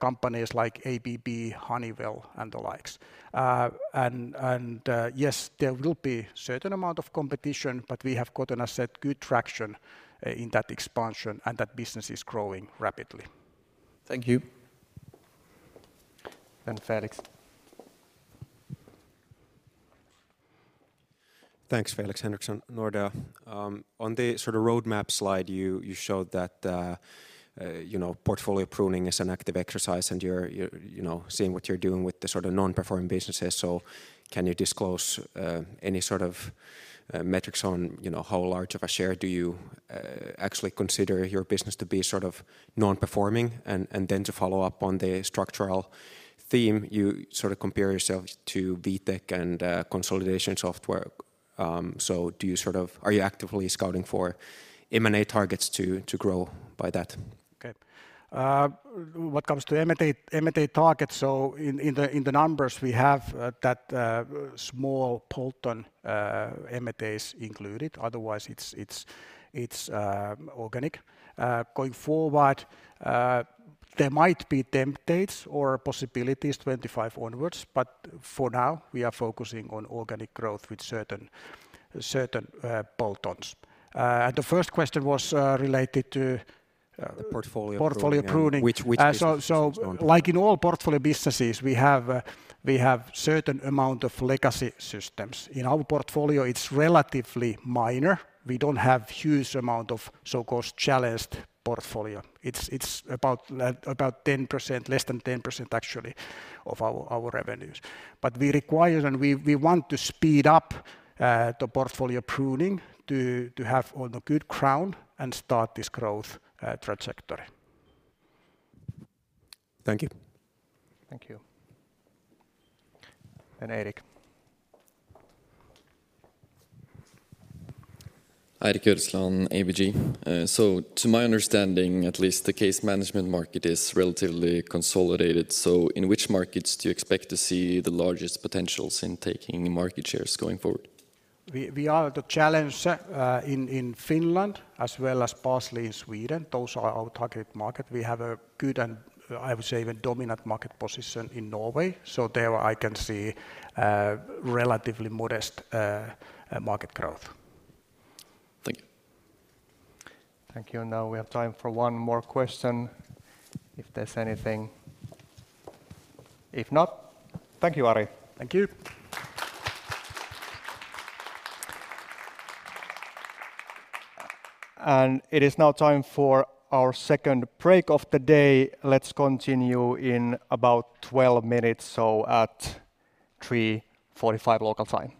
companies like ABB, Honeywell, and the likes. Yes, there will be certain amount of competition, but we have got, and I said, good traction, in that expansion, and that business is growing rapidly. Thank you. Then, Felix. Thanks. Felix Henriksson, Nordea. On the sort of roadmap slide, you showed that, you know, portfolio pruning is an active exercise and you're, you know, saying what you're doing with the sort of non-performing businesses. Can you disclose any sort of metrics on, you know, how large of a share do you actually consider your business to be sort of non-performing? To follow up on the structural theme, you sort of compare yourself to Vitec and consolidation software. Are you actively scouting for M&A targets to grow by that? Whats to M&A, M&A targets, in the numbers we have, that small bolt-on M&As included. Otherwise, it's, it's organic. Going forward, there might be temptates or possibilities 25 onwards, for now, we are focusing on organic growth with certain bolt-ons. The first question was related to- The portfolio pruning.... portfolio pruning which businesses- Like in all portfolio businesses, we have certain amount of legacy systems. In our portfolio, it's relatively minor. We don't have huge amount of so-called challenged portfolio. It's about 10%, less than 10% actually of our revenues. We require and we want to speed up the portfolio pruning to have on a good ground and start this growth trajectory. Thank you. Thank you. Eric. Øystein Elton Lodgaard, ABG. To my understanding at least, the case management market is relatively consolidated. In which markets do you expect to see the largest potentials in taking market shares going forward? We are the challenge, in Finland as well as partially in Sweden. Those are our target market. We have a good and I would say even dominant market position in Norway. There I can see, relatively modest market growth. Thank you. Thank you. Now we have time for one more question if there's anything. If not, thank you, Ari. Thank you. It is now time for our second break of the day. Let's continue in about 12 minutes, so at 3:45 P.M. local time.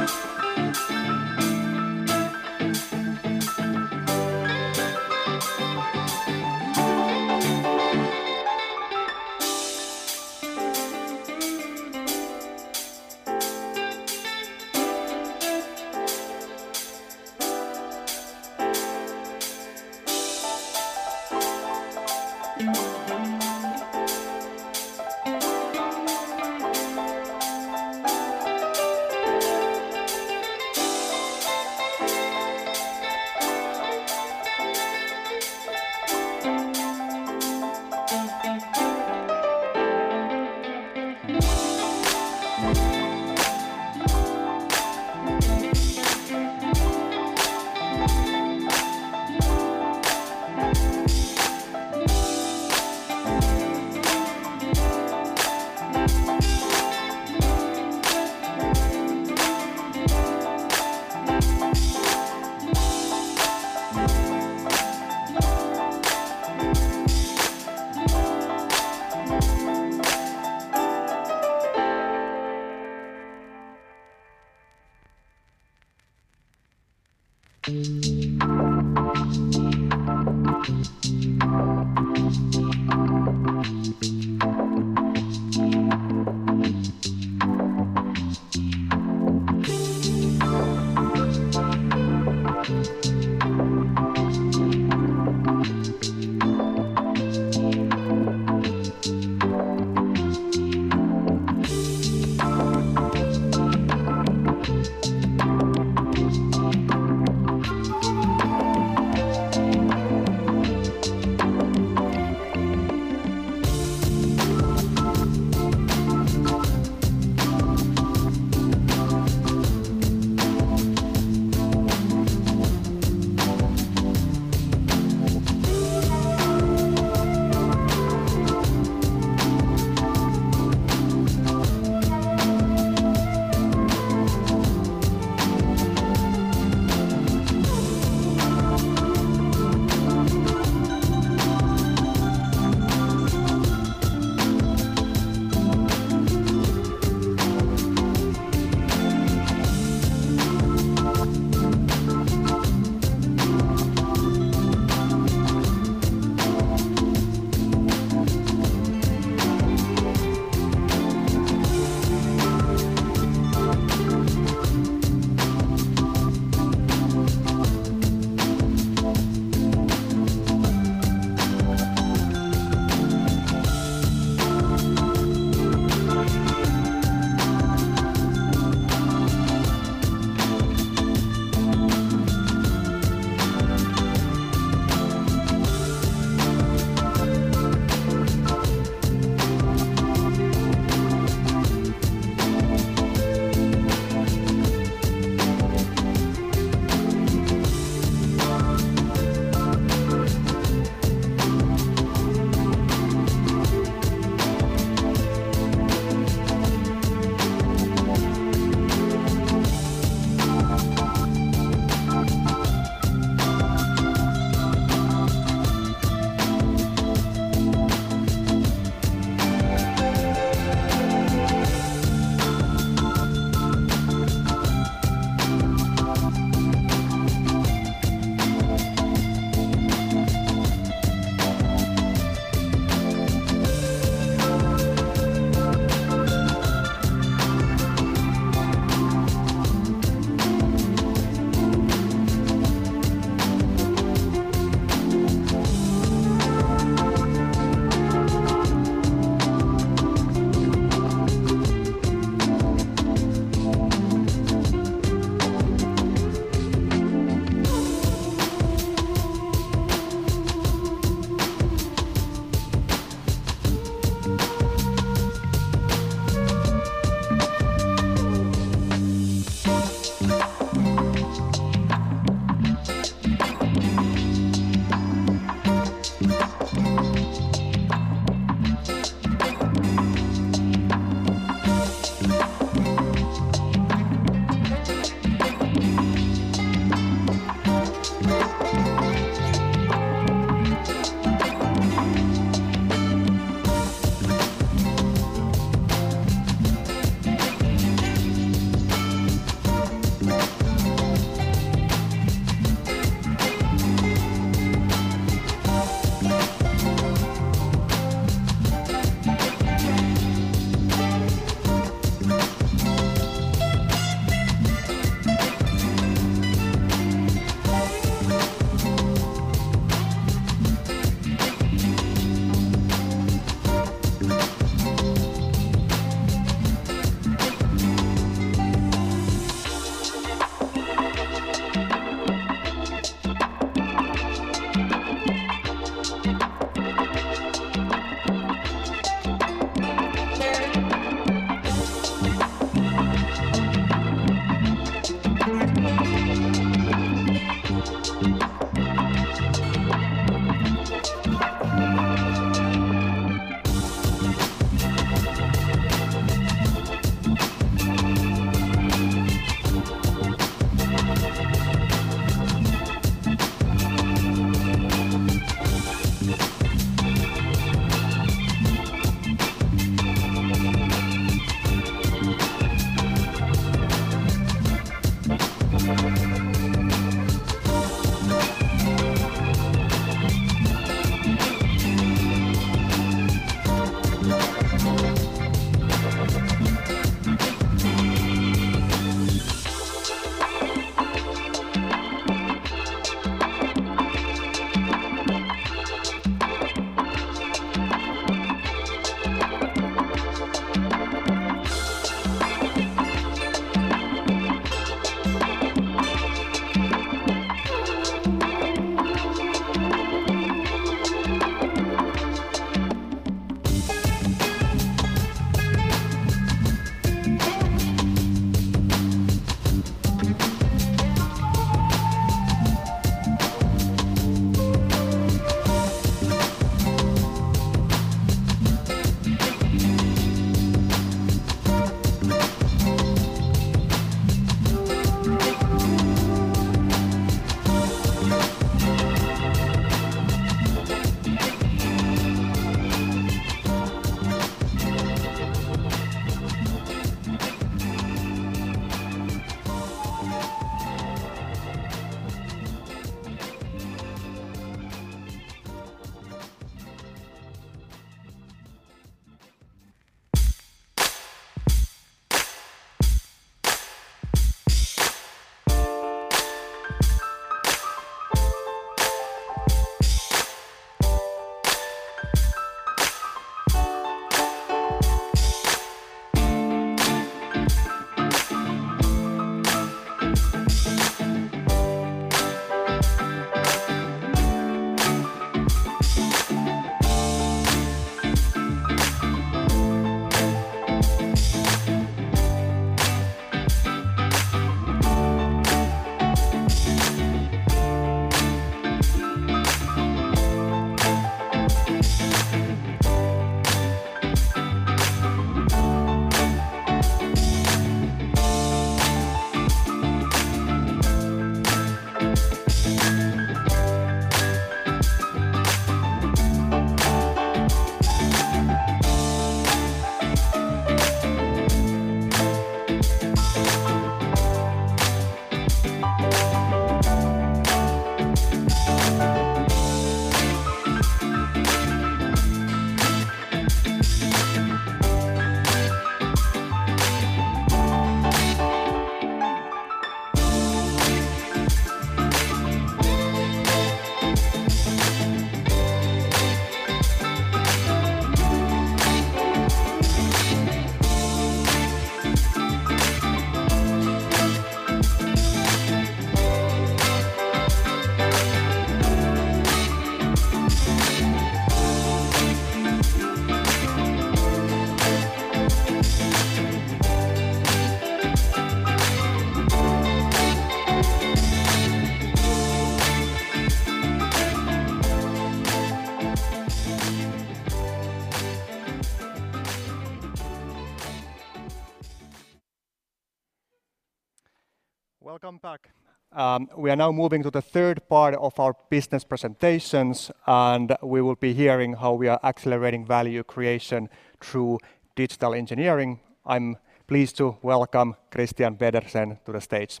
Welcome back. We are now moving to the third part of our business presentations, and we will be hearing how we are accelerating value creation through digital engineering. I'm pleased to welcome Christian Pedersen to the stage.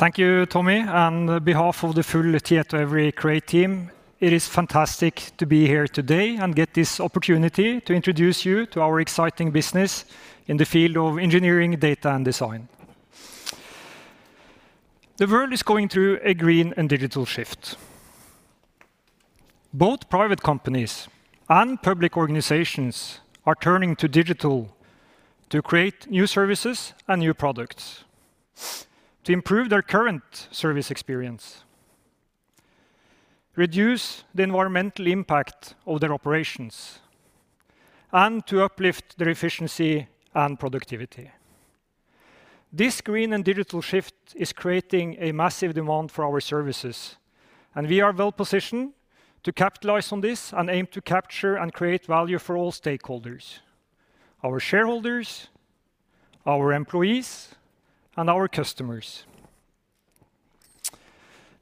Thank you, Tommy. On behalf of the full Tietoevry Create team, it is fantastic to be here today and get this opportunity to introduce you to our exciting business in the field of engineering, data, and design. The world is going through a green and digital shift. Both private companies and public organizations are turning to digital to create new services and new products, to improve their current service experience, reduce the environmental impact of their operations, and to uplift their efficiency and productivity. This green and digital shift is creating a massive demand for our services, and we are well-positioned to capitalize on this and aim to capture and create value for all stakeholders, our shareholders, our employees, and our customers.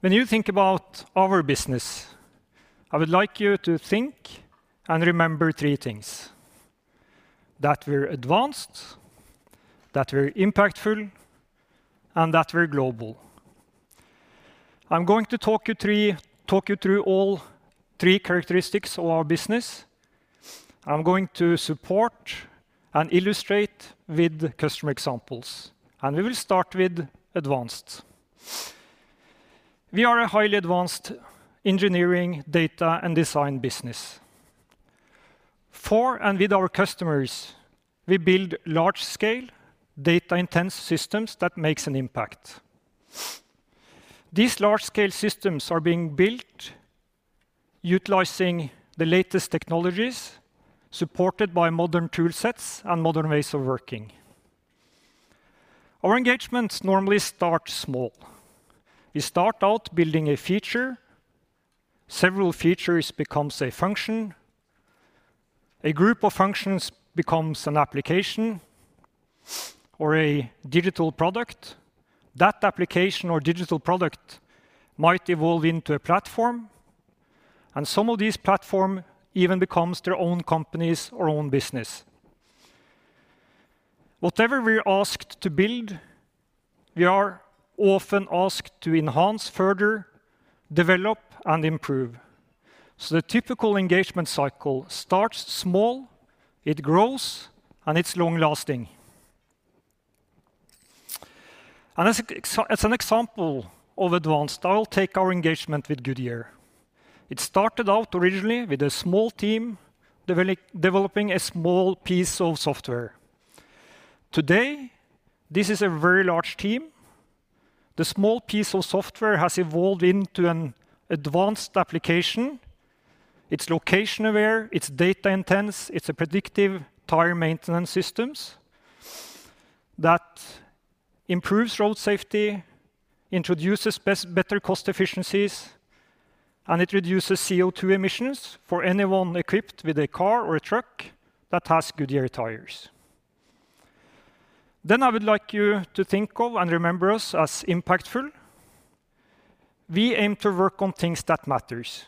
When you think about our business, I would like you to think and remember three things. That we're advanced, that we're impactful, and that we're global. I'm going to talk you through all three characteristics of our business. I'm going to support and illustrate with customer examples, and we will start with advanced. We are a highly advanced engineering, data, and design business. For and with our customers, we build large-scale, data-intense systems that makes an impact. These large-scale systems are being built utilizing the latest technologies, supported by modern tool sets and modern ways of working. Our engagements normally start small. We start out building a feature. Several features becomes a function. A group of functions becomes an application or a digital product. That application or digital product might evolve into a platform, and some of these platform even becomes their own companies or own business. Whatever we're asked to build, we are often asked to enhance further, develop, and improve. The typical engagement cycle starts small, it grows, and it's long-lasting. As an example of advanced, I'll take our engagement with Goodyear. It started out originally with a small team developing a small piece of software. Today, this is a very large team. The small piece of software has evolved into an advanced application. It's location-aware, it's data intense, it's a predictive tire maintenance systems that improves road safety, introduces better cost efficiencies, and it reduces CO2 emissions for anyone equipped with a car or a truck that has Goodyear tires. I would like you to think of and remember us as impactful. We aim to work on things that matters.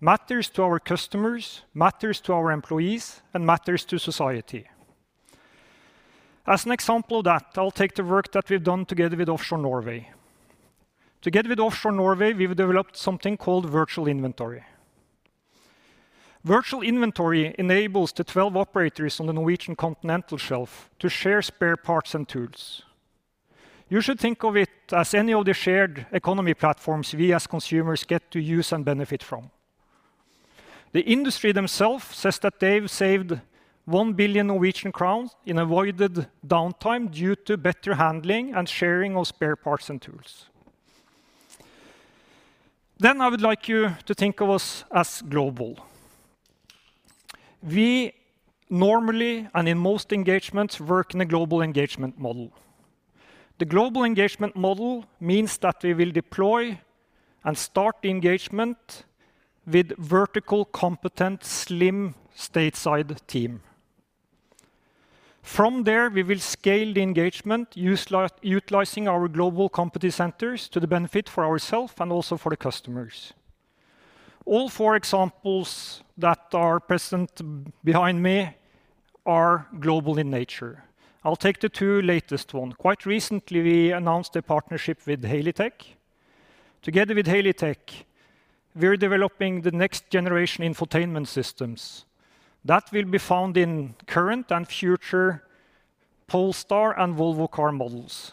Matters to our customers, matters to our employees, and matters to society. As an example of that, I'll take the work that we've done together with Offshore Norge. Together with Offshore Norge, we've developed something called virtual inventory. Virtual inventory enables the 12 operators on the Norwegian continental shelf to share spare parts and tools. You should think of it as any of the shared economy platforms we as consumers get to use and benefit from. The industry themself says that they've saved 1 billion Norwegian crowns in avoided downtime due to better handling and sharing of spare parts and tools. I would like you to think of us as global. We normally, and in most engagements, work in a global engagement model. The global engagement model means that we will deploy and start engagement with vertical competent, slim stateside team. From there, we will scale the engagement utilizing our global competency centers to the benefit for ourself and also for the customers. All four examples that are present behind me are global in nature. I'll take the two latest one. Quite recently, we announced a partnership with HCL Technologies. Together with HCL Technologies, we're developing the next generation infotainment systems that will be found in current and future Polestar and Volvo car models.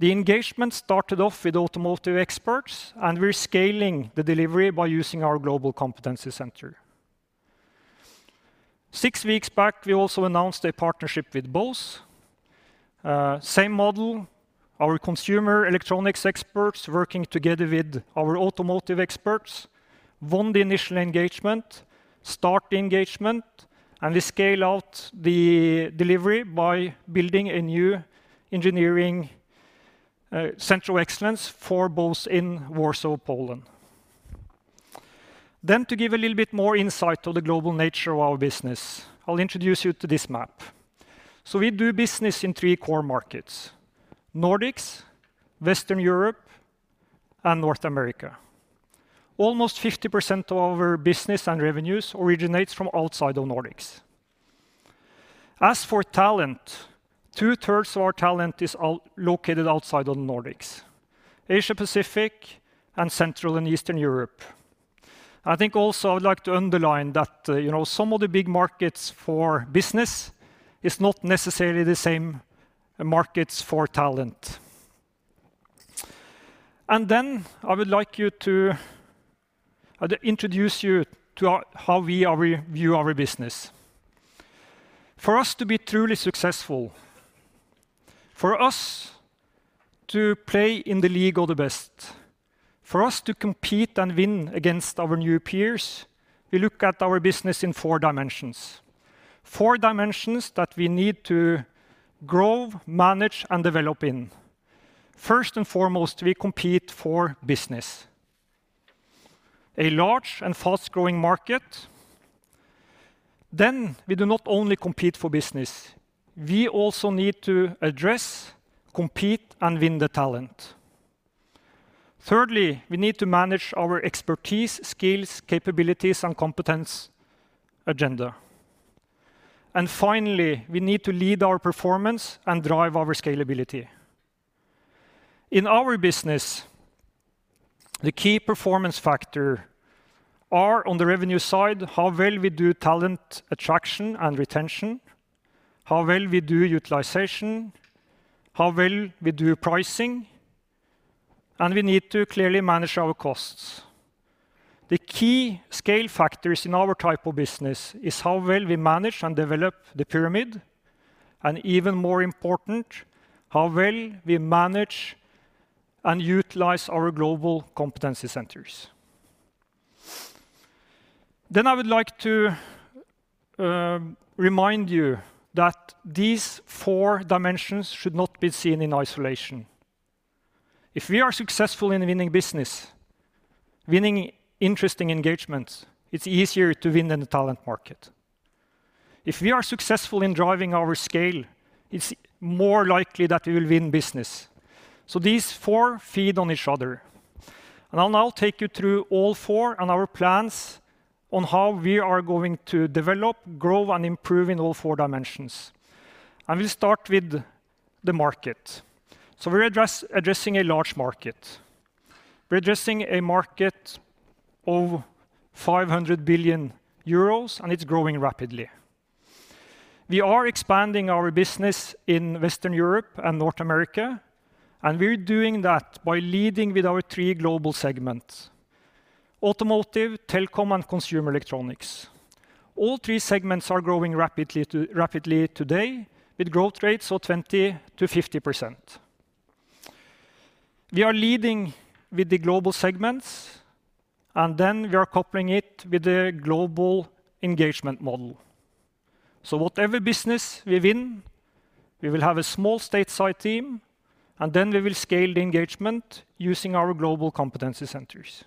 The engagement started off with automotive experts, and we're scaling the delivery by using our global competency center. Six weeks back, we also announced a partnership with Bose. Same model. Our consumer electronics experts working together with our automotive experts won the initial engagement, start the engagement, and they scale out the delivery by building a new engineering center of excellence for Bose in Warsaw, Poland. To give a little bit more insight to the global nature of our business, I'll introduce you to this map. We do business in three core markets, Nordics, Western Europe, and North America. Almost 50% of our business and revenues originates from outside of Nordics. As for talent, two-thirds of our talent is located outside of Nordics, Asia-Pacific and Central and Eastern Europe. I think also I would like to underline that, you know, some of the big markets for business is not necessarily the same markets for talent. I'd introduce you to how we view our business. For us to be truly successful, for us to play in the league of the best, for us to compete and win against our new peers, we look at our business in four dimensions. Four dimensions that we need to grow, manage, and develop in. First and foremost, we compete for business. A large and fast-growing market. We do not only compete for business, we also need to address, compete, and win the talent. Thirdly, we need to manage our expertise, skills, capabilities, and competence agenda. Finally, we need to lead our performance and drive our scalability. In our business, the key performance factor are on the revenue side, how well we do talent attraction and retention, how well we do utilization, how well we do pricing, and we need to clearly manage our costs. The key scale factors in our type of business is how well we manage and develop the pyramid, and even more important, how well we manage and utilize our global competency centers. I would like to remind you that these four dimensions should not be seen in isolation. If we are successful in winning business, winning interesting engagements, it's easier to win in the talent market. If we are successful in driving our scale, it's more likely that we will win business. These four feed on each other. I'll now take you through all four and our plans on how we are going to develop, grow, and improve in all four dimensions. We'll start with the market. We're addressing a large market. We're addressing a market of 500 billion euros, and it's growing rapidly. We are expanding our business in Western Europe and North America, and we're doing that by leading with our three global segments: automotive, telecom, and consumer electronics. All three segments are growing rapidly today with growth rates of 20%-50%. We are leading with the global segments, and then we are coupling it with the global engagement model. Whatever business we win, we will have a small stateside team, and then we will scale the engagement using our global competency centers.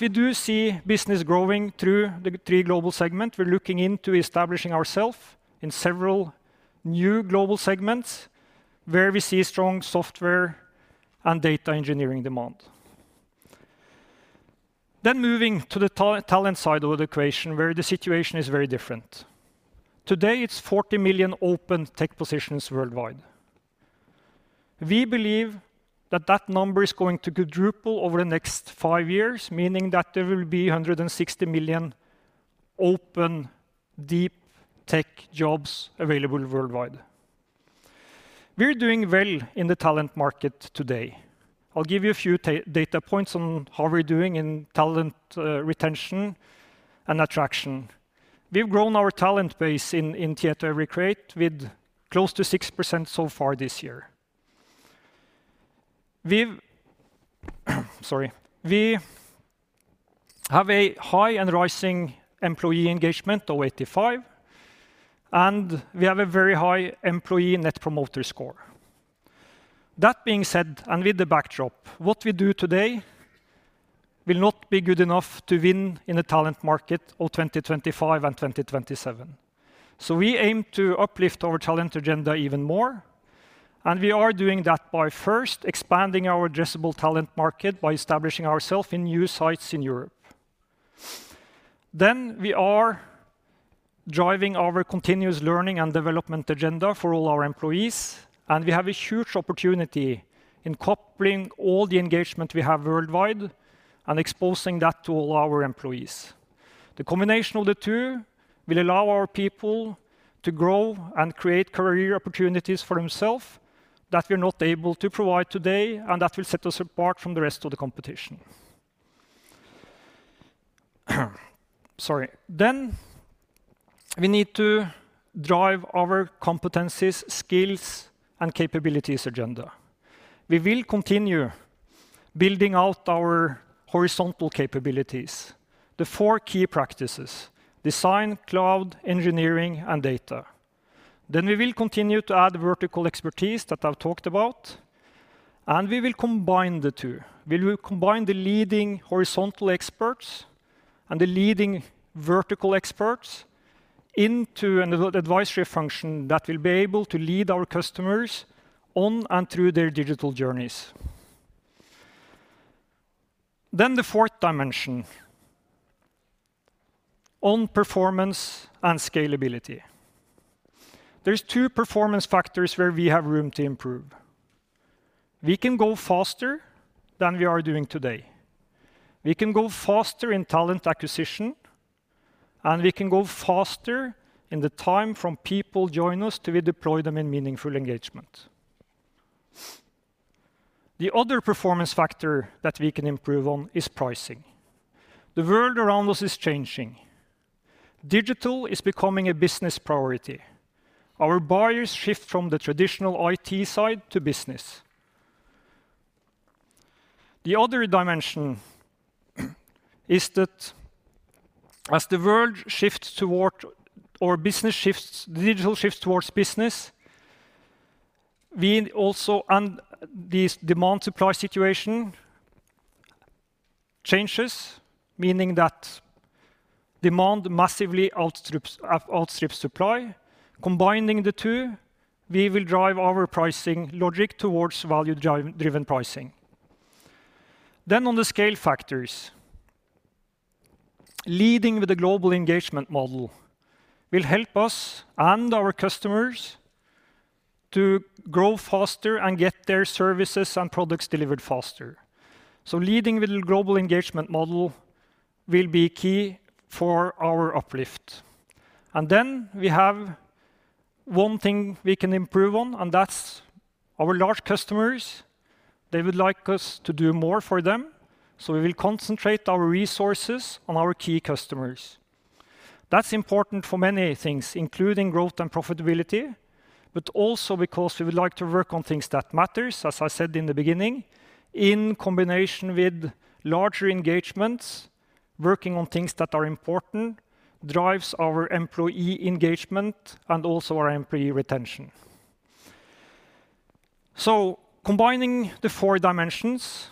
We do see business growing through the three global segments, we're looking into establishing ourselves in several new global segments where we see strong software and data engineering demand. Moving to the talent side of the equation where the situation is very different. Today, it's 40 million open tech positions worldwide. We believe that that number is going to quadruple over the next five years, meaning that there will be 160 million open deep tech jobs available worldwide. We're doing well in the talent market today. I'll give you a few data points on how we're doing in talent retention and attraction. We've grown our talent base in Tietoevry Create with close to 6% so far this year. We've sorry. We have a high and rising employee engagement of 85, we have a very high employee NPS. That being said, and with the backdrop, what we do today will not be good enough to win in the talent market of 2025 and 2027. We aim to uplift our talent agenda even more, and we are doing that by first expanding our addressable talent market by establishing ourself in new sites in Europe. We are driving our continuous learning and development agenda for all our employees, and we have a huge opportunity in coupling all the engagement we have worldwide and exposing that to all our employees. The combination of the two will allow our people to grow and create career opportunities for themself that we're not able to provide today and that will set us apart from the rest of the competition. Sorry. We need to drive our competencies, skills, and capabilities agenda. We will continue building out our horizontal capabilities. The four key practices: design, cloud, engineering, and data. We will continue to add vertical expertise that I've talked about, and we will combine the two. We will combine the leading horizontal experts and the leading vertical experts into an advisory function that will be able to lead our customers on and through their digital journeys. The fourth dimension on performance and scalability. There's two performance factors where we have room to improve. We can go faster than we are doing today. We can go faster in talent acquisition, and we can go faster in the time from people join us to we deploy them in meaningful engagement. The other performance factor that we can improve on is pricing. The world around us is changing. Digital is becoming a business priority. Our buyers shift from the traditional IT side to business. The other dimension is that as the world shifts towards business, digital shifts towards business, this demand supply situation changes, meaning that demand massively outstrips supply. Combining the two, we will drive our pricing logic towards value-driven pricing. On the scale factors, leading with the global engagement model will help us and our customers to grow faster and get their services and products delivered faster. Leading with global engagement model will be key for our uplift. We have one thing we can improve on, and that's our large customers. They would like us to do more for them, so we will concentrate our resources on our key customers. That's important for many things, including growth and profitability, but also because we would like to work on things that matter, as I said in the beginning. In combination with larger engagements, working on things that are important drives our employee engagement and also our employee retention. Combining the four dimensions,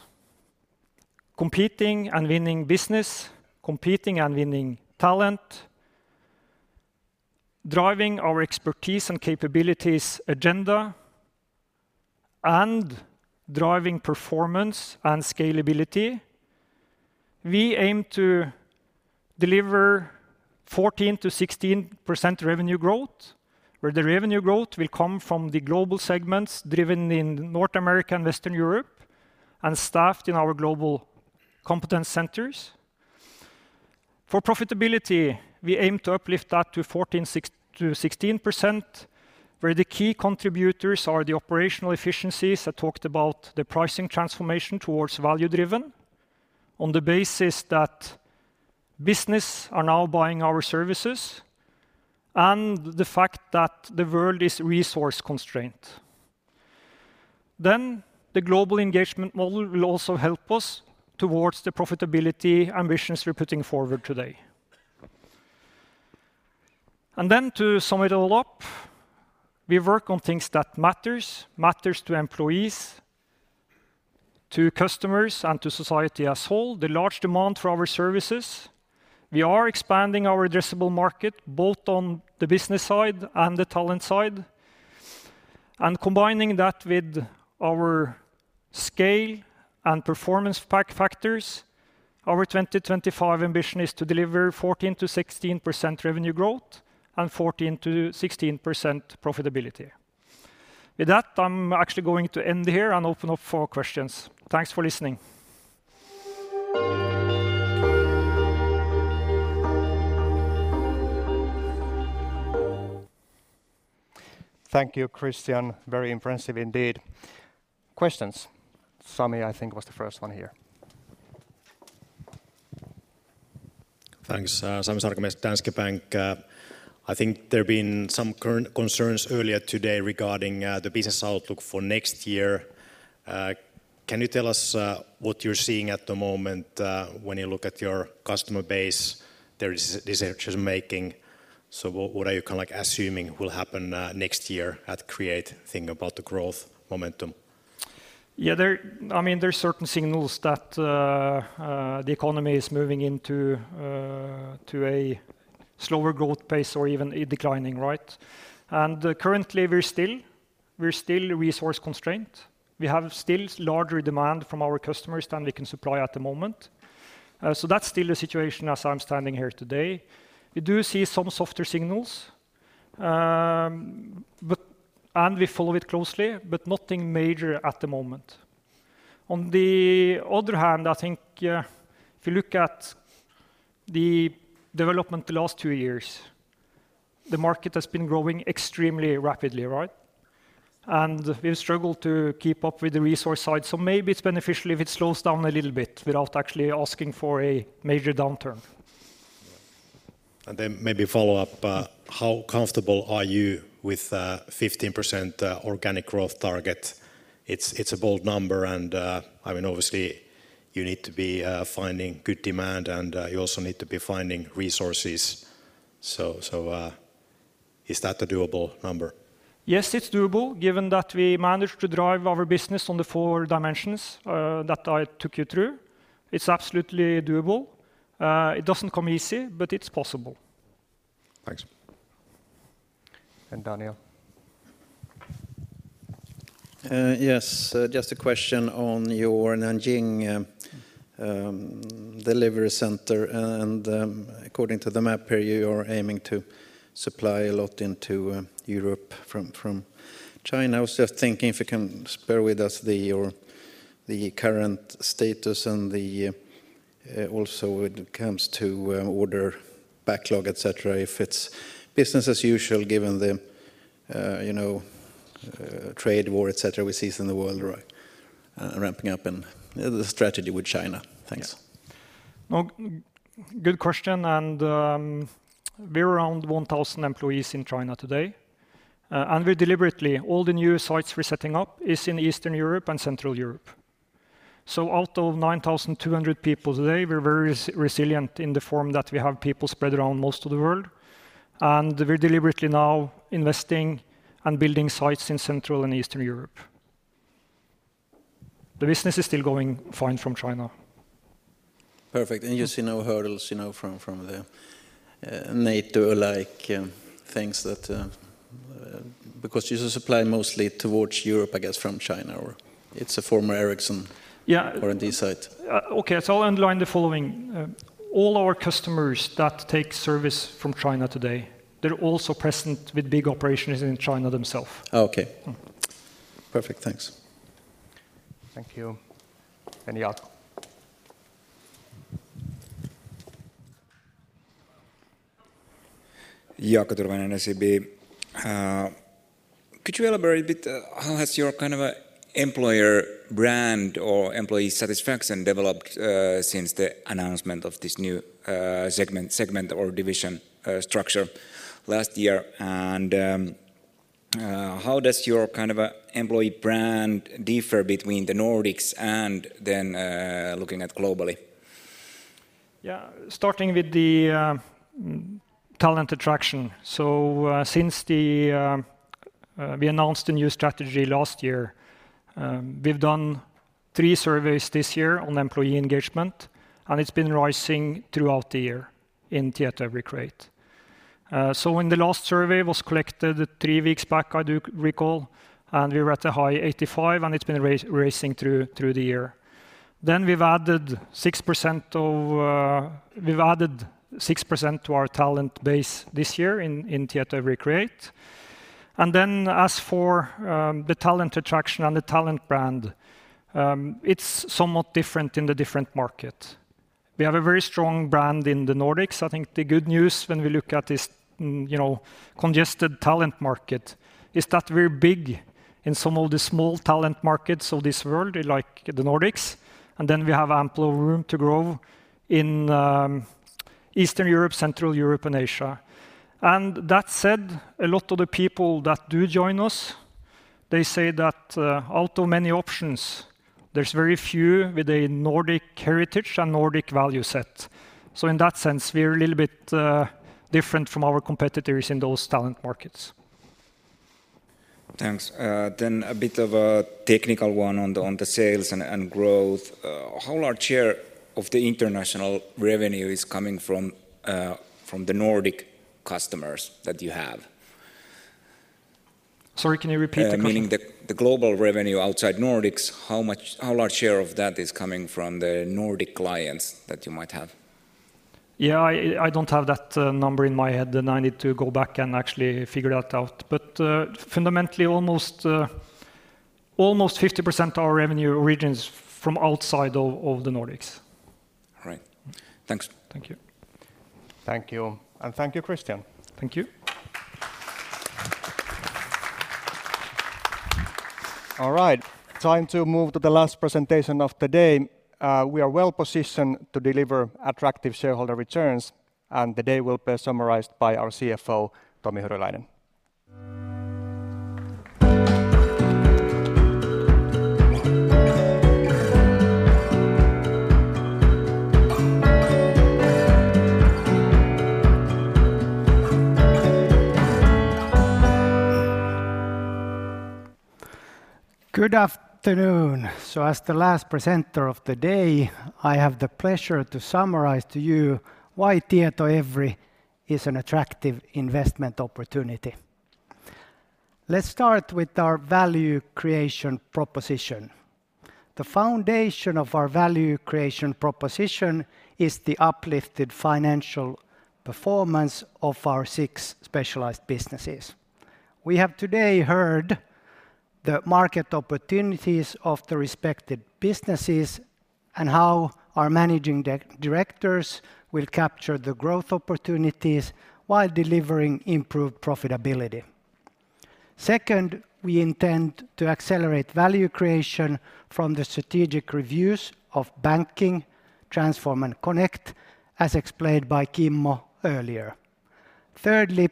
competing and winning business, competing and winning talent, driving our expertise and capabilities agenda, and driving performance and scalability, we aim to deliver 14%-16% revenue growth, where the revenue growth will come from the global segments driven in North America and Western Europe and staffed in our global competence centers. For profitability, we aim to uplift that to 14%-16%, where the key contributors are the operational efficiencies. I talked about the pricing transformation towards value driven on the basis that business are now buying our services and the fact that the world is resource-constrained. The global engagement model will also help us towards the profitability ambitions we're putting forward today. To sum it all up, we work on things that matters to employees, to customers, and to society as whole, the large demand for our services. We are expanding our addressable market, both on the business side and the talent side, and combining that with our scale and performance factors. Our 2025 ambition is to deliver 14%-16% revenue growth and 14%-16% profitability. With that, I'm actually going to end here and open up for questions. Thanks for listening. Thank you, Christian. Very impressive indeed. Questions? Sammy, I think, was the first one here. Thanks. Sami Sarkamies from Danske Bank. I think there have been some current concerns earlier today regarding the business outlook for next year. Can you tell us what you're seeing at the moment when you look at your customer base? There is decision-making. What, what are you kinda like assuming will happen next year at Create thinking about the growth momentum? I mean, there's certain signals that the economy is moving into a slower growth pace or even a declining, right? Currently we're still resource constraint. We have still larger demand from our customers than we can supply at the moment. That's still the situation as I'm standing here today. We do see some softer signals, but we follow it closely, but nothing major at the moment. On the other hand, I think, if you look at the development the last two years, the market has been growing extremely rapidly, right? We've struggled to keep up with the resource side. Maybe it's beneficial if it slows down a little bit without actually asking for a major downturn. Maybe follow up, how comfortable are you with a 15% organic growth target? It's a bold number and, I mean, obviously you need to be finding good demand, and you also need to be finding resources. Is that a doable number? Yes. It's doable given that we manage to drive our business on the four dimensions that I took you through. It's absolutely doable. It doesn't come easy, but it's possible. Thanks. Daniel. Yes. Just a question on your Nanjing delivery center. According to the map here, you're aiming to supply a lot into Europe from China. I was just thinking if you can share with us the, your, the current status and the, also when it comes to order backlog, et cetera, if it's business as usual given the, you know, trade war, et cetera, we see in the world right, ramping up and the strategy with China? Thanks. No, good question. We're around 1,000 employees in China today. We're deliberately, all the new sites we're setting up is in Eastern Europe and Central Europe. Out of 9,200 people today, we're very resilient in the form that we have people spread around most of the world, and we're deliberately now investing and building sites in Central and Eastern Europe. The business is still going fine from China. Perfect. You see no hurdles, you know, from the NATO like things that? Because you supply mostly towards Europe, I guess, from China, or it's a former Ericsson- Yeah... R&D site. Okay. I'll underline the following. All our customers that take service from China today, they're also present with big operations in China themselves. Okay. Mm-hmm. Perfect. Thanks. Thank you. Jaakko. Could you elaborate a bit, how has your employer brand or employee satisfaction developed since the announcement of this new segment or division structure last year? How does your employee brand differ between the Nordics and then looking at globally? Yeah. Starting with the talent attraction. Since we announced the new strategy last year, we've done three surveys this year on employee engagement, and it's been rising throughout the year in Tietoevry Create. When the last survey was collected three weeks back, I do recall, and we were at a high 85, and it's been rising through the year. We've added 6% to our talent base this year in Tietoevry Create. As for the talent attraction and the talent brand, it's somewhat different in the different market. We have a very strong brand in the Nordics. I think the good news when we look at this, you know, congested talent market is that we're big in some of the small talent markets of this world, like the Nordics, and then we have ample room to grow in Eastern Europe, Central Europe, and Asia. That said, a lot of the people that do join us, they say that out of many options, there's very few with a Nordic heritage and Nordic value set. In that sense, we're a little bit different from our competitors in those talent markets. Thanks. A bit of a technical one on the, on the sales and growth. How large share of the international revenue is coming from the Nordic customers that you have? Sorry, can you repeat the question? Meaning the global revenue outside Nordics, how large share of that is coming from the Nordic clients that you might have? Yeah, I don't have that number in my head, and I need to go back and actually figure that out. Fundamentally, almost 50% of our revenue origins from outside of the Nordics. All right. Thanks. Thank you. Thank you. Thank you, Christian. Thank you. All right. Time to move to the last presentation of the day. We are well positioned to deliver attractive shareholder returns, and the day will be summarized by our CFO, Tomi Hyryläinen As the last presenter of the day, I have the pleasure to summarize to you why Tietoevry is an attractive investment opportunity. Let's start with our value creation proposition. The foundation of our value creation proposition is the uplifted financial performance of our six specialized businesses. We have today heard the market opportunities of the respective businesses and how our managing directors will capture the growth opportunities while delivering improved profitability. Second, we intend to accelerate value creation from the strategic reviews of banking, transform and connect, as explained by Kimmo earlier. Thirdly,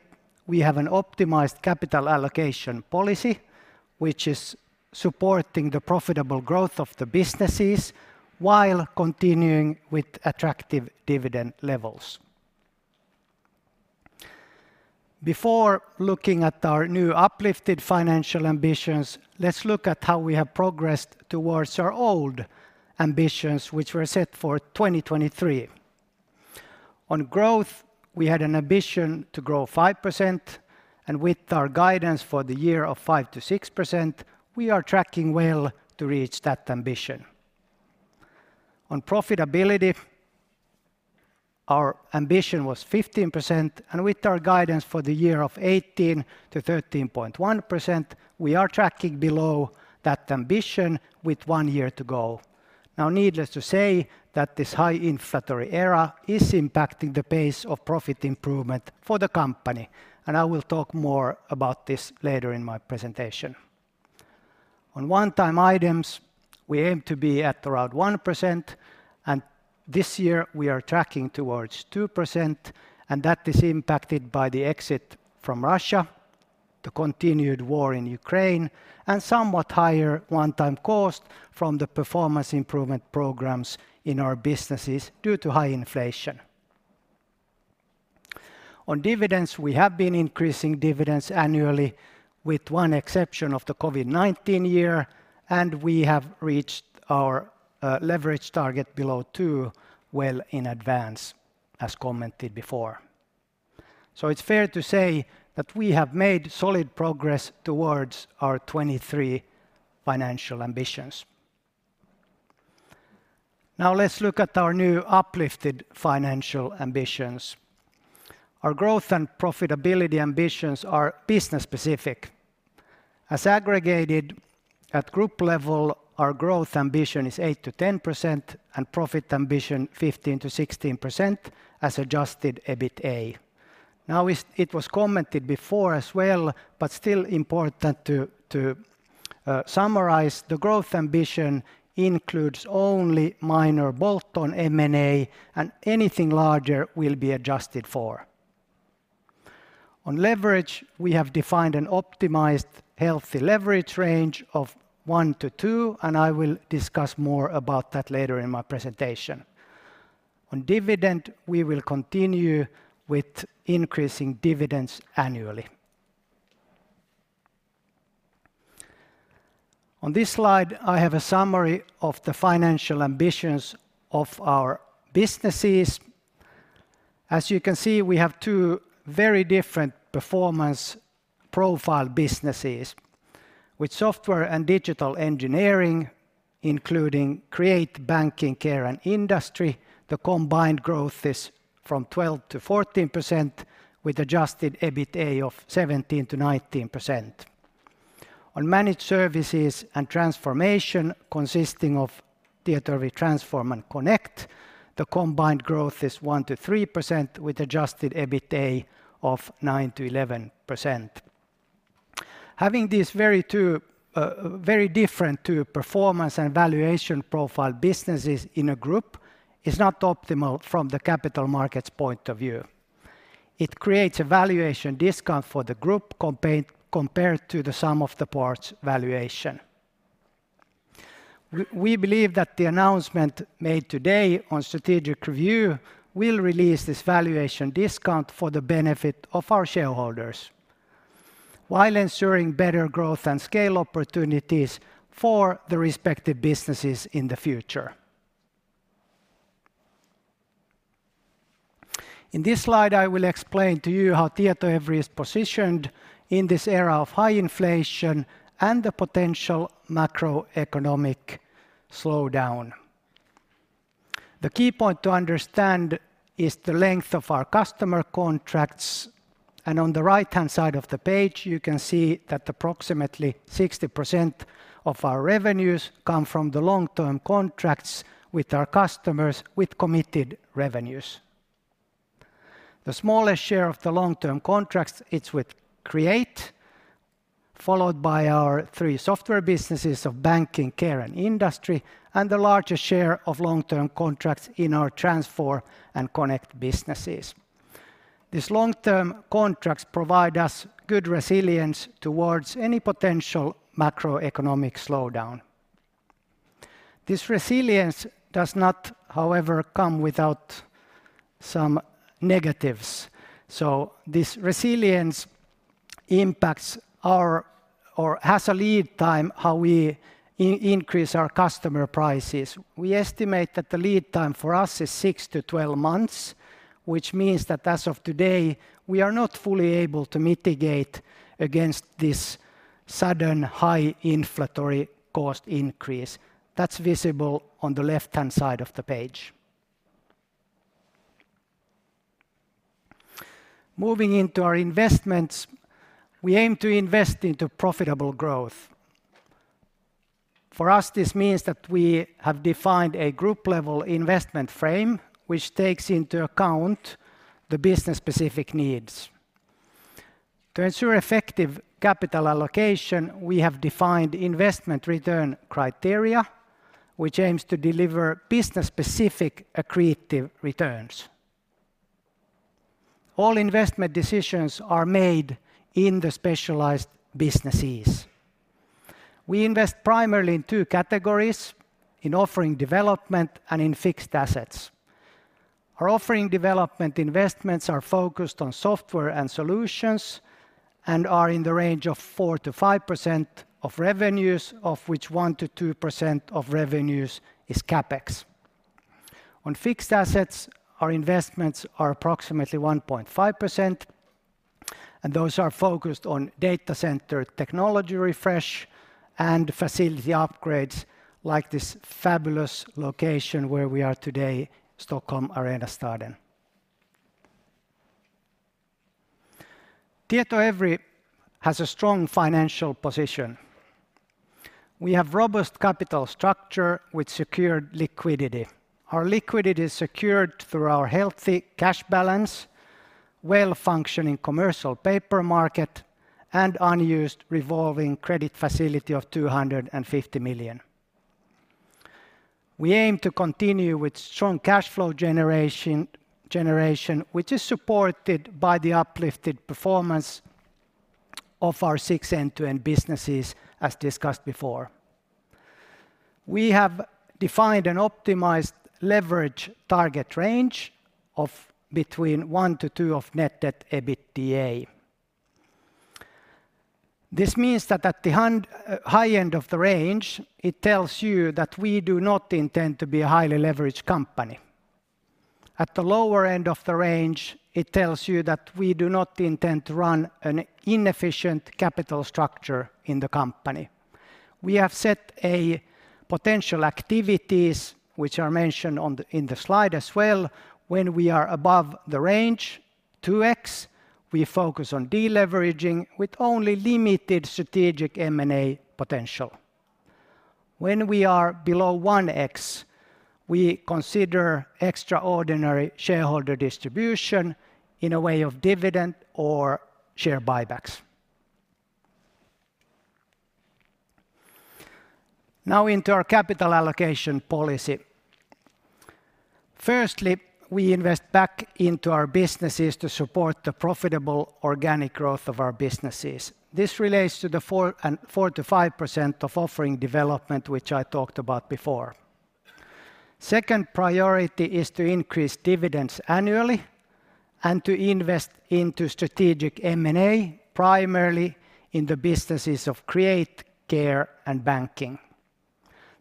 we have an optimized capital allocation policy, which is supporting the profitable growth of the businesses while continuing with attractive dividend levels. Before looking at our new uplifted financial ambitions, let's look at how we have progressed towards our old ambitions which were set for 2023. On growth, we had an ambition to grow 5%, With our guidance for the year of 5%-6%, we are tracking well to reach that ambition. On profitability, our ambition was 15%, With our guidance for the year of 12.8%-13.1%, we are tracking below that ambition with one year to go. Needless to say that this high-inflationary era is impacting the pace of profit improvement for the company. I will talk more about this later in my presentation. On one-time items, we aim to be at around 1%. This year we are tracking towards 2%. That is impacted by the exit from Russia, the continued war in Ukraine, and somewhat higher one-time cost from the performance improvement programs in our businesses due to high inflation. On dividends, we have been increasing dividends annually with one exception of the COVID-19 year, and we have reached our leverage target below two well in advance, as commented before. It's fair to say that we have made solid progress towards our 2023 financial ambitions. Let's look at our new uplifted financial ambitions. Our growth and profitability ambitions are business-specific. As aggregated at group level, our growth ambition is 8%-10% and profit ambition 15%-16% as adjusted EBITA. It was commented before as well, but still important to summarize the growth ambition includes only minor bolt-on M&A, and anything larger will be adjusted for. On leverage, we have defined an optimized healthy leverage range of one to two, and I will discuss more about that later in my presentation. On dividend, we will continue with increasing dividends annually. On this slide, I have a summary of the financial ambitions of our businesses. As you can see, we have two very different performance profile businesses. With software and digital engineering, including Create, Banking, Care, and Industry, the combined growth is from 12%-14% with adjusted EBITDA of 17%-19%. On managed services and transformation, consisting of Tietoevry Transform and Connect, the combined growth is 1%-3% with adjusted EBITDA of 9%-11%. Having these very different two performance and valuation profile businesses in a group is not optimal from the capital markets point of view. It creates a valuation discount for the group compared to the sum of the parts valuation. We believe that the announcement made today on strategic review will release this valuation discount for the benefit of our shareholders while ensuring better growth and scale opportunities for the respective businesses in the future. In this slide, I will explain to you how Tietoevry is positioned in this era of high inflation and the potential macroeconomic slowdown. The key point to understand is the length of our customer contracts. On the right-hand side of the page you can see that approximately 60% of our revenues come from the long-term contracts with our customers with committed revenues. The smallest share of the long-term contracts, it's with Create, followed by our three software businesses of Banking, Care, and Industry, and the largest share of long-term contracts in our Transform and Connect businesses. These long-term contracts provide us good resilience towards any potential macroeconomic slowdown. This resilience does not, however, come without some negatives. This resilience impacts our or has a lead time how we increase our customer prices. We estimate that the lead time for us is 6-12 months, which means that as of today, we are not fully able to mitigate against this sudden high inflationary cost increase. That's visible on the left-hand side of the page. Moving into our investments, we aim to invest into profitable growth. For us, this means that we have defined a group-level investment frame which takes into account the business-specific needs. To ensure effective capital allocation, we have defined investment return criteria, which aims to deliver business-specific accretive returns. All investment decisions are made in the specialized businesses. We invest primarily in two categories, in offering development and in fixed assets. Our offering development investments are focused on software and solutions and are in the range of 4%-5% of revenues, of which 1%-2% of revenues is CapEx. On fixed assets, our investments are approximately 1.5%, those are focused on data center technology refresh and facility upgrades like this fabulous location where we are today, Stockholm Arenastaden. Tietoevry has a strong financial position. We have robust capital structure with secured liquidity. Our liquidity is secured through our healthy cash balance, well-functioning commercial paper market, and unused revolving credit facility of 250 million. We aim to continue with strong cash flow generation, which is supported by the uplifted performance of our six end-to-end businesses, as discussed before. We have defined an optimized leverage target range of between 1-2 of Net Debt/EBITDA. This means that at the high end of the range, it tells you that we do not intend to be a highly leveraged company. At the lower end of the range, it tells you that we do not intend to run an inefficient capital structure in the company. We have set a potential activities which are mentioned on the slide as well. When we are above the range, 2x, we focus on deleveraging with only limited strategic M&A potential. When we are below 1x, we consider extraordinary shareholder distribution in a way of dividend or share buybacks. Into our capital allocation policy. Firstly, we invest back into our businesses to support the profitable organic growth of our businesses. This relates to the 4%-5% of offering development which I talked about before. Second priority is to increase dividends annually and to invest into strategic M&A, primarily in the businesses of Create, Care, and Banking.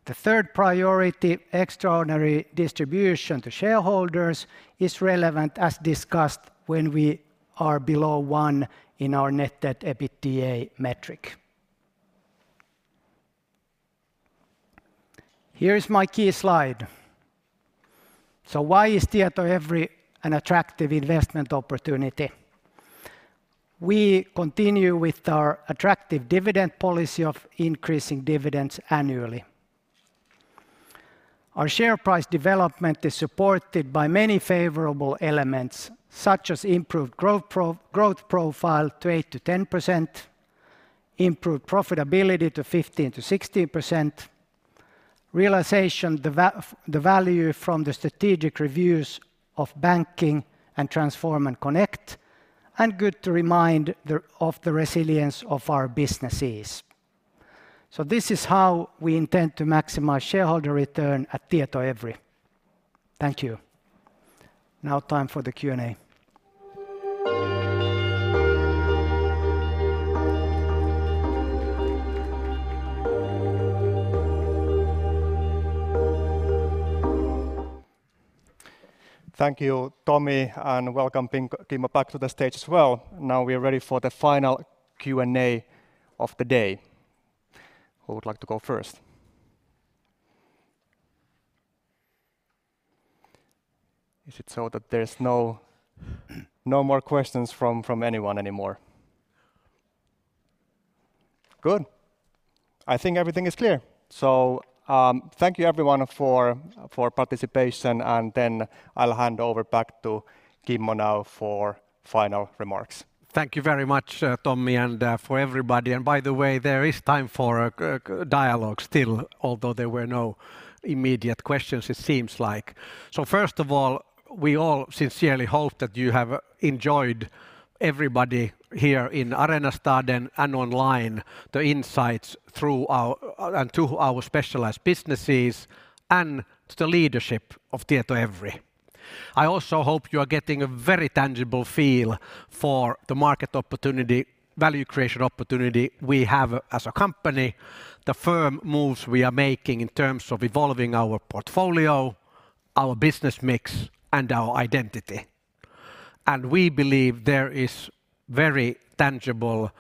The third priority, extraordinary distribution to shareholders, is relevant, as discussed, when we are below one in our Net Debt/EBITDA metric. Here is my key slide. Why is Tietoevry an attractive investment opportunity? We continue with our attractive dividend policy of increasing dividends annually. Our share price development is supported by many favorable elements, such as improved growth profile to 8%-10%, improved profitability to 15%-16%, realization the value from the strategic reviews of Banking and Transform and Connect, and good to remind the, of the resilience of our businesses. This is how we intend to maximize shareholder return at Tietoevry. Thank you. Now time for the Q&A. Thank you, Tomi, and welcome Kimmo back to the stage as well. Now we are ready for the final Q&A of the day. Who would like to go first? Is it so that there's no more questions from anyone anymore? Good. I think everything is clear. Thank you everyone for participation, and then I'll hand over back to Kimmo now for final remarks. Thank you very much, Tomi, and for everybody. By the way, there is time for a dialogue still, although there were no immediate questions it seems like. First of all, we all sincerely hope that you have enjoyed, everybody here in Arenastaden and online, the insights through our and to our specialized businesses and to the leadership of Tietoevry. I also hope you are getting a very tangible feel for the market opportunity, value creation opportunity we have as a company, the firm moves we are making in terms of evolving our portfolio, our business mix, and our identity. We believe there is very tangible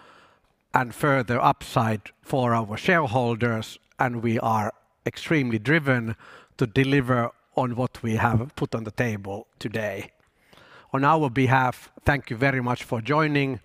and further upside for our shareholders, and we are extremely driven to deliver on what we have put on the table today. On our behalf, thank you very much for joining.